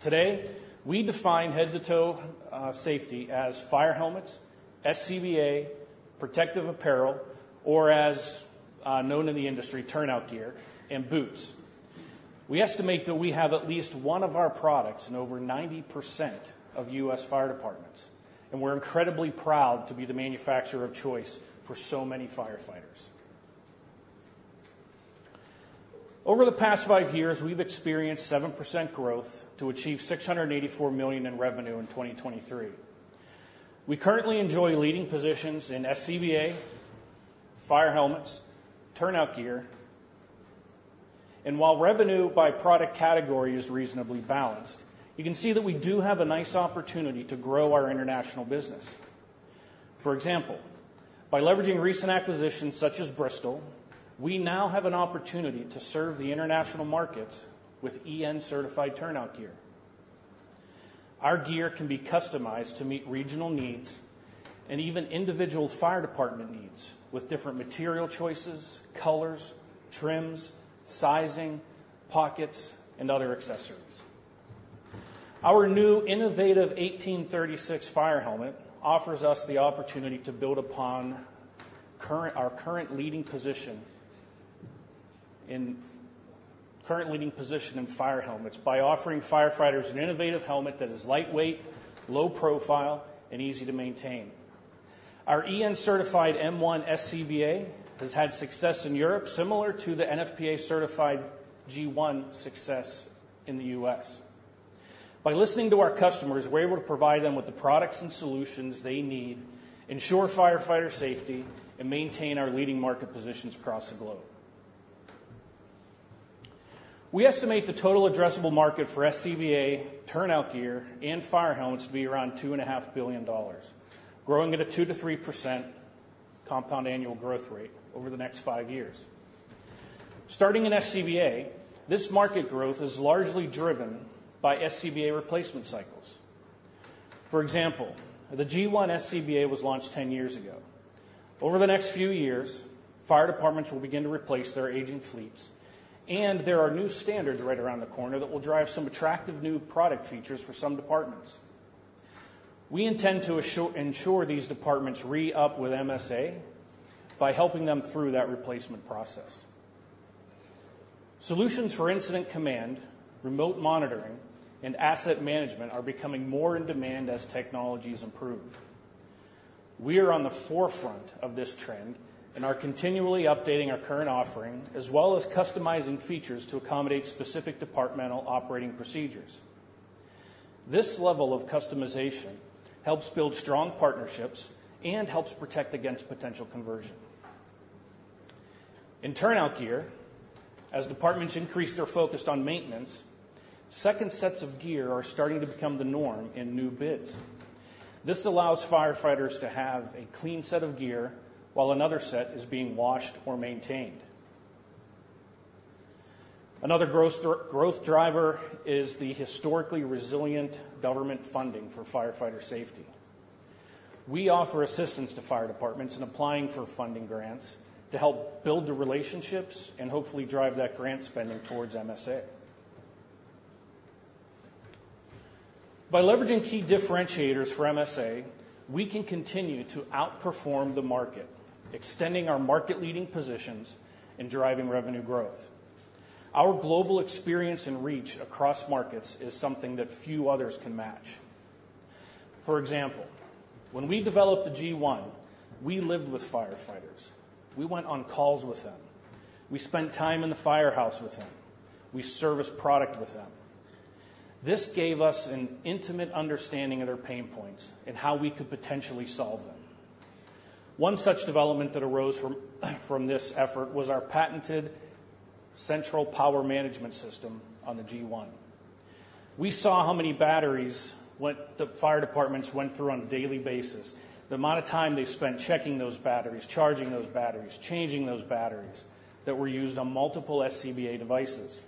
Today, we define head-to-toe safety as fire helmets, SCBA, protective apparel, or as known in the industry, turnout gear and boots. We estimate that we have at least one of our products in over 90% of U.S. fire departments, and we're incredibly proud to be the manufacturer of choice for so many firefighters. Over the past five years, we've experienced 7% growth to achieve $684 million in revenue in 2023.... We currently enjoy leading positions in SCBA, fire helmets, turnout gear. While revenue by product category is reasonably balanced, you can see that we do have a nice opportunity to grow our international business. For example, by leveraging recent acquisitions such as Bristol, we now have an opportunity to serve the international markets with EN-certified turnout gear. Our gear can be customized to meet regional needs and even individual fire department needs with different material choices, colors, trims, sizing, pockets, and other accessories. Our new innovative Cairns 1836 fire helmet offers us the opportunity to build upon our current leading position in fire helmets by offering firefighters an innovative helmet that is lightweight, low profile, and easy to maintain. Our EN-certified M1 SCBA has had success in Europe, similar to the NFPA-certified G1 success in the U.S. By listening to our customers, we're able to provide them with the products and solutions they need, ensure firefighter safety, and maintain our leading market positions across the globe. We estimate the total addressable market for SCBA, turnout gear, and fire helmets to be around $2.5 billion, growing at a 2%-3% compound annual growth rate over the next five years. Starting in SCBA, this market growth is largely driven by SCBA replacement cycles. For example, the G1 SCBA was launched 10 years ago. Over the next few years, fire departments will begin to replace their aging fleets, and there are new standards right around the corner that will drive some attractive new product features for some departments. We intend to assure, ensure these departments re-up with MSA by helping them through that replacement process. Solutions for incident command, remote monitoring, and asset management are becoming more in demand as technologies improve. We are on the forefront of this trend and are continually updating our current offering, as well as customizing features to accommodate specific departmental operating procedures. This level of customization helps build strong partnerships and helps protect against potential conversion. In turnout gear, as departments increase their focus on maintenance, second sets of gear are starting to become the norm in new bids. This allows firefighters to have a clean set of gear while another set is being washed or maintained. Another growth driver is the historically resilient government funding for firefighter safety. We offer assistance to fire departments in applying for funding grants to help build the relationships and hopefully drive that grant spending towards MSA. By leveraging key differentiators for MSA, we can continue to outperform the market, extending our market-leading positions and driving revenue growth. Our global experience and reach across markets is something that few others can match. For example, when we developed the G1, we lived with firefighters. We went on calls with them. We spent time in the firehouse with them. We serviced product with them. This gave us an intimate understanding of their pain points and how we could potentially solve them. One such development that arose from this effort was our patented central power management system on the G1. We saw how many batteries the fire departments went through on a daily basis, the amount of time they spent checking those batteries, charging those batteries, changing those batteries that were used on multiple SCBA devices.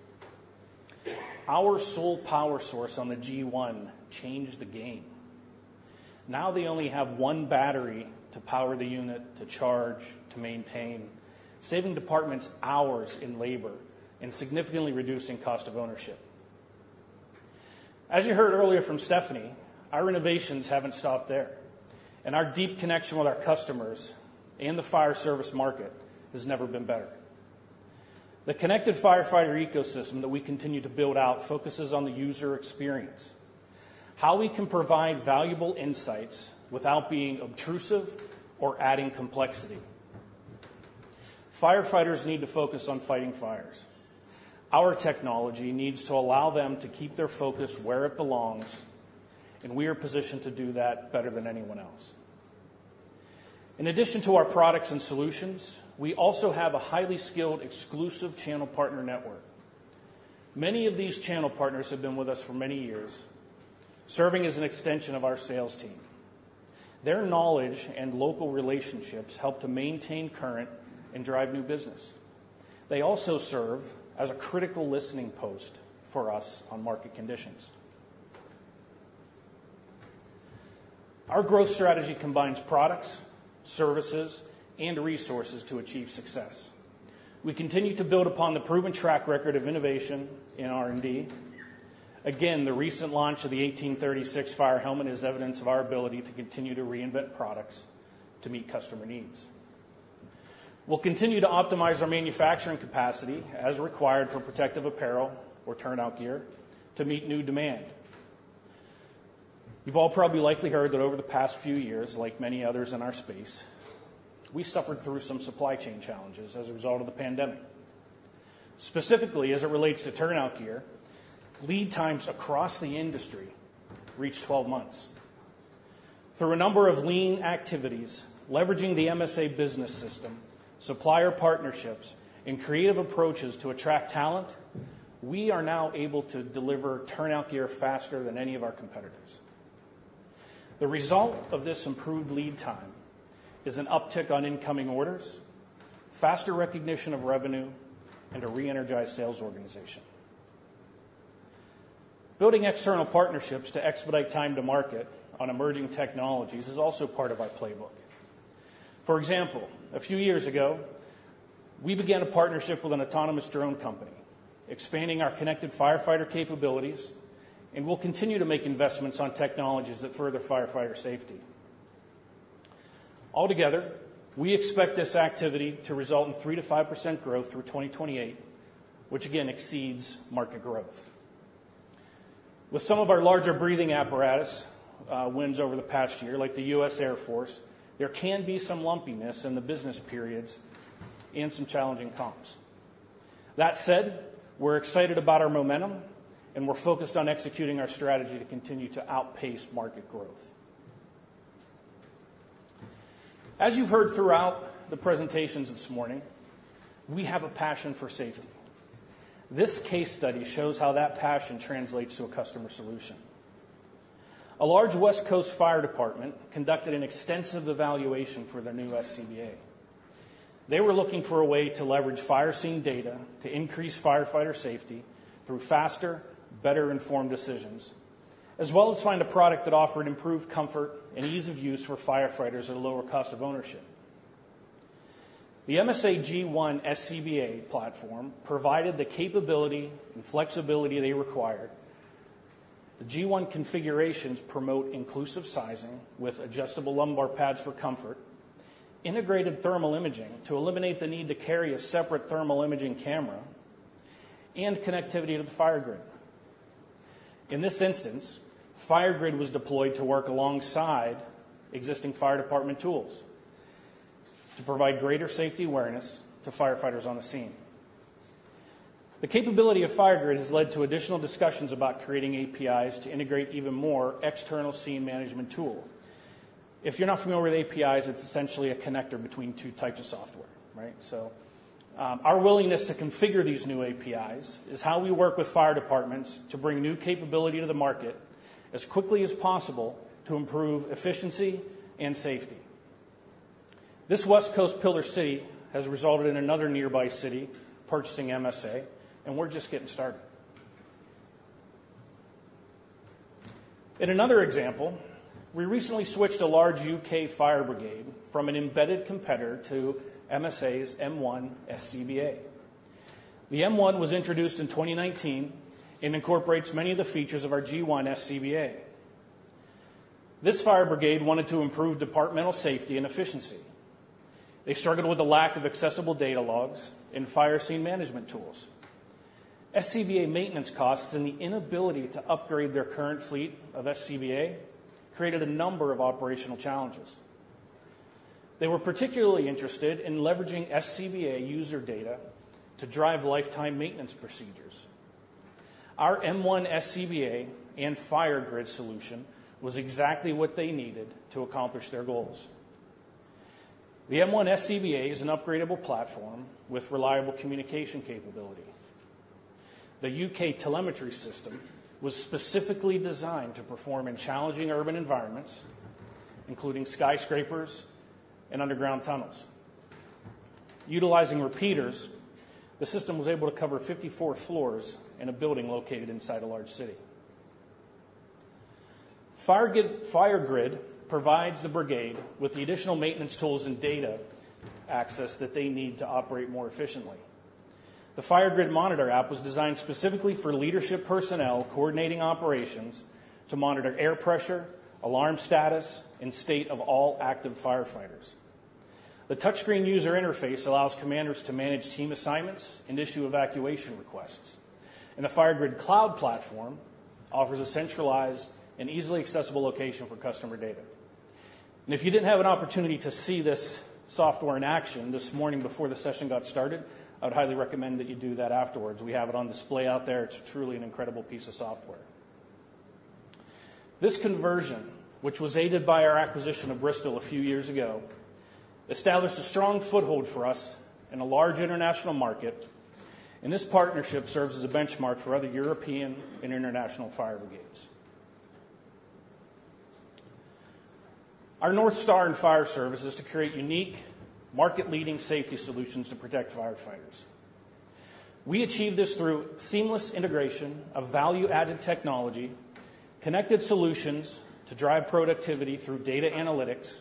Our sole power source on the G1 changed the game. Now they only have one battery to power the unit, to charge, to maintain, saving departments hours in labor and significantly reducing cost of ownership. As you heard earlier from Stephanie, our innovations haven't stopped there, and our deep connection with our customers and the fire service market has never been better. The connected firefighter ecosystem that we continue to build out focuses on the user experience, how we can provide valuable insights without being obtrusive or adding complexity. Firefighters need to focus on fighting fires. Our technology needs to allow them to keep their focus where it belongs, and we are positioned to do that better than anyone else. In addition to our products and solutions, we also have a highly skilled, exclusive channel partner network. Many of these channel partners have been with us for many years, serving as an extension of our sales team. Their knowledge and local relationships help to maintain current and drive new business. They also serve as a critical listening post for us on market conditions. Our growth strategy combines products, services, and resources to achieve success. We continue to build upon the proven track record of innovation in R&D. Again, the recent launch of the 1836 fire helmet is evidence of our ability to continue to reinvent products to meet customer needs. We'll continue to optimize our manufacturing capacity as required for protective apparel or turnout gear to meet new demand. You've all probably likely heard that over the past few years, like many others in our space, we suffered through some supply chain challenges as a result of the pandemic. Specifically, as it relates to turnout gear, lead times across the industry reached 12 months. Through a number of lean activities, leveraging msa Business System, supplier partnerships, and creative approaches to attract talent, we are now able to deliver turnout gear faster than any of our competitors. The result of this improved lead time is an uptick on incoming orders, faster recognition of revenue, and a re-energized sales organization. Building external partnerships to expedite time to market on emerging technologies is also part of our playbook. For example, a few years ago, we began a partnership with an autonomous drone company, expanding our connected firefighter capabilities, and we'll continue to make investments on technologies that further firefighter safety. Altogether, we expect this activity to result in 3%-5% growth through 2028, which again, exceeds market growth. With some of our larger breathing apparatus, wins over the past year, like the U.S. Air Force, there can be some lumpiness in the business periods and some challenging comps. That said, we're excited about our momentum, and we're focused on executing our strategy to continue to outpace market growth. As you've heard throughout the presentations this morning, we have a passion for safety. This case study shows how that passion translates to a customer solution. A large West Coast fire department conducted an extensive evaluation for their new SCBA. They were looking for a way to leverage fire scene data to increase firefighter safety through faster, better-informed decisions, as well as find a product that offered improved comfort and ease of use for firefighters at a lower cost of ownership. The MSA G1 SCBA platform provided the capability and flexibility they required. The G1 configurations promote inclusive sizing with adjustable lumbar pads for comfort, integrated thermal imaging to eliminate the need to carry a separate thermal imaging camera, and connectivity to the FireGrid. In this instance, FireGrid was deployed to work alongside existing fire department tools to provide greater safety awareness to firefighters on the scene. The capability of FireGrid has led to additional discussions about creating APIs to integrate even more external scene management tool. If you're not familiar with APIs, it's essentially a connector between two types of software, right? So, our willingness to configure these new APIs is how we work with fire departments to bring new capability to the market as quickly as possible to improve efficiency and safety. This West Coast Pillar City has resulted in another nearby city purchasing MSA, and we're just getting started. In another example, we recently switched a large U.K. fire brigade from an embedded competitor to MSA's M1 SCBA. The M1 was introduced in 2019 and incorporates many of the features of our G1 SCBA. This fire brigade wanted to improve departmental safety and efficiency. They struggled with the lack of accessible data logs and fire scene management tools. SCBA maintenance costs and the inability to upgrade their current fleet of SCBA created a number of operational challenges. They were particularly interested in leveraging SCBA user data to drive lifetime maintenance procedures. Our M1 SCBA and FireGrid solution was exactly what they needed to accomplish their goals. The M1 SCBA is an upgradable platform with reliable communication capability. The U.K. telemetry system was specifically designed to perform in challenging urban environments, including skyscrapers and underground tunnels. Utilizing repeaters, the system was able to cover 54 floors in a building located inside a large city. FireGrid, FireGrid provides the brigade with the additional maintenance tools and data access that they need to operate more efficiently. The FireGrid Monitor app was designed specifically for leadership personnel coordinating operations to monitor air pressure, alarm status, and state of all active firefighters. The touchscreen user interface allows commanders to manage team assignments and issue evacuation requests. The FireGrid Cloud platform offers a centralized and easily accessible location for customer data. If you didn't have an opportunity to see this software in action this morning before the session got started, I would highly recommend that you do that afterwards. We have it on display out there. It's truly an incredible piece of software. This conversion, which was aided by our acquisition of Bristol a few years ago, established a strong foothold for us in a large international market, and this partnership serves as a benchmark for other European and international fire brigades. Our North Star in fire service is to create unique, market-leading safety solutions to protect firefighters. We achieve this through seamless integration of value-added technology, connected solutions to drive productivity through data analytics,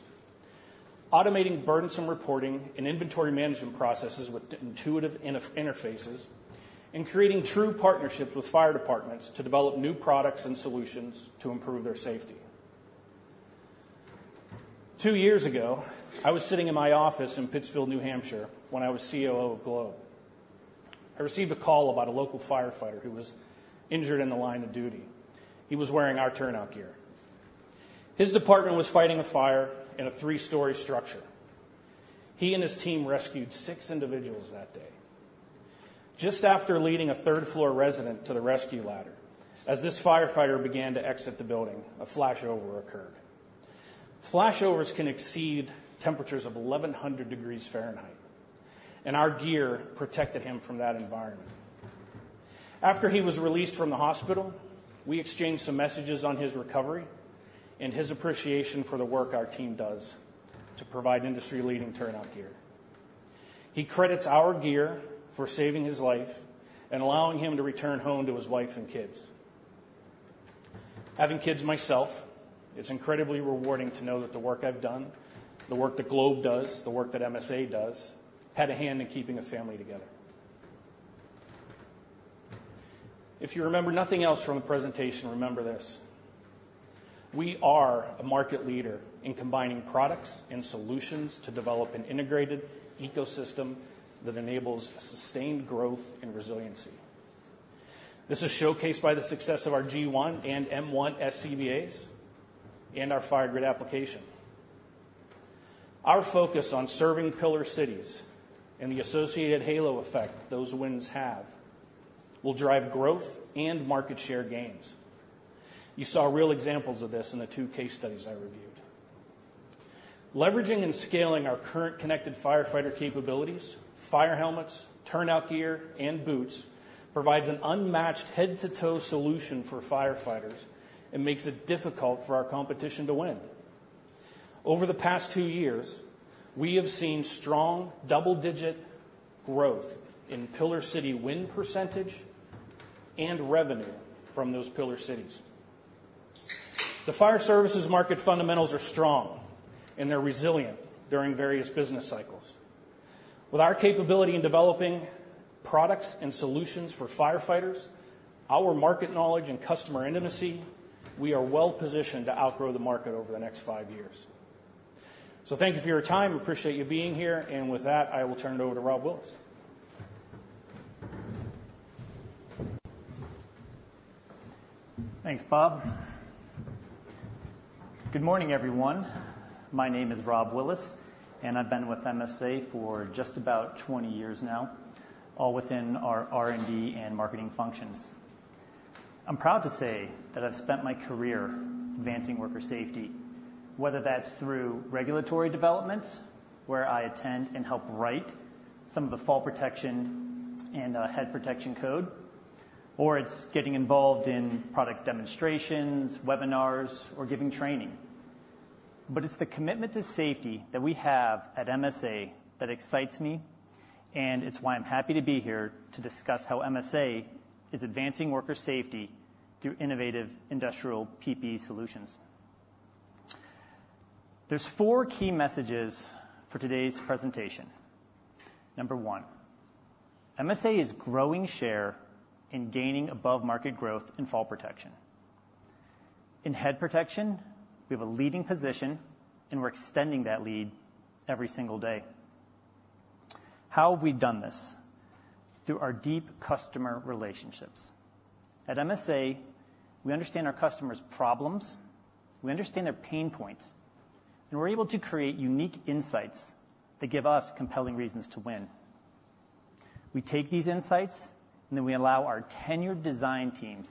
automating burdensome reporting and inventory management processes with intuitive interfaces, and creating true partnerships with fire departments to develop new products and solutions to improve their safety. Two years ago, I was sitting in my office in Pittsfield, New Hampshire, when I was COO of Globe. I received a call about a local firefighter who was injured in the line of duty. He was wearing our turnout gear.... His department was fighting a fire in a three-story structure. He and his team rescued six individuals that day. Just after leading a third-floor resident to the rescue ladder, as this firefighter began to exit the building, a flashover occurred. Flashovers can exceed temperatures of 1,100 degrees Fahrenheit, and our gear protected him from that environment. After he was released from the hospital, we exchanged some messages on his recovery and his appreciation for the work our team does to provide industry-leading turnout gear. He credits our gear for saving his life and allowing him to return home to his wife and kids. Having kids myself, it's incredibly rewarding to know that the work I've done, the work that Globe does, the work that MSA does, had a hand in keeping a family together. If you remember nothing else from the presentation, remember this: We are a market leader in combining products and solutions to develop an integrated ecosystem that enables sustained growth and resiliency. This is showcased by the success of our G1 and M1 SCBAs and our FireGrid application. Our focus on Pillar Cities and the associated halo effect those wins have, will drive growth and market share gains. You saw real examples of this in the two case studies I reviewed. Leveraging and scaling our current connected firefighter capabilities, fire helmets, turnout gear, and boots, provides an unmatched head-to-toe solution for firefighters and makes it difficult for our competition to win. Over the past two years, we have seen strong double-digit growth in Pillar City win percentage and revenue from Pillar Cities. The fire services market fundamentals are strong, and they're resilient during various business cycles. With our capability in developing products and solutions for firefighters, our market knowledge and customer intimacy, we are well positioned to outgrow the market over the next five years. Thank you for your time. Appreciate you being here, and with that, I will turn it over to Rob Willis. Thanks, Bob. Good morning, everyone. My name is Rob Willis, and I've been with MSA for just about 20 years now, all within our R&D and marketing functions. I'm proud to say that I've spent my career advancing worker safety, whether that's through regulatory development, where I attend and help write some of the fall protection and head protection code, or it's getting involved in product demonstrations, webinars, or giving training. But it's the commitment to safety that we have at MSA that excites me, and it's why I'm happy to be here to discuss how MSA is advancing worker safety through innovative industrial PPE solutions. There's 4 key messages for today's presentation. Number 1, MSA is growing share in gaining above-market growth in fall protection. In head protection, we have a leading position, and we're extending that lead every single day. How have we done this? Through our deep customer relationships. At MSA, we understand our customers' problems, we understand their pain points, and we're able to create unique insights that give us compelling reasons to win. We take these insights, and then we allow our tenured design teams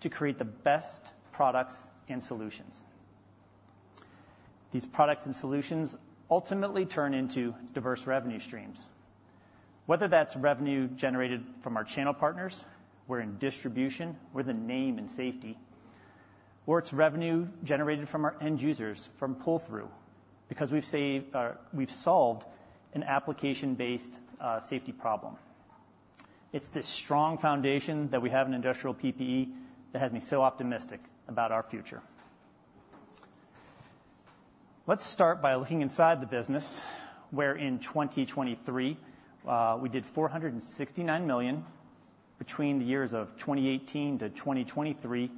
to create the best products and solutions. These products and solutions ultimately turn into diverse revenue streams. Whether that's revenue generated from our channel partners, we're in distribution, we're the name in safety, or it's revenue generated from our end users from pull-through because we've saved, we've solved an application-based safety problem. It's this strong foundation that we have in industrial PPE that has me so optimistic about our future. Let's start by looking inside the business, where in 2023, we did $469 million. Between the years of 2018 to 2023,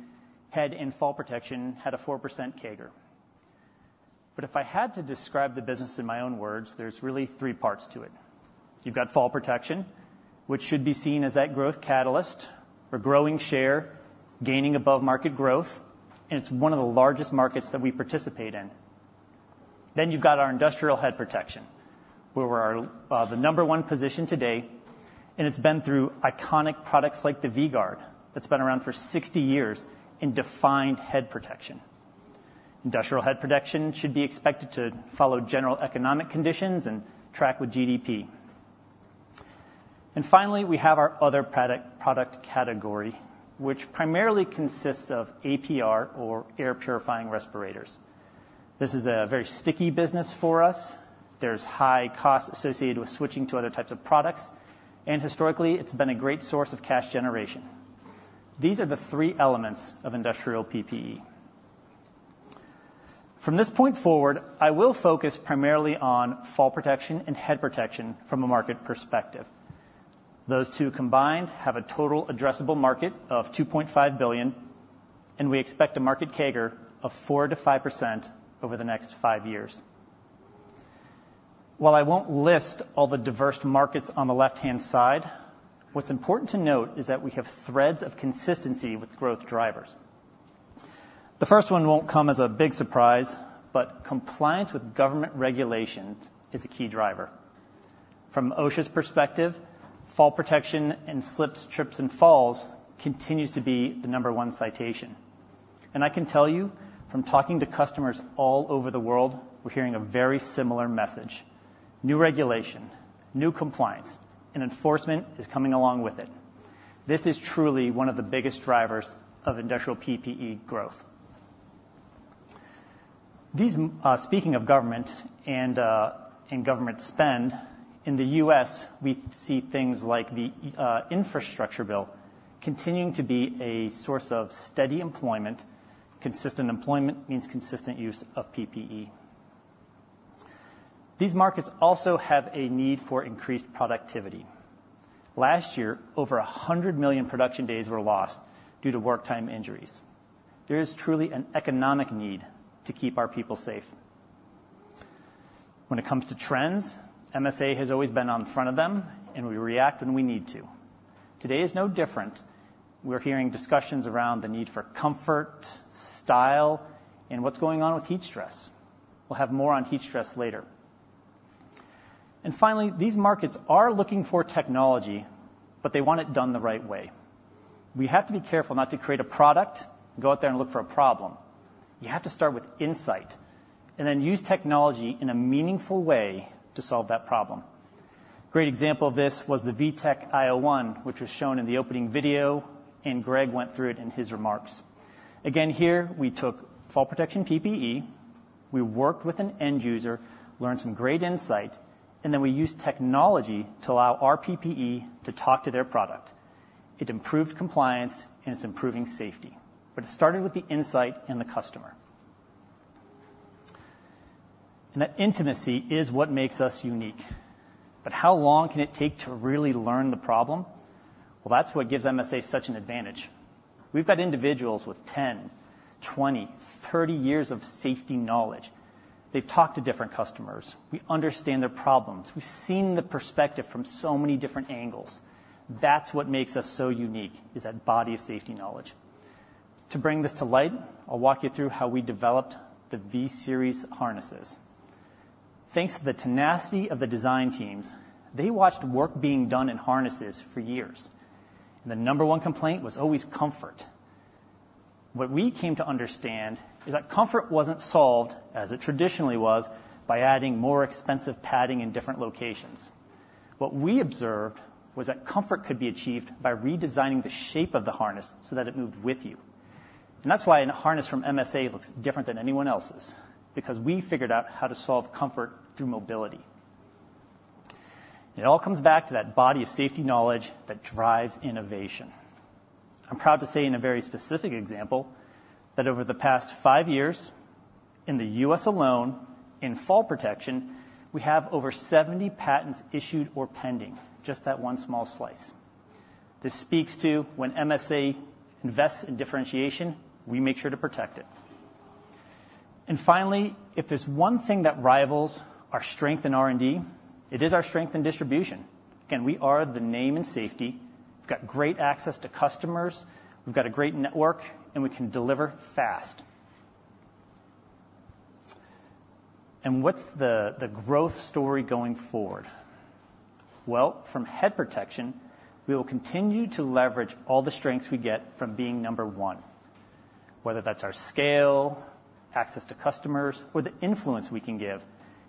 head and fall protection had a 4% CAGR. But if I had to describe the business in my own words, there's really 3 parts to it. You've got fall protection, which should be seen as that growth catalyst. We're growing share, gaining above market growth, and it's one of the largest markets that we participate in. Then you've got our industrial head protection, where we're the number one position today, and it's been through iconic products like the V-Gard, that's been around for 60 years in defined head protection. Industrial head protection should be expected to follow general economic conditions and track with GDP. And finally, we have our other product category, which primarily consists of APR or air-purifying respirators. This is a very sticky business for us. There's high cost associated with switching to other types of products, and historically, it's been a great source of cash generation. These are the three elements of industrial PPE. From this point forward, I will focus primarily on fall protection and head protection from a market perspective. Those two combined have a total addressable market of $2.5 billion, and we expect a market CAGR of 4%-5% over the next five years.... While I won't list all the diverse markets on the left-hand side, what's important to note is that we have threads of consistency with growth drivers. The first one won't come as a big surprise, but compliance with government regulations is a key driver. From OSHA's perspective, fall protection and slips, trips, and falls continues to be the number one citation, and I can tell you from talking to customers all over the world, we're hearing a very similar message. New regulation, new compliance, and enforcement is coming along with it. This is truly one of the biggest drivers of industrial PPE growth. These, speaking of government and, and government spend, in the U.S., we see things like the infrastructure bill continuing to be a source of steady employment. Consistent employment means consistent use of PPE. These markets also have a need for increased productivity. Last year, over 100 million production days were lost due to work time injuries. There is truly an economic need to keep our people safe. When it comes to trends, MSA has always been on the front of them, and we react when we need to. Today is no different. We're hearing discussions around the need for comfort, style, and what's going on with heat stress. We'll have more on heat stress later. And finally, these markets are looking for technology, but they want it done the right way. We have to be careful not to create a product, go out there and look for a problem. You have to start with insight, and then use technology in a meaningful way to solve that problem. Great example of this was the V-TEC io1, which was shown in the opening video, and Greg went through it in his remarks. Again, here, we took fall protection PPE, we worked with an end user, learned some great insight, and then we used technology to allow our PPE to talk to their product. It improved compliance, and it's improving safety, but it started with the insight and the customer. And that intimacy is what makes us unique. But how long can it take to really learn the problem? Well, that's what gives MSA such an advantage. We've got individuals with 10, 20, 30 years of safety knowledge. They've talked to different customers. We understand their problems. We've seen the perspective from so many different angles. That's what makes us so unique, is that body of safety knowledge. To bring this to light, I'll walk you through how we developed the V-Series harnesses. Thanks to the tenacity of the design teams, they watched work being done in harnesses for years. The number one complaint was always comfort. What we came to understand is that comfort wasn't solved, as it traditionally was, by adding more expensive padding in different locations. What we observed was that comfort could be achieved by redesigning the shape of the harness so that it moved with you. And that's why a harness from MSA looks different than anyone else's, because we figured out how to solve comfort through mobility. It all comes back to that body of safety knowledge that drives innovation. I'm proud to say, in a very specific example, that over the past five years in the U.S. alone, in fall protection, we have over 70 patents issued or pending, just that one small slice. This speaks to when MSA invests in differentiation, we make sure to protect it. And finally, if there's one thing that rivals our strength in R&D, it is our strength in distribution. Again, we are the name in safety; we've got great access to customers, we've got a great network, and we can deliver fast. And what's the growth story going forward? Well, from head protection, we will continue to leverage all the strengths we get from being number one, whether that's our scale, access to customers, or the influence we can give.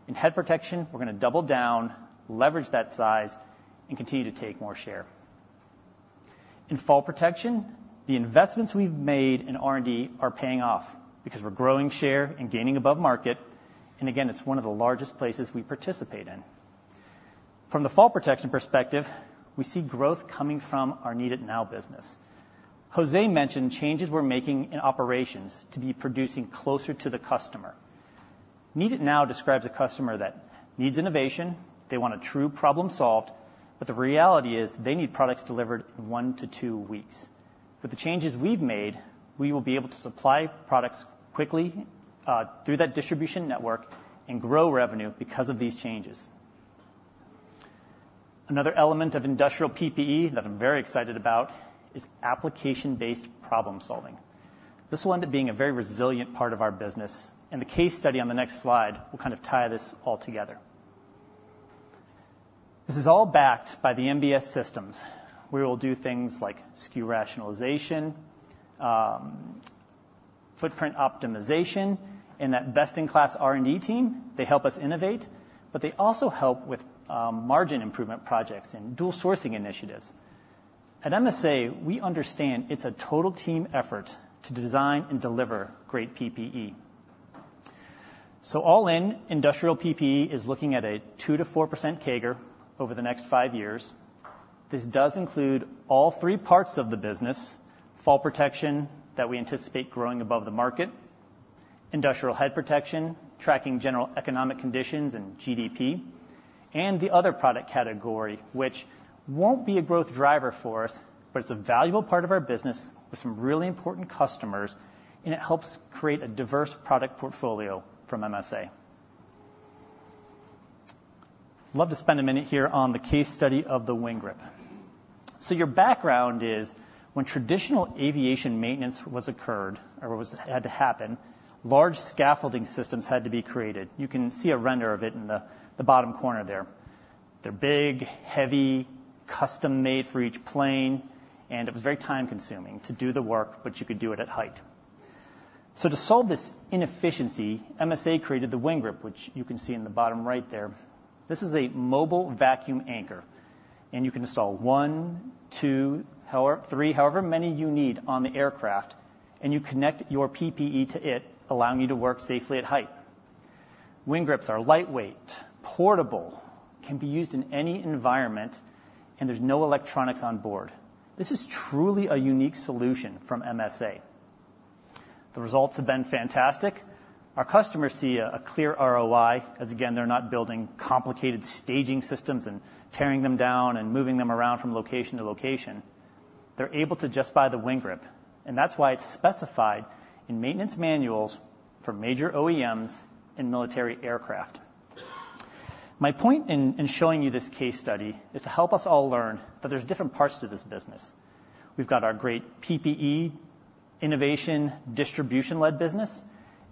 In head protection, we're gonna double down, leverage that size, and continue to take more share. In fall protection, the investments we've made in R&D are paying off because we're growing share and gaining above market, and again, it's one of the largest places we participate in. From the fall protection perspective, we see growth coming from our Need It Now business. Jose mentioned changes we're making in operations to be producing closer to the customer. Need It Now describes a customer that needs innovation; they want a true problem solved, but the reality is they need products delivered in one to two weeks. With the changes we've made, we will be able to supply products quickly through that distribution network and grow revenue because of these changes. Another element of industrial PPE that I'm very excited about is application-based problem solving. This will end up being a very resilient part of our business, and the case study on the next slide will kind of tie this all together. This is all backed by the MBS systems, where we'll do things like SKU rationalization, footprint optimization, and that best-in-class R&D team; they help us innovate, but they also help with margin improvement projects and dual sourcing initiatives. At MSA, we understand it's a total team effort to design and deliver great PPE. So all in, industrial PPE is looking at a 2%-4% CAGR over the next 5 years. This does include all three parts of the business: fall protection, that we anticipate growing above the market, industrial head protection, tracking general economic conditions and GDP... and the other product category, which won't be a growth driver for us, but it's a valuable part of our business with some really important customers, and it helps create a diverse product portfolio from MSA. Love to spend a minute here on the case study of the WinGrip. So your background is, when traditional aviation maintenance was occurred or was, had to happen, large scaffolding systems had to be created. You can see a render of it in the bottom corner there. They're big, heavy, custom-made for each plane, and it was very time-consuming to do the work, but you could do it at height. So to solve this inefficiency, MSA created the WinGrip, which you can see in the bottom right there. This is a mobile vacuum anchor, and you can install one, two, however, three, however many you need on the aircraft, and you connect your PPE to it, allowing you to work safely at height. WinGrips are lightweight, portable, can be used in any environment, and there's no electronics on board. This is truly a unique solution from MSA. The results have been fantastic. Our customers see a clear ROI, as again, they're not building complicated staging systems and tearing them down and moving them around from location to location. They're able to just buy the WinGrip, and that's why it's specified in maintenance manuals for major OEMs and military aircraft. My point in showing you this case study is to help us all learn that there's different parts to this business. We've got our great PPE, innovation, distribution-led business,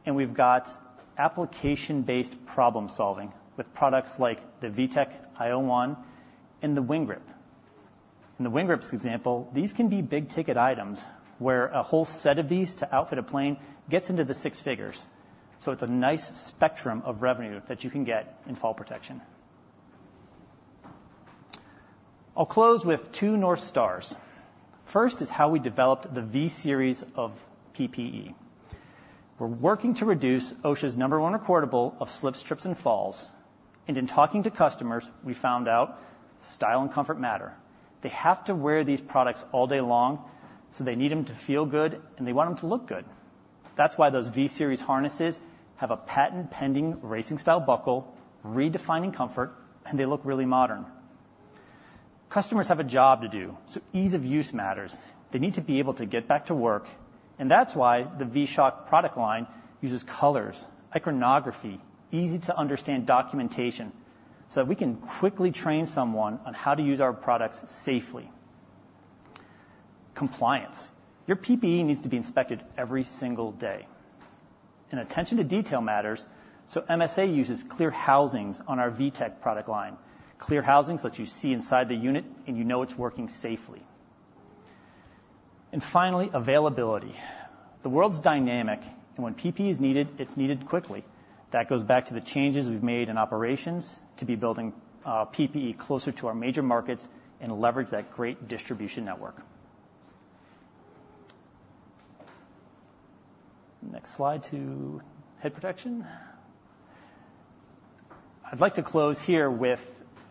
and we've got application-based problem-solving with products like the V-TEC io1 and the WinGrip. In the WinGrip example, these can be big-ticket items, where a whole set of these to outfit a plane gets into the six figures. So it's a nice spectrum of revenue that you can get in fall protection. I'll close with two North Stars. First is how we developed the V-Series of PPE. We're working to reduce OSHA's number one recordable of slips, trips, and falls, and in talking to customers, we found out style and comfort matter. They have to wear these products all day long, so they need them to feel good, and they want them to look good. That's why those V-Series harnesses have a patent-pending racing style buckle, redefining comfort, and they look really modern. Customers have a job to do, so ease of use matters. They need to be able to get back to work, and that's why the V-SHOCK product line uses colors, iconography, easy-to-understand documentation, so that we can quickly train someone on how to use our products safely. Compliance. Your PPE needs to be inspected every single day. And attention to detail matters, so MSA uses clear housings on our V-TEC product line, clear housings that you see inside the unit, and you know it's working safely. And finally, availability. The world's dynamic, and when PPE is needed, it's needed quickly. That goes back to the changes we've made in operations to be building PPE closer to our major markets and leverage that great distribution network. Next slide, to head protection. I'd like to close here with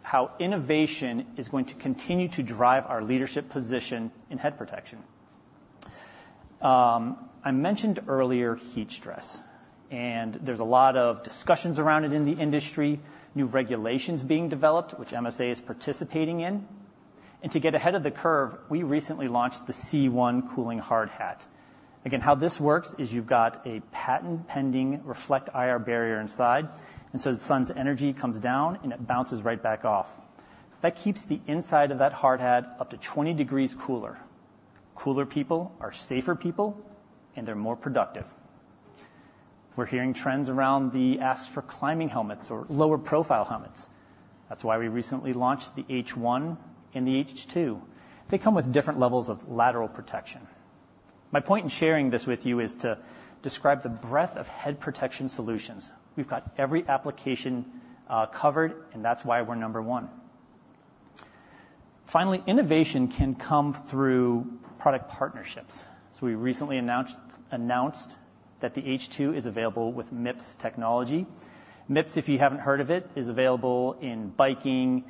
how innovation is going to continue to drive our leadership position in head protection. I mentioned earlier heat stress, and there's a lot of discussions around it in the industry, new regulations being developed, which MSA is participating in. To get ahead of the curve, we recently launched the C1 cooling hard hat. Again, how this works is you've got a patent-pending ReflectIR barrier inside, and so the sun's energy comes down, and it bounces right back off. That keeps the inside of that hard hat up to 20 degrees cooler. Cooler people are safer people, and they're more productive. We're hearing trends around the asks for climbing helmets or lower profile helmets. That's why we recently launched the H1 and the H2. They come with different levels of lateral protection. My point in sharing this with you is to describe the breadth of head protection solutions. We've got every application covered, and that's why we're number one. Finally, innovation can come through product partnerships. So we recently announced, announced that the H2 is available with MIPS technology. MIPS, if you haven't heard of it, is available in biking,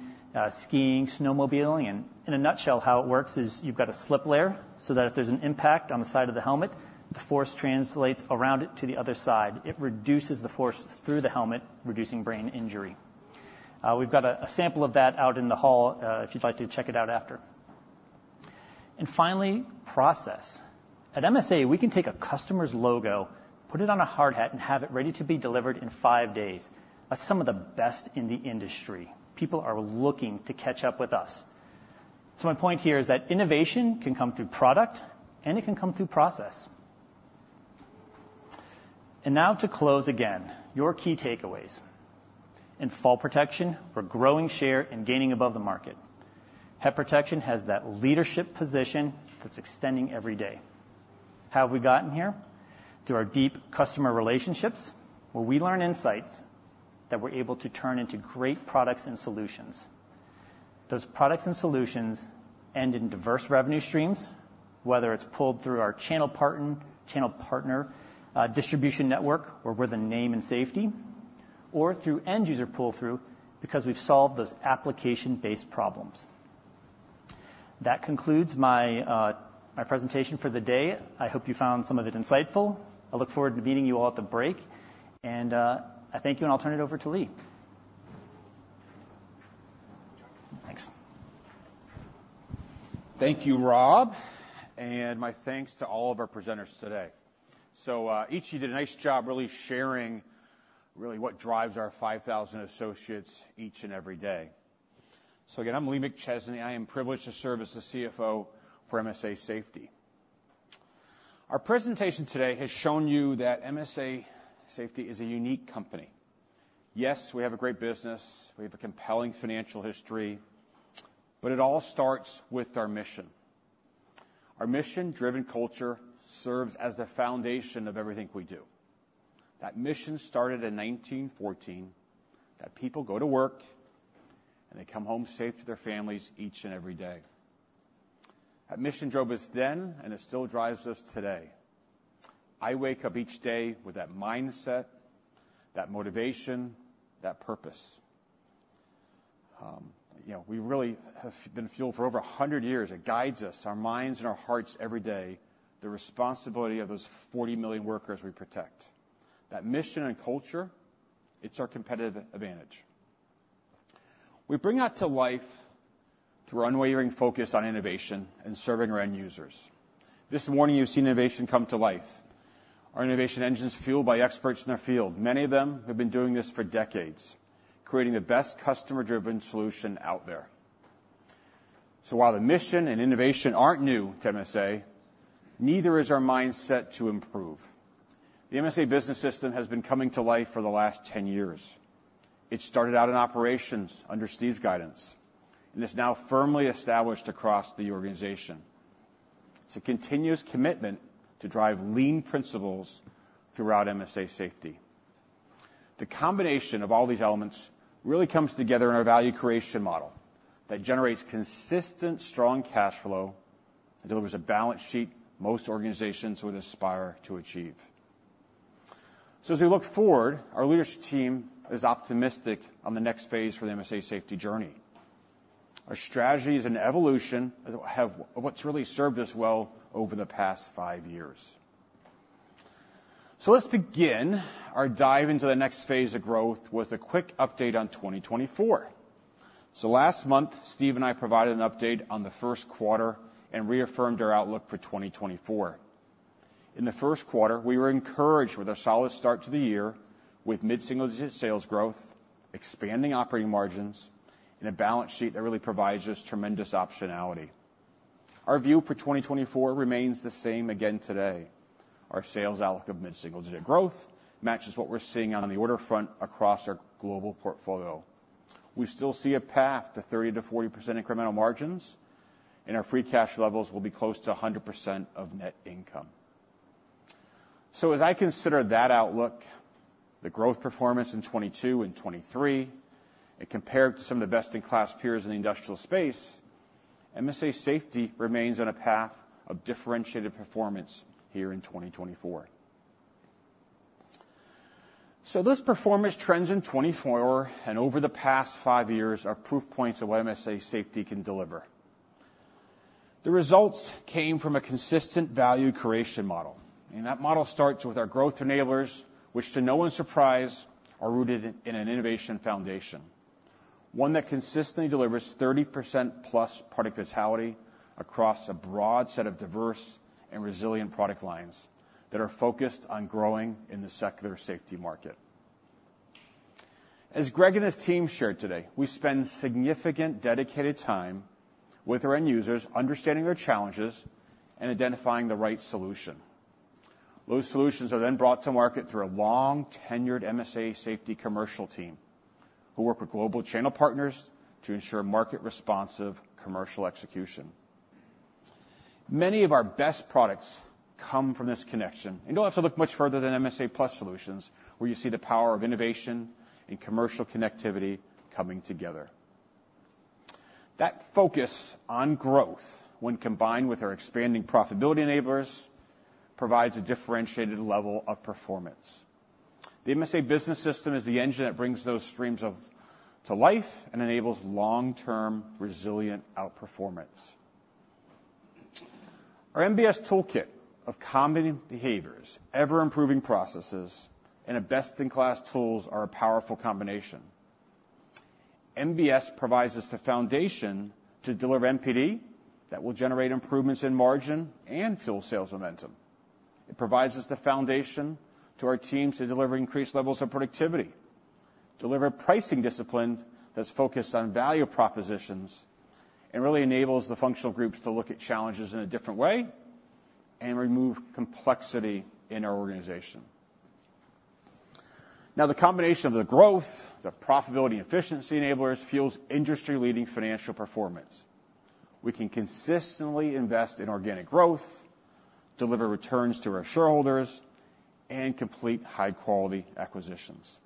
skiing, snowmobiling. And in a nutshell, how it works is you've got a slip layer so that if there's an impact on the side of the helmet, the force translates around it to the other side. It reduces the force through the helmet, reducing brain injury. We've got a, a sample of that out in the hall, if you'd like to check it out after. Finally, process. At MSA, we can take a customer's logo, put it on a hard hat, and have it ready to be delivered in five days. That's some of the best in the industry. People are looking to catch up with us. So my point here is that innovation can come through product, and it can come through process. Now to close again, your key takeaways. In fall protection, we're growing share and gaining above the market. Head protection has that leadership position that's extending every day. How have we gotten here? Through our deep customer relationships, where we learn insights that we're able to turn into great products and solutions. Those products and solutions end in diverse revenue streams, whether it's pulled through our channel partner distribution network, or we're the name in safety, or through end user pull-through, because we've solved those application-based problems. That concludes my presentation for the day. I hope you found some of it insightful. I look forward to meeting you all at the break, and I thank you, and I'll turn it over to Lee. Thanks. Thank you, Rob, and my thanks to all of our presenters today. Each of you did a nice job really sharing really what drives our 5,000 associates each and every day. Again, I'm Lee McChesney. I am privileged to serve as the CFO for MSA Safety. Our presentation today has shown you that MSA Safety is a unique company. Yes, we have a great business. We have a compelling financial history, but it all starts with our mission. Our mission-driven culture serves as the foundation of everything we do. That mission started in 1914, that people go to work, and they come home safe to their families each and every day. That mission drove us then, and it still drives us today. I wake up each day with that mindset, that motivation, that purpose. You know, we really have been fueled for over 100 years. It guides us, our minds and our hearts every day, the responsibility of those 40 million workers we protect. That mission and culture, it's our competitive advantage. We bring that to life through unwavering focus on innovation and serving our end users. This morning you've seen innovation come to life. Our innovation engine's fueled by experts in their field. Many of them have been doing this for decades, creating the best customer-driven solution out there. So while the mission and innovation aren't new to MSA, neither is our mindset to improve. msa Business System has been coming to life for the last 10 years. It started out in operations under Steve's guidance and is now firmly established across the organization. It's a continuous commitment to drive lean principles throughout MSA Safety. The combination of all these elements really comes together in our value creation model that generates consistent, strong cash flow and delivers a balance sheet most organizations would aspire to achieve. So as we look forward, our leadership team is optimistic on the next phase for the MSA Safety journey. Our strategies and evolution have what's really served us well over the past 5 years. So let's begin our dive into the next phase of growth with a quick update on 2024. So last month, Steve and I provided an update on the first quarter and reaffirmed our outlook for 2024. In the first quarter, we were encouraged with a solid start to the year, with mid-single-digit sales growth, expanding operating margins, and a balance sheet that really provides us tremendous optionality. Our view for 2024 remains the same again today. Our sales outlook of mid-single-digit growth matches what we're seeing on the order front across our global portfolio. We still see a path to 30%-40% incremental margins, and our free cash levels will be close to 100% of net income. As I consider that outlook, the growth performance in 2022 and 2023, and compared to some of the best-in-class peers in the industrial space, MSA Safety remains on a path of differentiated performance here in 2024. Those performance trends in 2024 and over the past five years are proof points of what MSA Safety can deliver. The results came from a consistent value creation model, and that model starts with our growth enablers, which, to no one's surprise, are rooted in an innovation foundation. One that consistently delivers 30%+ productivity across a broad set of diverse and resilient product lines that are focused on growing in the secular safety market. As Greg and his team shared today, we spend significant, dedicated time with our end users, understanding their challenges and identifying the right solution. Those solutions are then brought to market through a long-tenured MSA Safety commercial team, who work with global channel partners to ensure market-responsive commercial execution. Many of our best products come from this connection, and you don't have to look much further than MSA+ Solutions, where you see the power of innovation and commercial connectivity coming together. That focus on growth, when combined with our expanding profitability enablers, provides a differentiated level of performance. msa Business System is the engine that brings those streams of... to life and enables long-term, resilient outperformance. Our MBS toolkit of combined behaviors, ever-improving processes, and a best-in-class tools are a powerful combination. MBS provides us the foundation to deliver NPD that will generate improvements in margin and fuel sales momentum. It provides us the foundation to our teams to deliver increased levels of productivity, deliver pricing discipline that's focused on value propositions, and really enables the functional groups to look at challenges in a different way and remove complexity in our organization. Now, the combination of the growth, the profitability efficiency enablers, fuels industry-leading financial performance. We can consistently invest in organic growth, deliver returns to our shareholders, and complete high-quality acquisitions.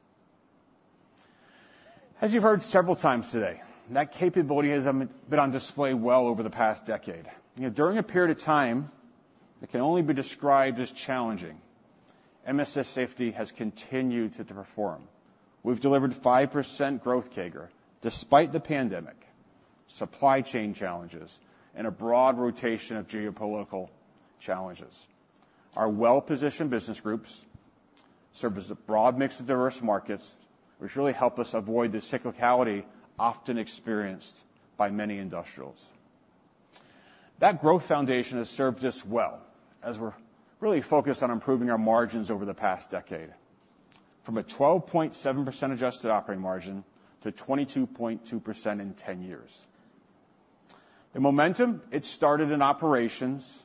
As you've heard several times today, that capability has been on display well over the past decade. You know, during a period of time that can only be described as challenging... MSA Safety has continued to perform. We've delivered 5% growth CAGR despite the pandemic, supply chain challenges, and a broad rotation of geopolitical challenges. Our well-positioned business groups serve as a broad mix of diverse markets, which really help us avoid the cyclicality often experienced by many industrials. That growth foundation has served us well, as we're really focused on improving our margins over the past decade, from a 12.7% adjusted operating margin to 22.2% in 10 years. The momentum, it started in operations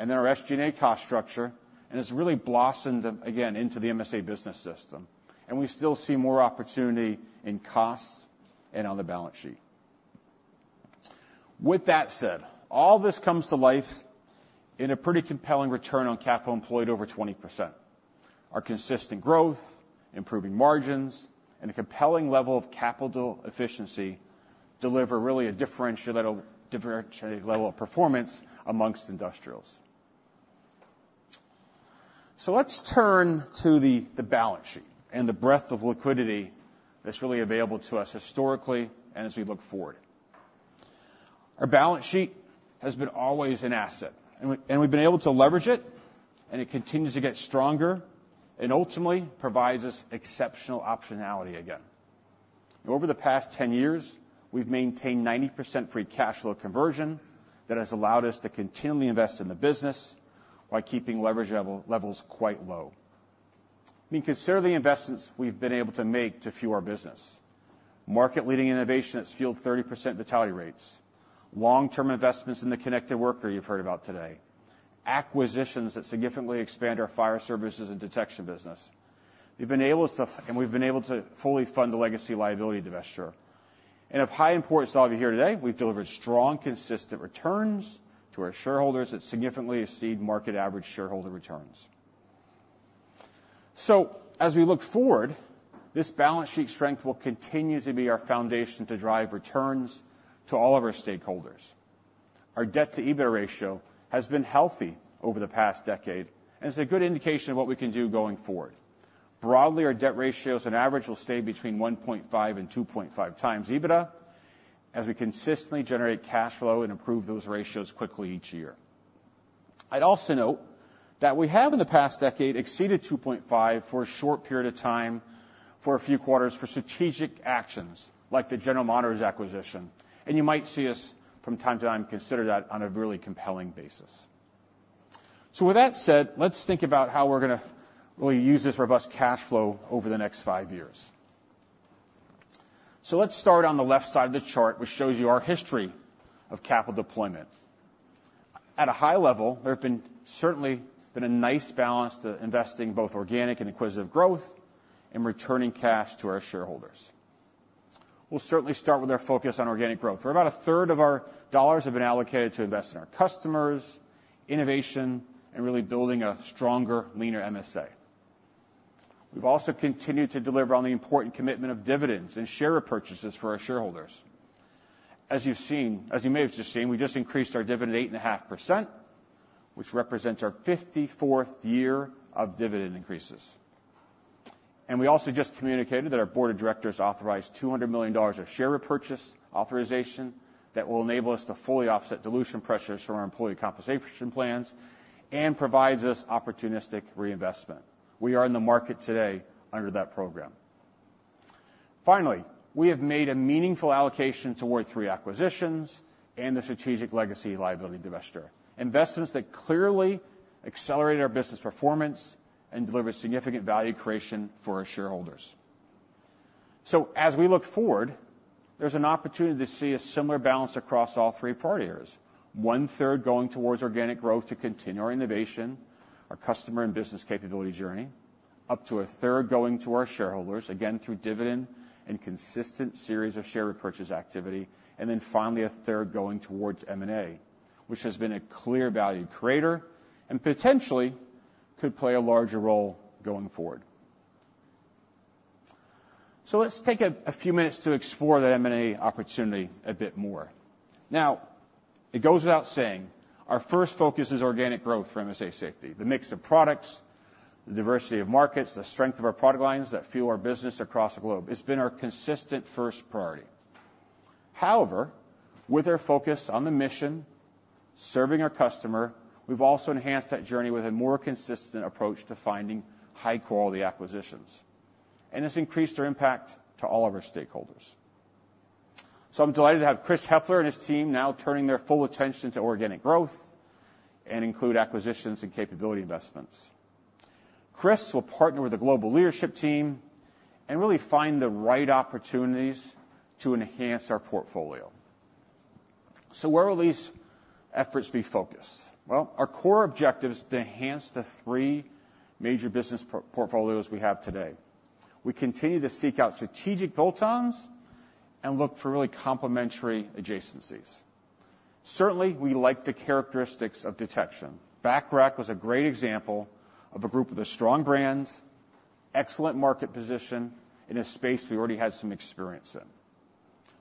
and then our SG&A cost structure, and it's really blossomed, again, into msa Business System, and we still see more opportunity in costs and on the balance sheet. With that said, all this comes to life in a pretty compelling return on capital employed over 20%. Our consistent growth, improving margins, and a compelling level of capital efficiency deliver really a differentiated level of performance amongst industrials. So let's turn to the balance sheet and the breadth of liquidity that's really available to us historically and as we look forward. Our balance sheet has been always an asset, and we, and we've been able to leverage it, and it continues to get stronger and ultimately provides us exceptional optionality again. Over the past 10 years, we've maintained 90% free cash flow conversion that has allowed us to continually invest in the business while keeping leverage levels quite low. I mean, consider the investments we've been able to make to fuel our business. Market-leading innovation that's fueled 30% vitality rates, long-term investments in the connected worker you've heard about today, acquisitions that significantly expand our fire services and detection business. We've been able to fully fund the legacy liability divestiture. And of high importance to all of you here today, we've delivered strong, consistent returns to our shareholders that significantly exceed market average shareholder returns. So as we look forward, this balance sheet strength will continue to be our foundation to drive returns to all of our stakeholders. Our debt-to-EBITDA ratio has been healthy over the past decade, and it's a good indication of what we can do going forward. Broadly, our debt ratios on average will stay between 1.5 and 2.5 times EBITDA, as we consistently generate cash flow and improve those ratios quickly each year. I'd also note that we have, in the past decade, exceeded 2.5 for a short period of time, for a few quarters, for strategic actions, like the General Monitors acquisition, and you might see us from time to time consider that on a really compelling basis. So with that said, let's think about how we're gonna really use this robust cash flow over the next five years. So let's start on the left side of the chart, which shows you our history of capital deployment. At a high level, there have certainly been a nice balance to investing, both organic and acquisitive growth, and returning cash to our shareholders. We'll certainly start with our focus on organic growth, where about a third of our dollars have been allocated to invest in our customers, innovation, and really building a stronger, leaner MSA. We've also continued to deliver on the important commitment of dividends and share repurchases for our shareholders. As you've seen, as you may have just seen, we just increased our dividend 8.5%, which represents our 54th year of dividend increases. And we also just communicated that our board of directors authorized $200 million of share repurchase authorization that will enable us to fully offset dilution pressures from our employee compensation plans and provides us opportunistic reinvestment. We are in the market today under that program. Finally, we have made a meaningful allocation toward three acquisitions and the strategic legacy liability divestiture, investments that clearly accelerate our business performance and deliver significant value creation for our shareholders. So as we look forward, there's an opportunity to see a similar balance across all three priority areas. One third going towards organic growth to continue our innovation, our customer and business capability journey, up to a third going to our shareholders, again, through dividend and consistent series of share repurchase activity, and then finally, a third going towards M&A, which has been a clear value creator and potentially could play a larger role going forward. So let's take a few minutes to explore that M&A opportunity a bit more. Now, it goes without saying, our first focus is organic growth for MSA Safety, the mix of products, the diversity of markets, the strength of our product lines that fuel our business across the globe. It's been our consistent first priority. However, with our focus on the mission, serving our customer, we've also enhanced that journey with a more consistent approach to finding high-quality acquisitions, and it's increased our impact to all of our stakeholders. So I'm delighted to have Chris Hepler and his team now turning their full attention to organic growth and include acquisitions and capability investments. Chris will partner with the global leadership team and really find the right opportunities to enhance our portfolio. So where will these efforts be focused? Well, our core objective is to enhance the three major business portfolios we have today. We continue to seek out strategic bolt-ons and look for really complementary adjacencies. Certainly, we like the characteristics of detection. Bacharach was a great example of a group with a strong brand, excellent market position, in a space we already had some experience in....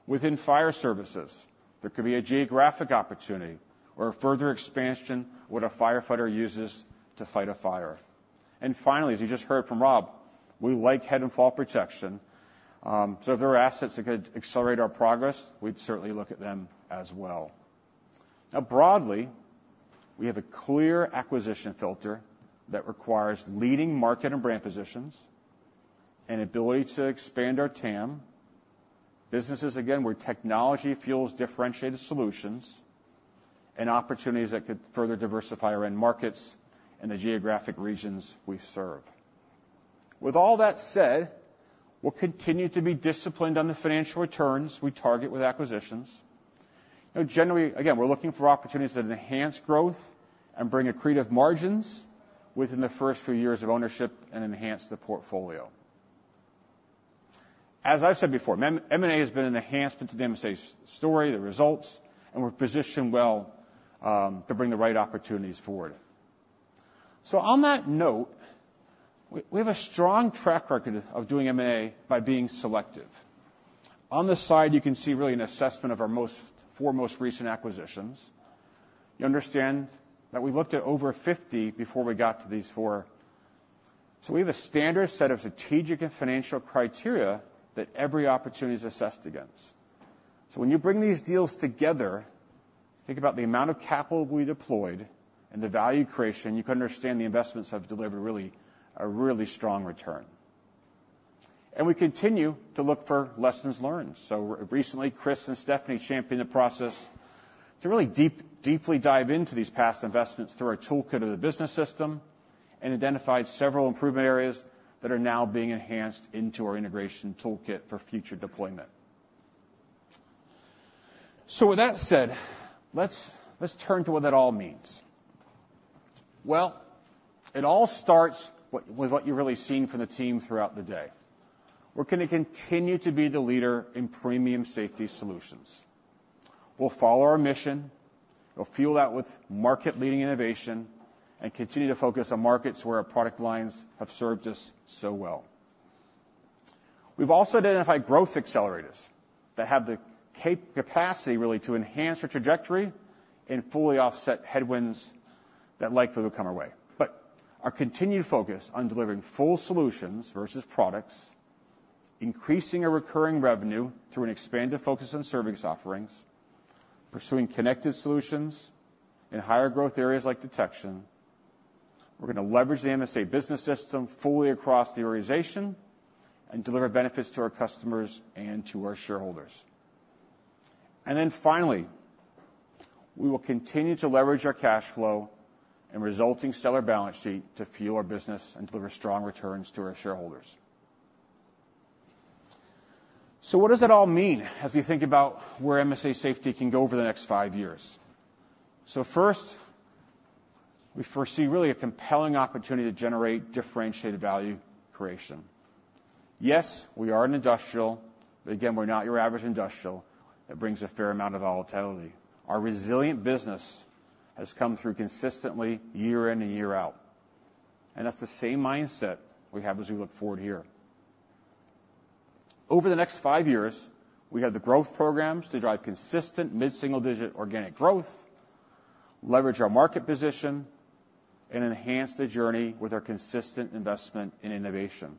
Within fire services, there could be a geographic opportunity or a further expansion, what a firefighter uses to fight a fire. And finally, as you just heard from Rob, we like head and fall protection. So if there are assets that could accelerate our progress, we'd certainly look at them as well. Now, broadly, we have a clear acquisition filter that requires leading market and brand positions, an ability to expand our TAM, businesses, again, where technology fuels differentiated solutions, and opportunities that could further diversify our end markets and the geographic regions we serve. With all that said, we'll continue to be disciplined on the financial returns we target with acquisitions. Now, generally, again, we're looking for opportunities that enhance growth and bring accretive margins within the first few years of ownership and enhance the portfolio. As I've said before, M&A has been an enhancement to MSA's story, the results, and we're positioned well to bring the right opportunities forward. So on that note, we have a strong track record of doing M&A by being selective. On this side, you can see really an assessment of our four most recent acquisitions. You understand that we looked at over 50 before we got to these four. So we have a standard set of strategic and financial criteria that every opportunity is assessed against. So when you bring these deals together, think about the amount of capital we deployed and the value creation. You can understand the investments have delivered really a really strong return. And we continue to look for lessons learned. So recently, Chris and Stephanie championed a process to really deeply dive into these past investments through our toolkit of the Business System and identified several improvement areas that are now being enhanced into our integration toolkit for future deployment. So with that said, let's turn to what that all means. Well, it all starts with what you've really seen from the team throughout the day. We're gonna continue to be the leader in premium safety solutions. We'll follow our mission, we'll fuel that with market-leading innovation, and continue to focus on markets where our product lines have served us so well. We've also identified Growth Accelerators that have the capacity, really, to enhance our trajectory and fully offset headwinds that likely will come our way. But our continued focus on delivering full solutions versus products, increasing our recurring revenue through an expanded focus on service offerings, pursuing connected solutions in higher growth areas like detection. We're gonna leverage the MSA Business System fully across the organization and deliver benefits to our customers and to our shareholders. And then finally, we will continue to leverage our cash flow and resulting stellar balance sheet to fuel our business and deliver strong returns to our shareholders. So what does it all mean as you think about where MSA Safety can go over the next five years? So first, we foresee really a compelling opportunity to generate differentiated value creation. Yes, we are an industrial, but again, we're not your average industrial. That brings a fair amount of volatility. Our resilient business has come through consistently year in and year out, and that's the same mindset we have as we look forward here. Over the next five years, we have the growth programs to drive consistent mid-single-digit organic growth, leverage our market position, and enhance the journey with our consistent investment in innovation.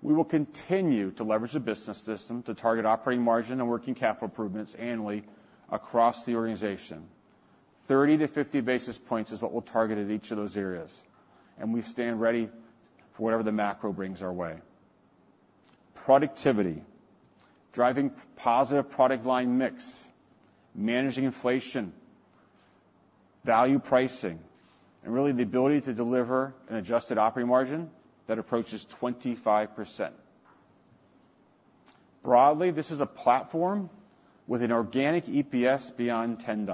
We will continue to leverage the Business System to target operating margin and working capital improvements annually across the organization. 30-50 basis points is what we'll target at each of those areas, and we stand ready for whatever the macro brings our way. Productivity, driving positive product line mix, managing inflation, value pricing, and really, the ability to deliver an adjusted operating margin that approaches 25%. Broadly, this is a platform with an organic EPS beyond $10,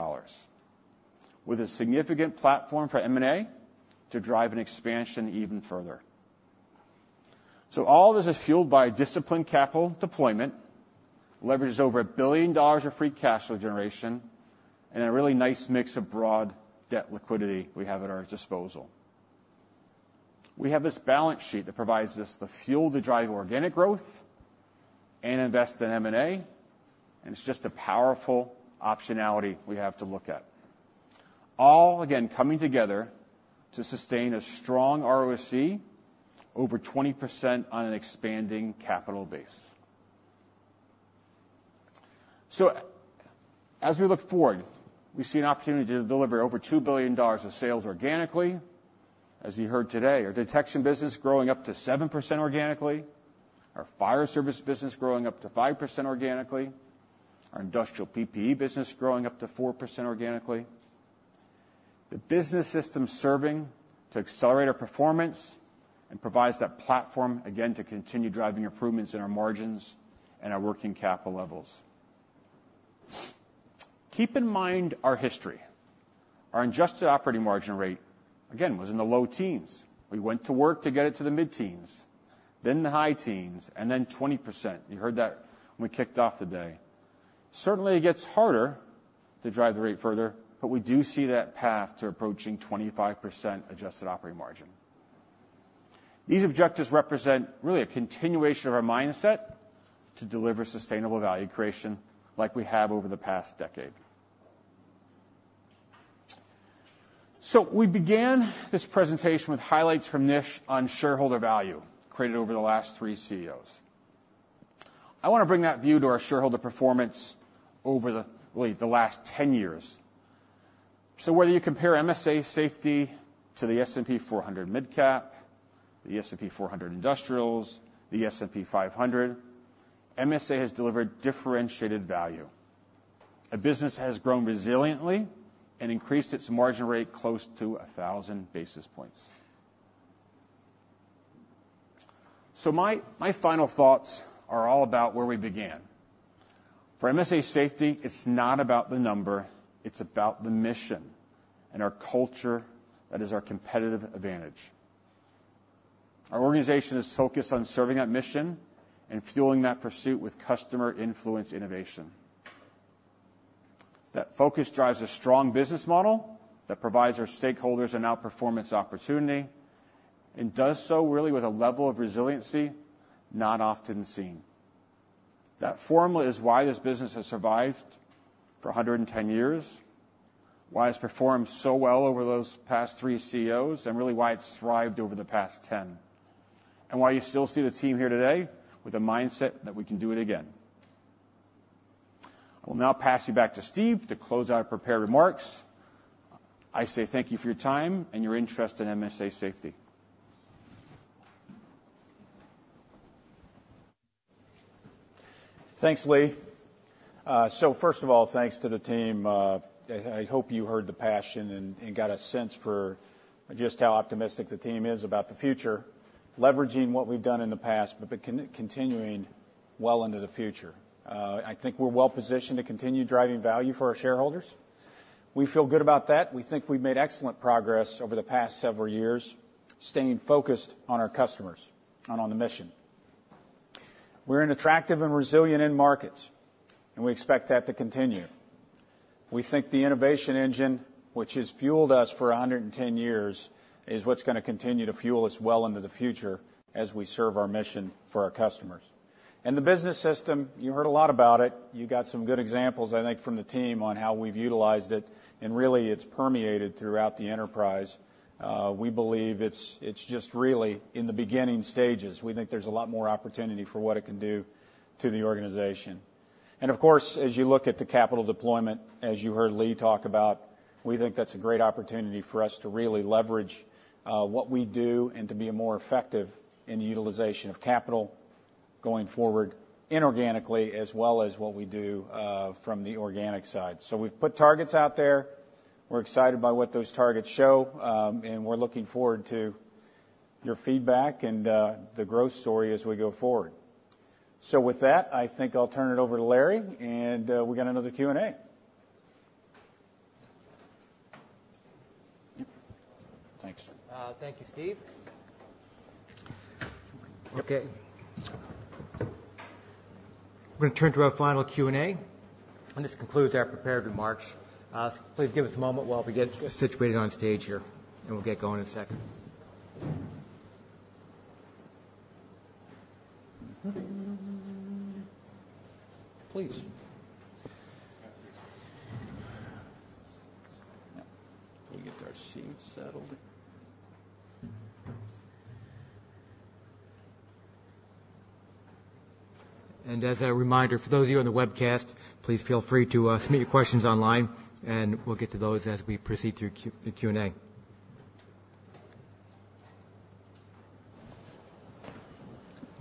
with a significant platform for M&A to drive an expansion even further. So all this is fueled by disciplined capital deployment, leverages over $1 billion of free cash flow generation, and a really nice mix of broad debt liquidity we have at our disposal. We have this balance sheet that provides us the fuel to drive organic growth and invest in M&A, and it's just a powerful optionality we have to look at. All, again, coming together to sustain a strong ROIC, over 20% on an expanding capital base. So as we look forward, we see an opportunity to deliver over $2 billion of sales organically. As you heard today, our detection business growing up to 7% organically, our fire service business growing up to 5% organically, our industrial PPE business growing up to 4% organically. The Business System serving to accelerate our performance and provides that platform, again, to continue driving improvements in our margins and our working capital levels. Keep in mind our history. Our adjusted operating margin rate, again, was in the low teens. We went to work to get it to the mid-teens, then the high teens, and then 20%. You heard that when we kicked off today. Certainly, it gets harder to drive the rate further, but we do see that path to approaching 25% adjusted operating margin. These objectives represent really a continuation of our mindset to deliver sustainable value creation like we have over the past decade. So we began this presentation with highlights from Nish on shareholder value created over the last three CEOs. I wanna bring that view to our shareholder performance over, really, the last 10 years. So whether you compare MSA Safety to the S&P 400 MidCap, the S&P 400 Industrials, the S&P 500, MSA has delivered differentiated value. A business has grown resiliently and increased its margin rate close to 1,000 basis points. So my, my final thoughts are all about where we began. For MSA Safety, it's not about the number, it's about the mission and our culture that is our competitive advantage. Our organization is focused on serving that mission and fueling that pursuit with customer influence innovation. That focus drives a strong business model that provides our stakeholders an outperformance opportunity, and does so really with a level of resiliency, not often seen. That formula is why this business has survived for 110 years, why it's performed so well over those past three CEOs, and really why it's thrived over the past 10, and why you still see the team here today with a mindset that we can do it again. I will now pass you back to Steve to close out our prepared remarks. I say thank you for your time and your interest in MSA Safety. Thanks, Lee. So first of all, thanks to the team. I hope you heard the passion and got a sense for just how optimistic the team is about the future, leveraging what we've done in the past, but continuing well into the future. I think we're well positioned to continue driving value for our shareholders. We feel good about that. We think we've made excellent progress over the past several years, staying focused on our customers and on the mission. We're in attractive and resilient end markets, and we expect that to continue. We think the innovation engine, which has fueled us for 110 years, is what's gonna continue to fuel us well into the future as we serve our mission for our customers. The Business System, you heard a lot about it, you got some good examples, I think, from the team on how we've utilized it, and really, it's permeated throughout the enterprise. We believe it's, it's just really in the beginning stages. We think there's a lot more opportunity for what it can do to the organization. And of course, as you look at the capital deployment, as you heard Lee talk about, we think that's a great opportunity for us to really leverage, what we do and to be more effective in the utilization of capital going forward inorganically, as well as what we do, from the organic side. We've put targets out there. We're excited by what those targets show, and we're looking forward to your feedback and, the growth story as we go forward. So with that, I think I'll turn it over to Larry, and we've got another Q&A. Thank you, sir. Thank you, Steve. Okay. We're gonna turn to our final Q&A, and this concludes our prepared remarks. Please give us a moment while we get situated on stage here, and we'll get going in a sec As a reminder, for those of you on the webcast, please feel free to submit your questions online, and we'll get to those as we proceed through the Q&A.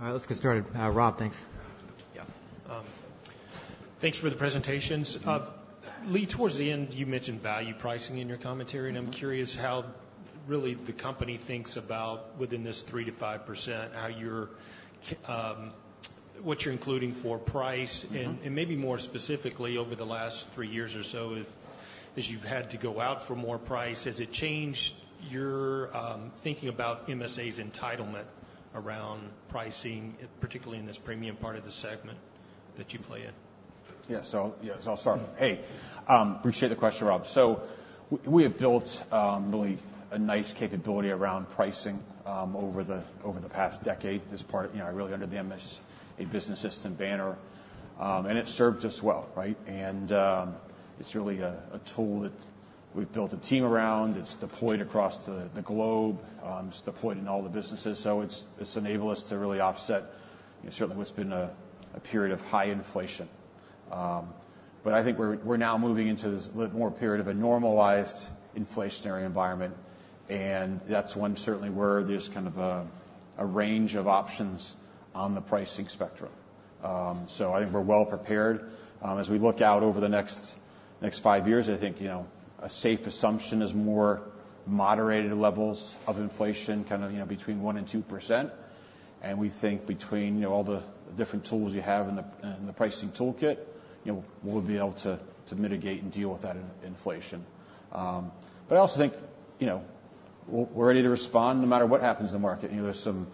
All right, let's get started. Rob, thanks. Yeah, thanks for the presentations. Lee, toward the end, you mentioned value pricing in your commentary, and I'm curious how really the company thinks about, within this 3%-5%, how you're what you're including for price? And maybe more specifically, over the last three years or so, if as you've had to go out for more price, has it changed your thinking about MSA's entitlement around pricing, particularly in this premium part of the segment that you play in? Yeah, so I'll start. Hey, appreciate the question, Rob. So we have built really a nice capability around pricing over the past decade as part, you know, really under the MSA Business System banner. And it served us well, right? And it's really a tool that we've built a team around. It's deployed across the globe. It's deployed in all the businesses, so it's enabled us to really offset certainly what's been a period of high inflation. But I think we're now moving into this more period of a normalized inflationary environment, and that's one certainly where there's kind of a range of options on the pricing spectrum. So I think we're well prepared. As we look out over the next, next five years, I think, you know, a safe assumption is more moderated levels of inflation, kind of, you know, between 1% and 2%. And we think between, you know, all the different tools you have in the, in the pricing toolkit, you know, we'll be able to, to mitigate and deal with that inflation. But I also think, you know, we're ready to respond no matter what happens in the market. You know, there's some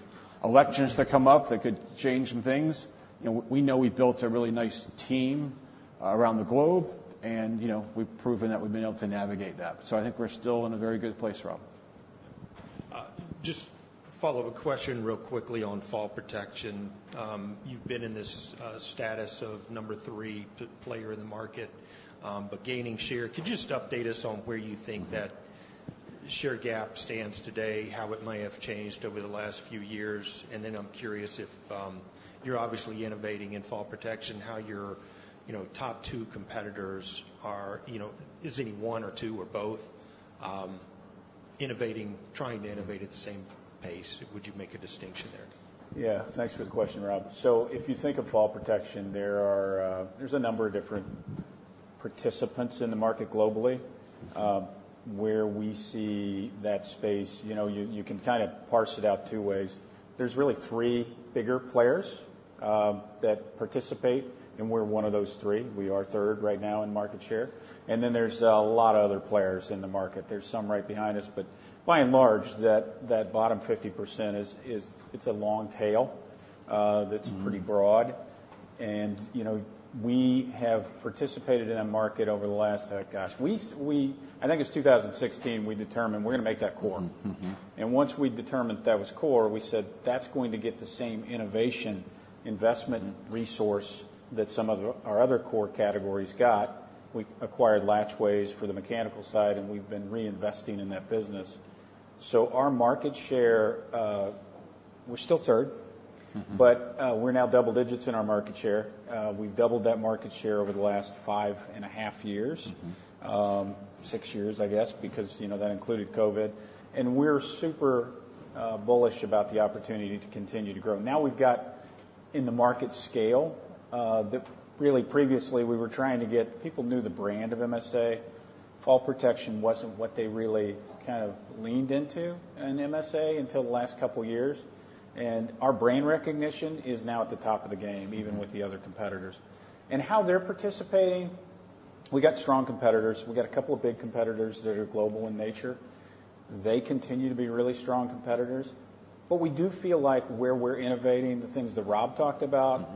elections that come up that could change some things. You know, we know we've built a really nice team-… around the globe, and, you know, we've proven that we've been able to navigate that. So I think we're still in a very good place, Rob. Just a follow-up question real quickly on fall protection. You've been in this status of number three player in the market, but gaining share. Could you just update us on where you think that share gap stands today, how it may have changed over the last few years? And then I'm curious if, you're obviously innovating in fall protection, how your, you know, top two competitors are, you know, is it one or two or both, innovating, trying to innovate at the same pace? Would you make a distinction there? Yeah, thanks for the question, Rob. So if you think of fall protection, there are, there's a number of different participants in the market globally. Where we see that space, you know, you, you can kind of parse it out two ways. There's really three bigger players that participate, and we're one of those three. We are third right now in market share, and then there's a lot of other players in the market. There's some right behind us, but by and large, that, that bottom 50% is, is—it's a long tail... that's pretty broad. You know, we have participated in that market over the last, I think it's 2016, we determined we're gonna make that core. Once we determined that was core, we said, "That's going to get the same innovation, investment, and resource that some of our other core categories got." We acquired Latchways for the mechanical side, and we've been reinvesting in that business. So our market share, we're still third. We're now double digits in our market share. We've doubled that market share over the last 5.5 years. Six years, I guess, because, you know, that included COVID, and we're super bullish about the opportunity to continue to grow. Now, we've got in the market scale that really previously we were trying to get... People knew the brand of MSA. Fall protection wasn't what they really kind of leaned into in MSA until the last couple of years, and our brand recognition is now at the top of the game, even with the other competitors. And how they're participating, we've got strong competitors. We've got a couple of big competitors that are global in nature. They continue to be really strong competitors, but we do feel like where we're innovating, the things that Rob talked about-...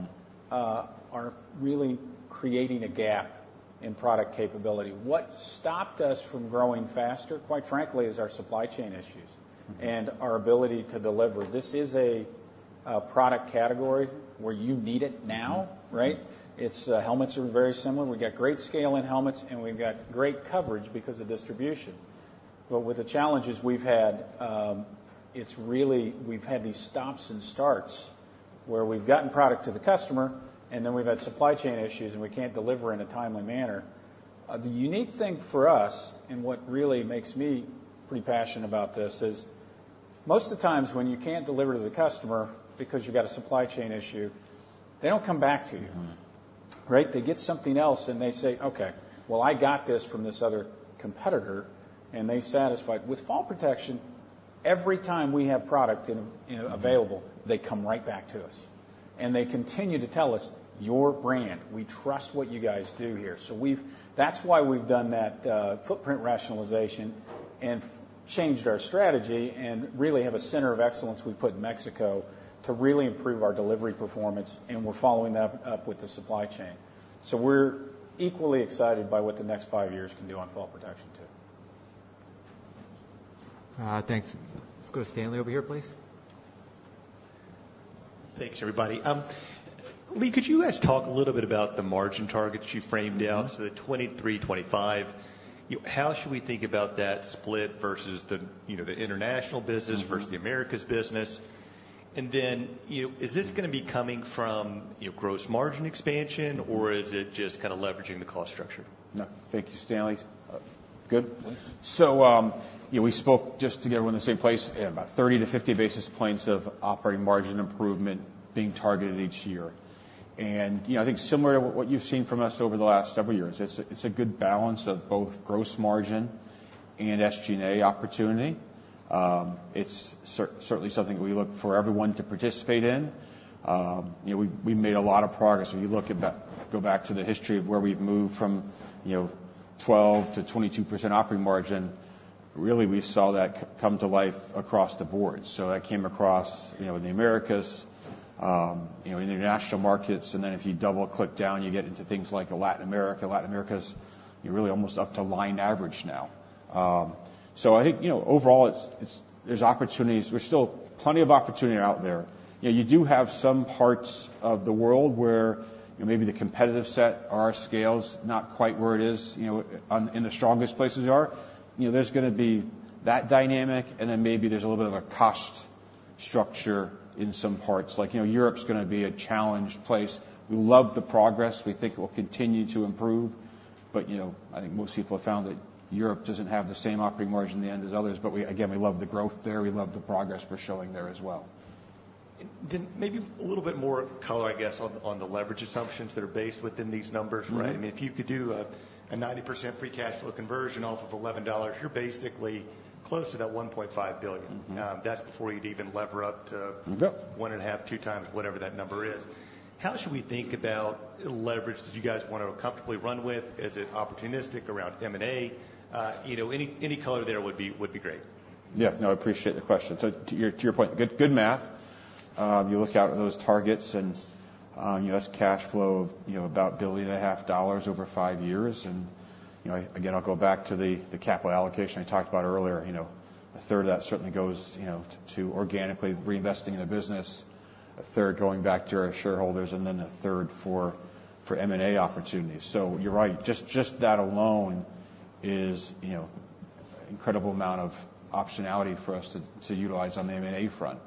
are really creating a gap in product capability. What stopped us from growing faster, quite frankly, is our supply chain issues- and our ability to deliver. This is a product category where you need it now. Right? It's helmets are very similar. We got great scale in helmets, and we've got great coverage because of distribution. But with the challenges we've had, it's really we've had these stops and starts, where we've gotten product to the customer, and then we've had supply chain issues, and we can't deliver in a timely manner. The unique thing for us, and what really makes me pretty passionate about this, is most of the times when you can't deliver to the customer because you've got a supply chain issue, they don't come back to you. Right? They get something else, and they say, "Okay, well, I got this from this other competitor," and they're satisfied. With fall protection, every time we have product in, you know, available, they come right back to us, and they continue to tell us, "Your brand, we trust what you guys do here." So we've. That's why we've done that, footprint rationalization and changed our strategy and really have a center of excellence we put in Mexico to really improve our delivery performance, and we're following that up with the supply chain. So we're equally excited by what the next five years can do on fall protection, too. Thanks. Let's go to Stanley over here, please. Thanks, everybody. Lee, could you guys talk a little bit about the margin targets you framed out? So the 2023, 2025, how should we think about that split versus the, you know, the international business-... versus the Americas business? And then, you know, is this gonna be coming from, you know, gross margin expansion-... or is it just kind of leveraging the cost structure? No. Thank you, Stanley. Good. Please. So, you know, we spoke just to get everyone in the same place, about 30-50 basis points of operating margin improvement being targeted each year. And, you know, I think similar to what you've seen from us over the last several years, it's a, it's a good balance of both gross margin and SG&A opportunity. It's certainly something we look for everyone to participate in. You know, we made a lot of progress. If you look back, go back to the history of where we've moved from, you know, 12%-22% operating margin, really, we saw that come to life across the board. So that came across, you know, in the Americas, you know, in the international markets, and then if you double-click down, you get into things like Latin America. Latin America, you're really almost up to line average now. So I think, you know, overall, it's-- there's opportunities. There's still plenty of opportunity out there. You know, you do have some parts of the world where, you know, maybe the competitive set or our scale's not quite where it is, you know, on, in the strongest places are. You know, there's gonna be that dynamic, and then maybe there's a little bit of a cost structure in some parts. Like, you know, Europe's gonna be a challenged place. We love the progress. We think it will continue to improve, but, you know, I think most people have found that Europe doesn't have the same operating margin in the end as others. But we, again, we love the growth there. We love the progress we're showing there as well. Maybe a little bit more color, I guess, on the leverage assumptions that are based within these numbers, right? I mean, if you could do a 90% free cash flow conversion off of $11, you're basically close to that $1.5 billion. That's before you'd even lever up to-... 1.5, 2 times, whatever that number is. How should we think about the leverage that you guys want to comfortably run with? Is it opportunistic around M&A? You know, any color there would be great. Yeah. No, I appreciate the question. So to your, to your point, good, good math.... You look out at those targets and, US cash flow of, you know, about $1.5 billion over five years. And, you know, again, I'll go back to the capital allocation I talked about earlier. You know, a third of that certainly goes, you know, to organically reinvesting in the business, a third going back to our shareholders, and then a third for M&A opportunities. So you're right, just that alone is, you know, incredible amount of optionality for us to utilize on the M&A front.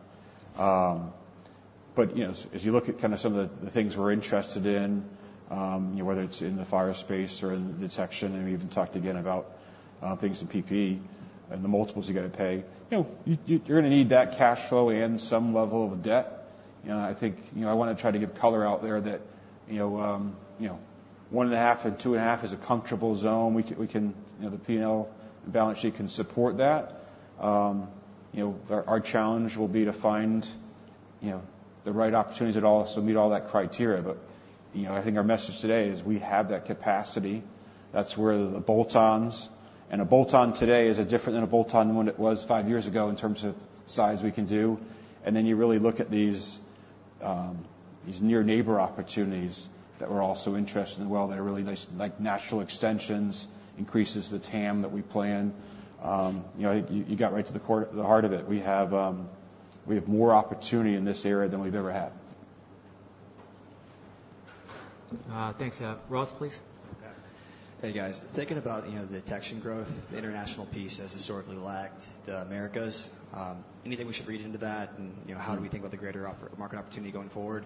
But, you know, as you look at kinda some of the things we're interested in, you know, whether it's in the fire space or in detection, and we even talked again about things in PPE and the multiples you got to pay, you know, you you're gonna need that cash flow and some level of debt. You know, I think, you know, I wanna try to give color out there that, you know, you know, 1.5x-2.5x is a comfortable zone. We can, we can, you know, the P&L balance sheet can support that. You know, our challenge will be to find, you know, the right opportunities that also meet all that criteria. But, you know, I think our message today is we have that capacity. That's where the bolt-ons... A bolt-on today is different than a bolt-on than what it was five years ago in terms of size we can do. Then you really look at these, these near neighbor opportunities that we're also interested in. Well, they're really nice, like, natural extensions, increases the TAM that we plan. You know, I think you, you got right to the core, the heart of it. We have, we have more opportunity in this area than we've ever had. Thanks. Ross, please. Hey, guys. Thinking about, you know, the detection growth, the international piece has historically lagged the Americas. Anything we should read into that? And, you know, how do we think about the greater market opportunity going forward?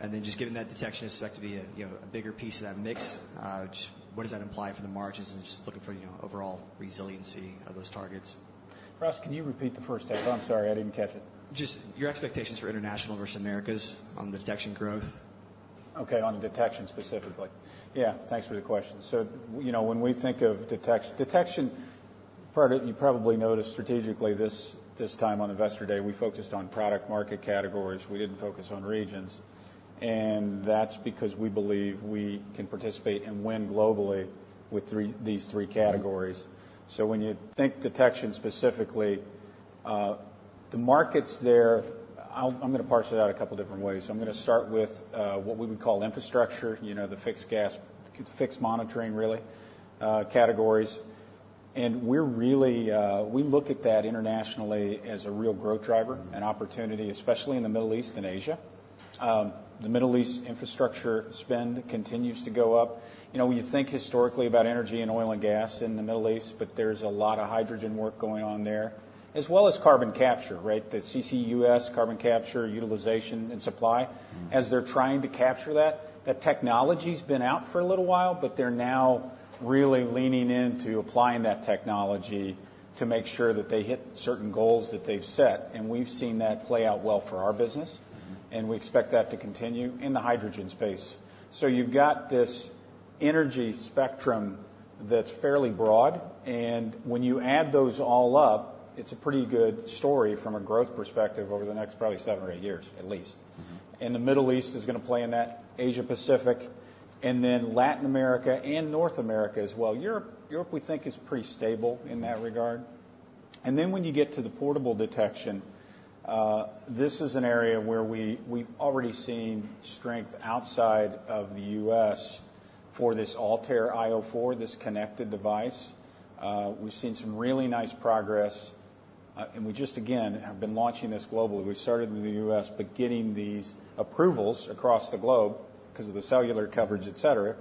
And then just given that detection is expected to be a, you know, a bigger piece of that mix, just what does that imply for the margins? And just looking for, you know, overall resiliency of those targets. Ross, can you repeat the first half? I'm sorry, I didn't catch it. Just your expectations for international versus Americas on the detection growth? Okay, on detection specifically. Yeah, thanks for the question. So you know, when we think of detection, part of it, you probably noticed strategically this time on Investor Day, we focused on product market categories. We didn't focus on regions. And that's because we believe we can participate and win globally with these three categories. So when you think detection, specifically, the markets there, I'm gonna parse it out a couple different ways. I'm gonna start with what we would call infrastructure, you know, the fixed gas, fixed monitoring, really categories. And we're really, we look at that internationally as a real growth driver and opportunity, especially in the Middle East and Asia. The Middle East infrastructure spend continues to go up. You know, when you think historically about energy and oil and gas in the Middle East, but there's a lot of hydrogen work going on there, as well as carbon capture, right? The CCUS, carbon capture, utilization, and supply. As they're trying to capture that, that technology's been out for a little while, but they're now really leaning into applying that technology to make sure that they hit certain goals that they've set, and we've seen that play out well for our business, and we expect that to continue in the hydrogen space. So you've got this energy spectrum that's fairly broad, and when you add those all up, it's a pretty good story from a growth perspective over the next probably seven or eight years at least. The Middle East is gonna play in that, Asia Pacific, and then Latin America and North America as well. Europe, Europe, we think, is pretty stable in that regard. And then when you get to the portable detection, this is an area where we, we've already seen strength outside of the U.S. for this ALTAIR io4, this connected device. We've seen some really nice progress, and we just, again, have been launching this globally. We started in the U.S., but getting these approvals across the globe because of the cellular coverage, et cetera,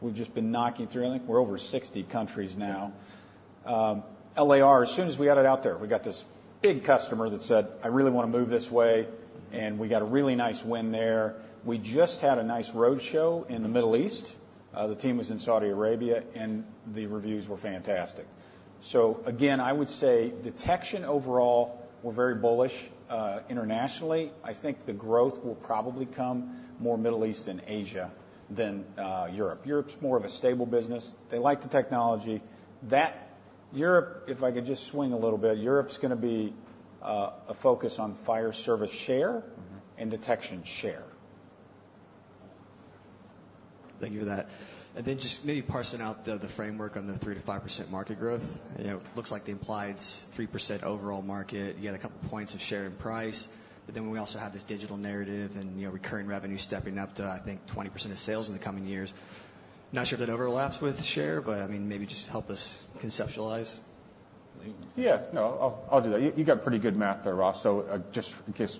we've just been knocking through. I think we're over 60 countries now. LAR, as soon as we got it out there, we got this big customer that said, "I really want to move this way," and we got a really nice win there. We just had a nice roadshow in the Middle East. The team was in Saudi Arabia, and the reviews were fantastic. So again, I would say detection overall, we're very bullish. Internationally, I think the growth will probably come more Middle East and Asia than Europe. Europe's more of a stable business. They like the technology. That, Europe, if I could just swing a little bit, Europe's gonna be a focus on fire service share- and detection share. Thank you for that. And then just maybe parsing out the, the framework on the 3%-5% market growth. You know, it looks like the implied 3% overall market, you had a couple points of share and price, but then we also have this digital narrative and, you know, recurring revenue stepping up to, I think, 20% of sales in the coming years. Not sure if that overlaps with share, but, I mean, maybe just help us conceptualize. Yeah. No, I'll do that. You got pretty good math there, Ross. So, just in case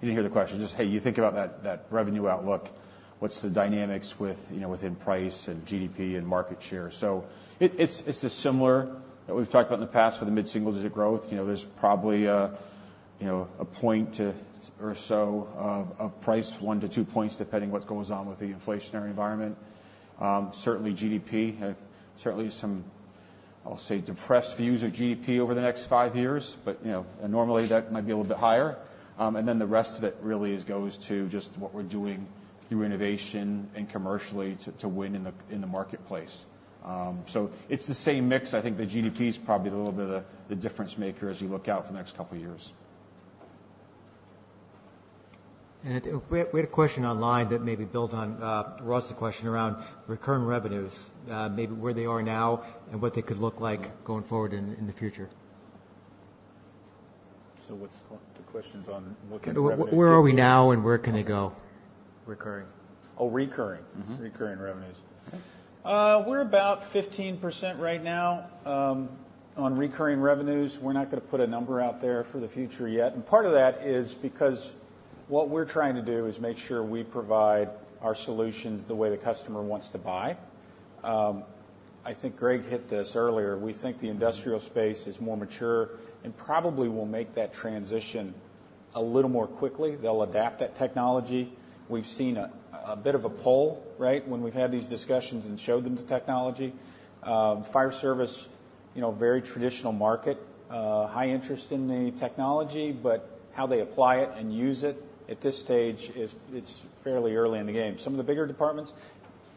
you didn't hear the question, just, hey, you think about that revenue outlook, what's the dynamics with, you know, within price and GDP and market share? So it's a similar that we've talked about in the past, for the mid-single digit growth. You know, there's probably a point or so of price, 1-2 points, depending what goes on with the inflationary environment. Certainly GDP, certainly some, I'll say, depressed views of GDP over the next 5 years, but, you know, normally that might be a little bit higher. And then the rest of it really goes to just what we're doing through innovation and commercially to win in the marketplace. So it's the same mix. I think the GDP is probably a little bit of the difference maker as you look out for the next couple of years.... We had a question online that maybe builds on Ross's question around recurring revenues, maybe where they are now and what they could look like going forward in the future. So what's the question's on looking at revenues- Where, where are we now, and where can they go? Recurring. Oh, recurring. Recurring revenues. We're about 15% right now on recurring revenues. We're not gonna put a number out there for the future yet, and part of that is because what we're trying to do is make sure we provide our solutions the way the customer wants to buy. I think Greg hit this earlier. We think the industrial space is more mature and probably will make that transition a little more quickly. They'll adapt that technology. We've seen a bit of a pull, right? When we've had these discussions and showed them the technology. Fire service, you know, very traditional market, high interest in the technology, but how they apply it and use it at this stage is. It's fairly early in the game. Some of the bigger departments,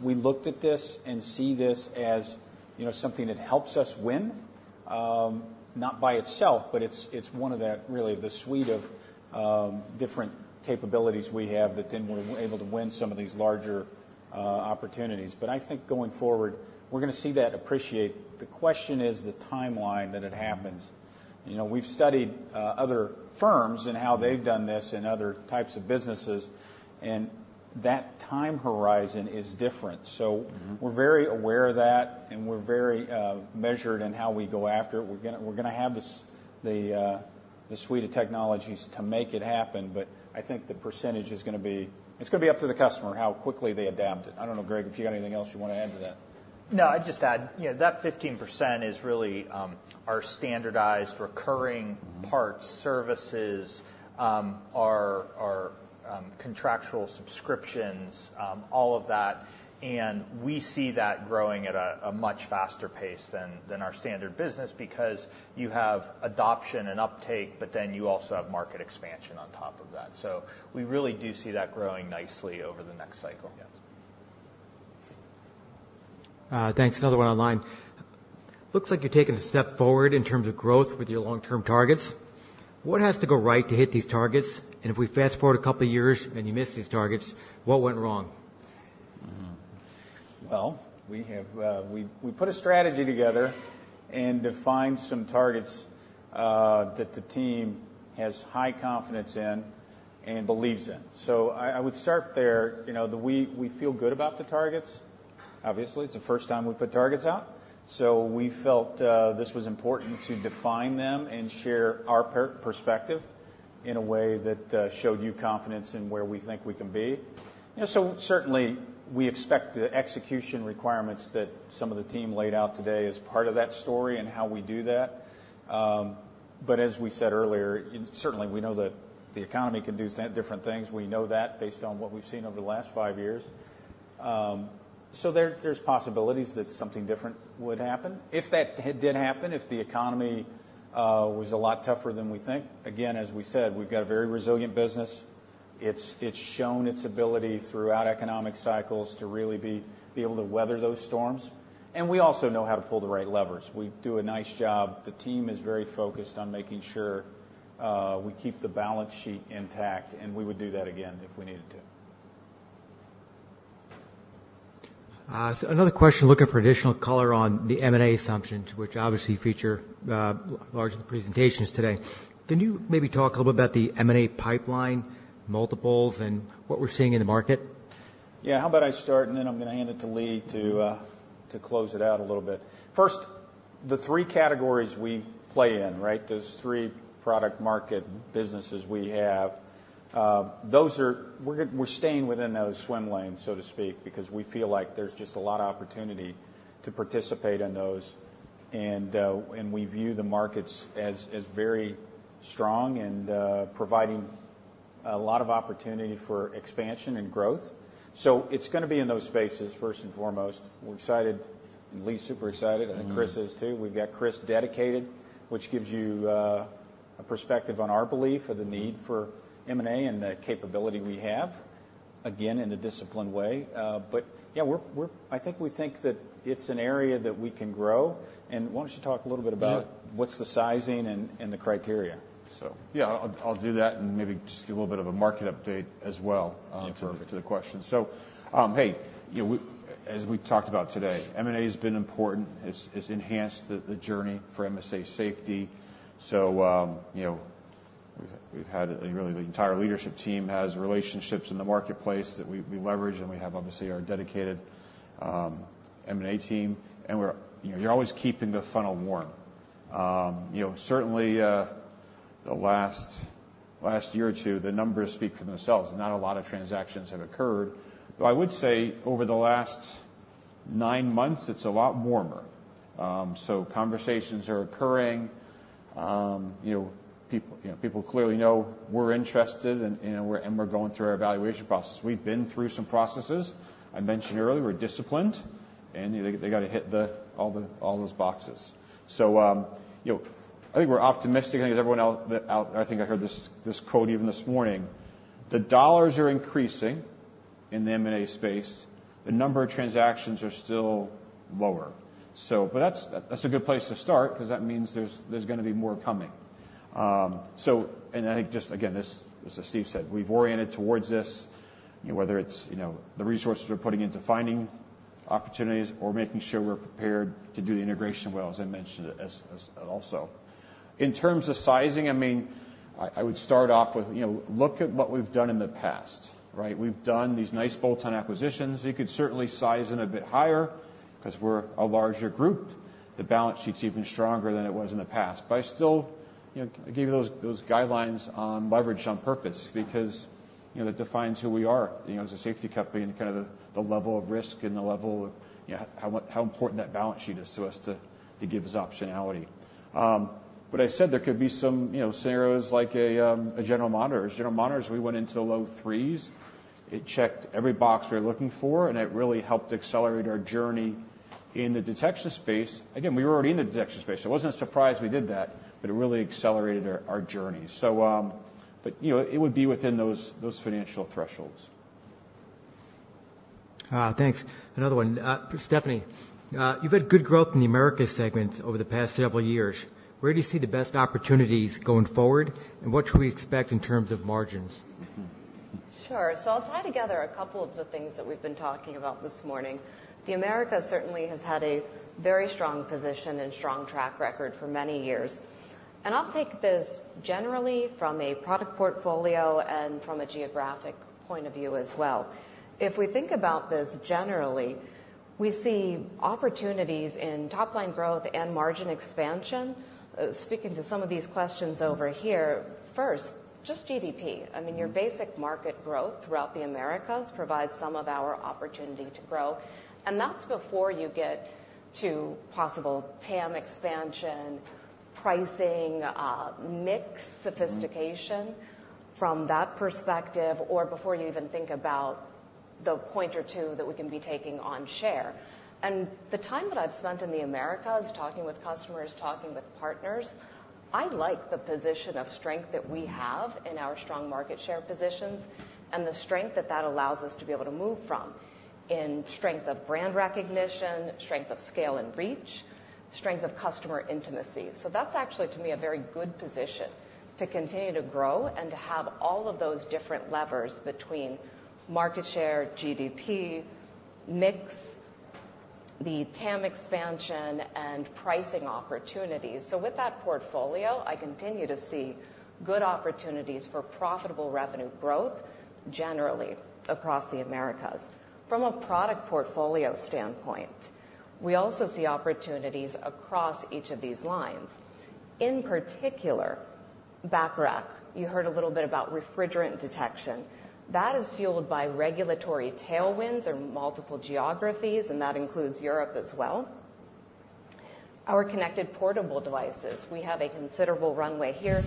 we looked at this and see this as, you know, something that helps us win. Not by itself, but it's one of that, really, the suite of different capabilities we have that then we're able to win some of these larger opportunities. But I think going forward, we're gonna see that appreciate. The question is the timeline that it happens. You know, we've studied other firms and how they've done this in other types of businesses, and that time horizon is different. So- We're very aware of that, and we're very measured in how we go after it. We're gonna have the suite of technologies to make it happen, but I think the percentage is gonna be... It's gonna be up to the customer, how quickly they adapt it. I don't know, Greg, if you have anything else you want to add to that. No, I'd just add, you know, that 15% is really our standardized recurring parts, services, our contractual subscriptions, all of that. And we see that growing at a much faster pace than our standard business because you have adoption and uptake, but then you also have market expansion on top of that. So we really do see that growing nicely over the next cycle. Yes. Thanks. Another one online: "Looks like you're taking a step forward in terms of growth with your long-term targets. What has to go right to hit these targets? And if we fast-forward a couple of years, and you miss these targets, what went wrong? Well, we have, we, we put a strategy together and defined some targets that the team has high confidence in and believes in. So I, I would start there. You know, we, we feel good about the targets. Obviously, it's the first time we've put targets out, so we felt this was important to define them and share our perspective in a way that showed you confidence in where we think we can be. You know, so certainly, we expect the execution requirements that some of the team laid out today as part of that story and how we do that. But as we said earlier, certainly we know that the economy can do different things. We know that based on what we've seen over the last five years. So there, there's possibilities that something different would happen. If that did happen, if the economy was a lot tougher than we think, again, as we said, we've got a very resilient business. It's shown its ability throughout economic cycles to really be able to weather those storms, and we also know how to pull the right levers. We do a nice job. The team is very focused on making sure we keep the balance sheet intact, and we would do that again if we needed to. So another question, looking for additional color on the M&A assumptions, which obviously feature large presentations today. Can you maybe talk a little bit about the M&A pipeline multiples and what we're seeing in the market? Yeah, how about I start, and then I'm gonna hand it to Lee to close it out a little bit. First, the three categories we play in, right? Those three product market businesses we have, those are... We're staying within those swim lanes, so to speak, because we feel like there's just a lot of opportunity to participate in those, and we view the markets as very strong and providing a lot of opportunity for expansion and growth. So it's gonna be in those spaces first and foremost. We're excited, and Lee's super excited. I think Chris is, too. We've got Chris dedicated, which gives you a perspective on our belief of the need for M&A and the capability we have, again, in a disciplined way. But, yeah, we're – I think we think that it's an area that we can grow. And why don't you talk a little bit about- Yeah. What's the sizing and the criteria? So. Yeah, I'll do that and maybe just give a little bit of a market update as well. To the question. So, hey, you know, as we talked about today, M&A has been important. It's enhanced the journey for MSA Safety. So, you know, we've had really the entire leadership team has relationships in the marketplace that we leverage, and we have obviously our dedicated M&A team, and we're, you know, you're always keeping the funnel warm. You know, certainly the last year or 2, the numbers speak for themselves. Not a lot of transactions have occurred. But I would say over the last 9 months, it's a lot warmer. So conversations are occurring. You know, people clearly know we're interested, and we're going through our evaluation process. We've been through some processes. I mentioned earlier, we're disciplined, and, you know, they gotta hit all those boxes. So, you know, I think we're optimistic, and I think as everyone else out there—I think I heard this quote even this morning, "The dollars are increasing in the M&A space, the number of transactions are still lower." So, but that's a good place to start, because that means there's gonna be more coming. So, and I think just again, as Steve said, we've oriented towards this, you know, whether it's the resources we're putting into finding opportunities or making sure we're prepared to do the integration well, as I mentioned, as also. In terms of sizing, I mean, I would start off with, you know, look at what we've done in the past, right? We've done these nice bolt-on acquisitions. You could certainly size in a bit higher, 'cause we're a larger group. The balance sheet's even stronger than it was in the past. But I still, you know, gave you those guidelines on leverage on purpose, because, you know, that defines who we are, you know, as a safety company, and kind of the level of risk and the level of, you know, how important that balance sheet is to us to give us optionality. But I said there could be some, you know, scenarios like a General Monitors. General Monitors, we went into the low threes. It checked every box we were looking for, and it really helped accelerate our journey in the detection space. Again, we were already in the detection space, so it wasn't a surprise we did that, but it really accelerated our journey. You know, it would be within those, those financial thresholds. Thanks. Another one. Stephanie, you've had good growth in the Americas segment over the past several years. Where do you see the best opportunities going forward, and what should we expect in terms of margins? Sure. So I'll tie together a couple of the things that we've been talking about this morning. The Americas certainly has had a very strong position and strong track record for many years. I'll take this generally from a product portfolio and from a geographic point of view as well. If we think about this, generally, we see opportunities in top line growth and margin expansion. Speaking to some of these questions over here, first, just GDP. I mean, your basic market growth throughout the Americas provides some of our opportunity to grow, and that's before you get to possible TAM expansion, pricing, mix, sophistication from that perspective, or before you even think about the 1 or 2 that we can be taking on share. The time that I've spent in the Americas, talking with customers, talking with partners, I like the position of strength that we have in our strong market share positions, and the strength that that allows us to be able to move from. In strength of brand recognition, strength of scale and reach, strength of customer intimacy. So that's actually, to me, a very good position to continue to grow and to have all of those different levers between market share, GDP, mix, the TAM expansion, and pricing opportunities. So with that portfolio, I continue to see good opportunities for profitable revenue growth, generally, across the Americas. From a product portfolio standpoint, we also see opportunities across each of these lines. In particular, Bacharach. You heard a little bit about refrigerant detection. That is fueled by regulatory tailwinds in multiple geographies, and that includes Europe as well. Our connected portable devices, we have a considerable runway here.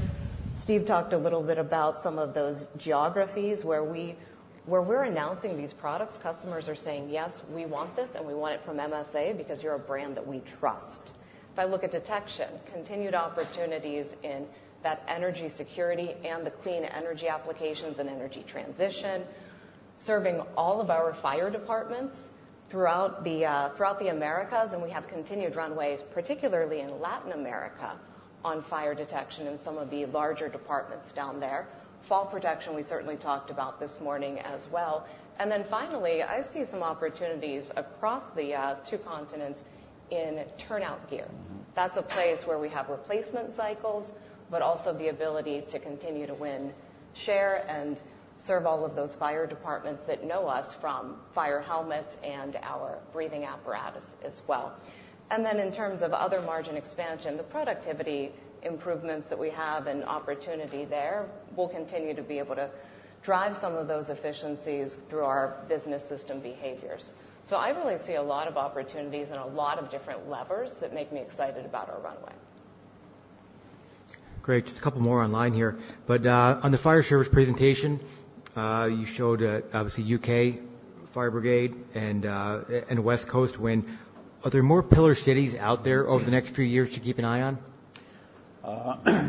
Steve talked a little bit about some of those geographies where we're announcing these products, customers are saying, "Yes, we want this, and we want it from MSA because you're a brand that we trust." If I look at detection, continued opportunities in that energy security and the clean energy applications and energy transition, serving all of our fire departments throughout the Americas, and we have continued runways, particularly in Latin America, on fire detection in some of the larger departments down there. Fall protection, we certainly talked about this morning as well. And then finally, I see some opportunities across the two continents in turnout gear. That's a place where we have replacement cycles, but also the ability to continue to win, share, and serve all of those fire departments that know us from fire helmets and our breathing apparatus as well. And then in terms of other margin expansion, the productivity improvements that we have and opportunity there will continue to be able to drive some of those efficiencies through our Business System behaviors. So I really see a lot of opportunities and a lot of different levers that make me excited about our runway. Great. Just a couple more online here. But, on the fire service presentation, you showed, obviously, UK Fire Brigade and, and West Coast win. Are there more Pillar Cities out there over the next few years to keep an eye on?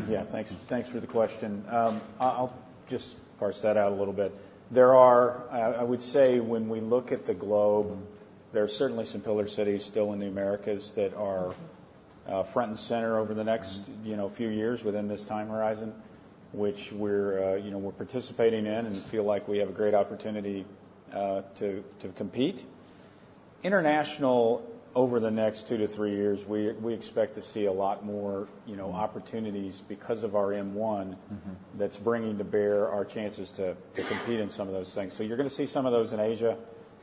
Yeah, thanks, thanks for the question. I'll, I'll just parse that out a little bit. There are... I, I would say when we look at the globe, there are certainly some Pillar Cities still in the Americas that are front and center over the next, you know, few years within this time horizon, which we're, you know, we're participating in and feel like we have a great opportunity to, to compete. International, over the next 2-3 years, we, we expect to see a lot more, you know, opportunities because of our M1- that's bringing to bear our chances to compete in some of those things. So you're gonna see some of those in Asia,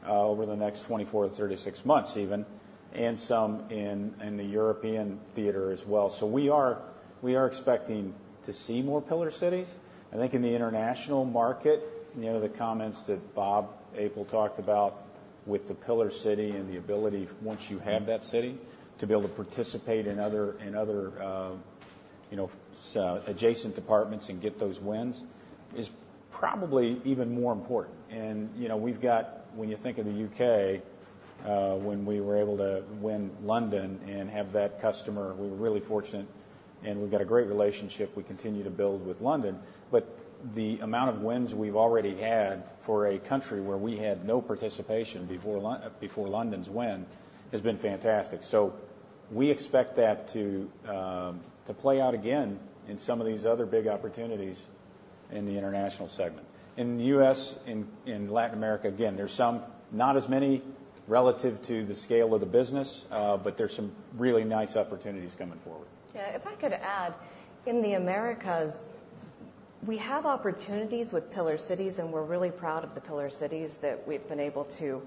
over the next 24-36 months even, and some in the European theater as well. So we are expecting to see more Pillar Cities. I think in the international market, you know, the comments that Bob Apel talked about with the Pillar City and the ability, once you have that city, to be able to participate in other adjacent departments and get those wins, is probably even more important. And, you know, we've got, when you think of the U.K., ... when we were able to win London and have that customer, we were really fortunate, and we've got a great relationship we continue to build with London. But the amount of wins we've already had for a country where we had no participation before London's win, has been fantastic. So we expect that to play out again in some of these other big opportunities in the international segment. In the U.S., in, in Latin America, again, there's some, not as many relative to the scale of the business, but there's some really nice opportunities coming forward. Yeah, if I could add, in the Americas, we have opportunities with Pillar Cities, and we're really proud of the Pillar Cities that we've been able to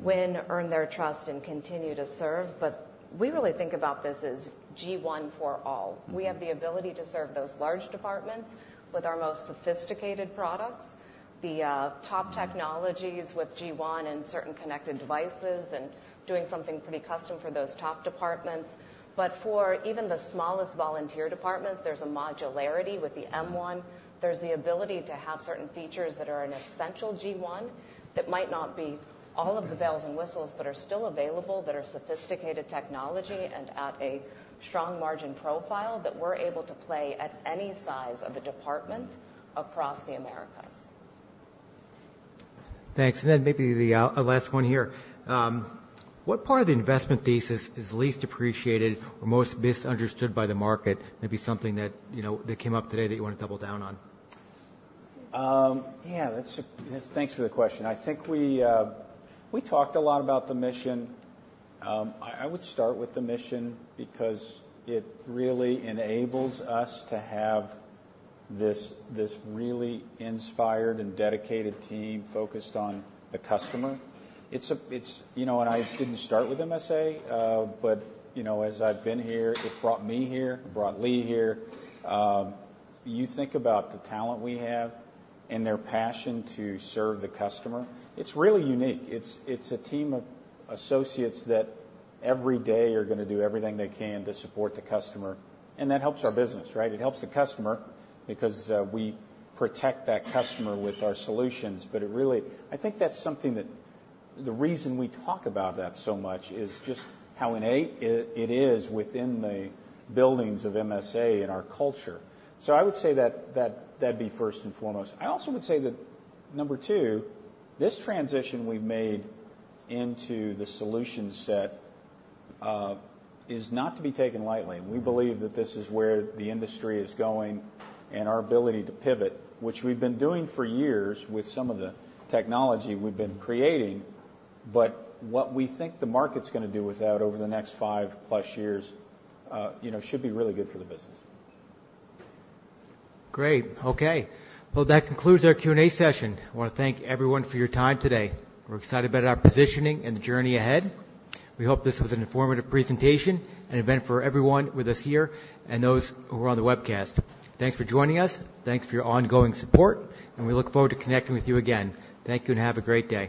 win, earn their trust, and continue to serve. But we really think about this as G1 for all. We have the ability to serve those large departments with our most sophisticated products, the top technologies with G1 and certain connected devices, and doing something pretty custom for those top departments. But for even the smallest volunteer departments, there's a modularity with the M1. There's the ability to have certain features that are an essential G1, that might not be all of the bells and whistles, but are still available, that are sophisticated technology and at a strong margin profile that we're able to play at any size of a department across the Americas. Thanks. And then maybe the last one here. What part of the investment thesis is least appreciated or most misunderstood by the market? Maybe something that, you know, that came up today that you wanna double down on. Yeah, thanks for the question. I think we, we talked a lot about the mission. I would start with the mission because it really enables us to have this, this really inspired and dedicated team focused on the customer. It's a, it's-- You know, and I didn't start with MSA, but, you know, as I've been here, it brought me here, it brought Lee here. You think about the talent we have and their passion to serve the customer, it's really unique. It's, it's a team of associates that every day are gonna do everything they can to support the customer, and that helps our business, right? It helps the customer because, we protect that customer with our solutions. But it really... I think that's something that the reason we talk about that so much is just how innate it is within the buildings of MSA and our culture. So I would say that that'd be first and foremost. I also would say that number two, this transition we've made into the solution set is not to be taken lightly. We believe that this is where the industry is going and our ability to pivot, which we've been doing for years with some of the technology we've been creating, but what we think the market's gonna do with that over the next five plus years you know should be really good for the business. Great, okay. Well, that concludes our Q&A session. I wanna thank everyone for your time today. We're excited about our positioning and the journey ahead. We hope this was an informative presentation and event for everyone with us here and those who are on the webcast. Thanks for joining us. Thank you for your ongoing support, and we look forward to connecting with you again. Thank you, and have a great day.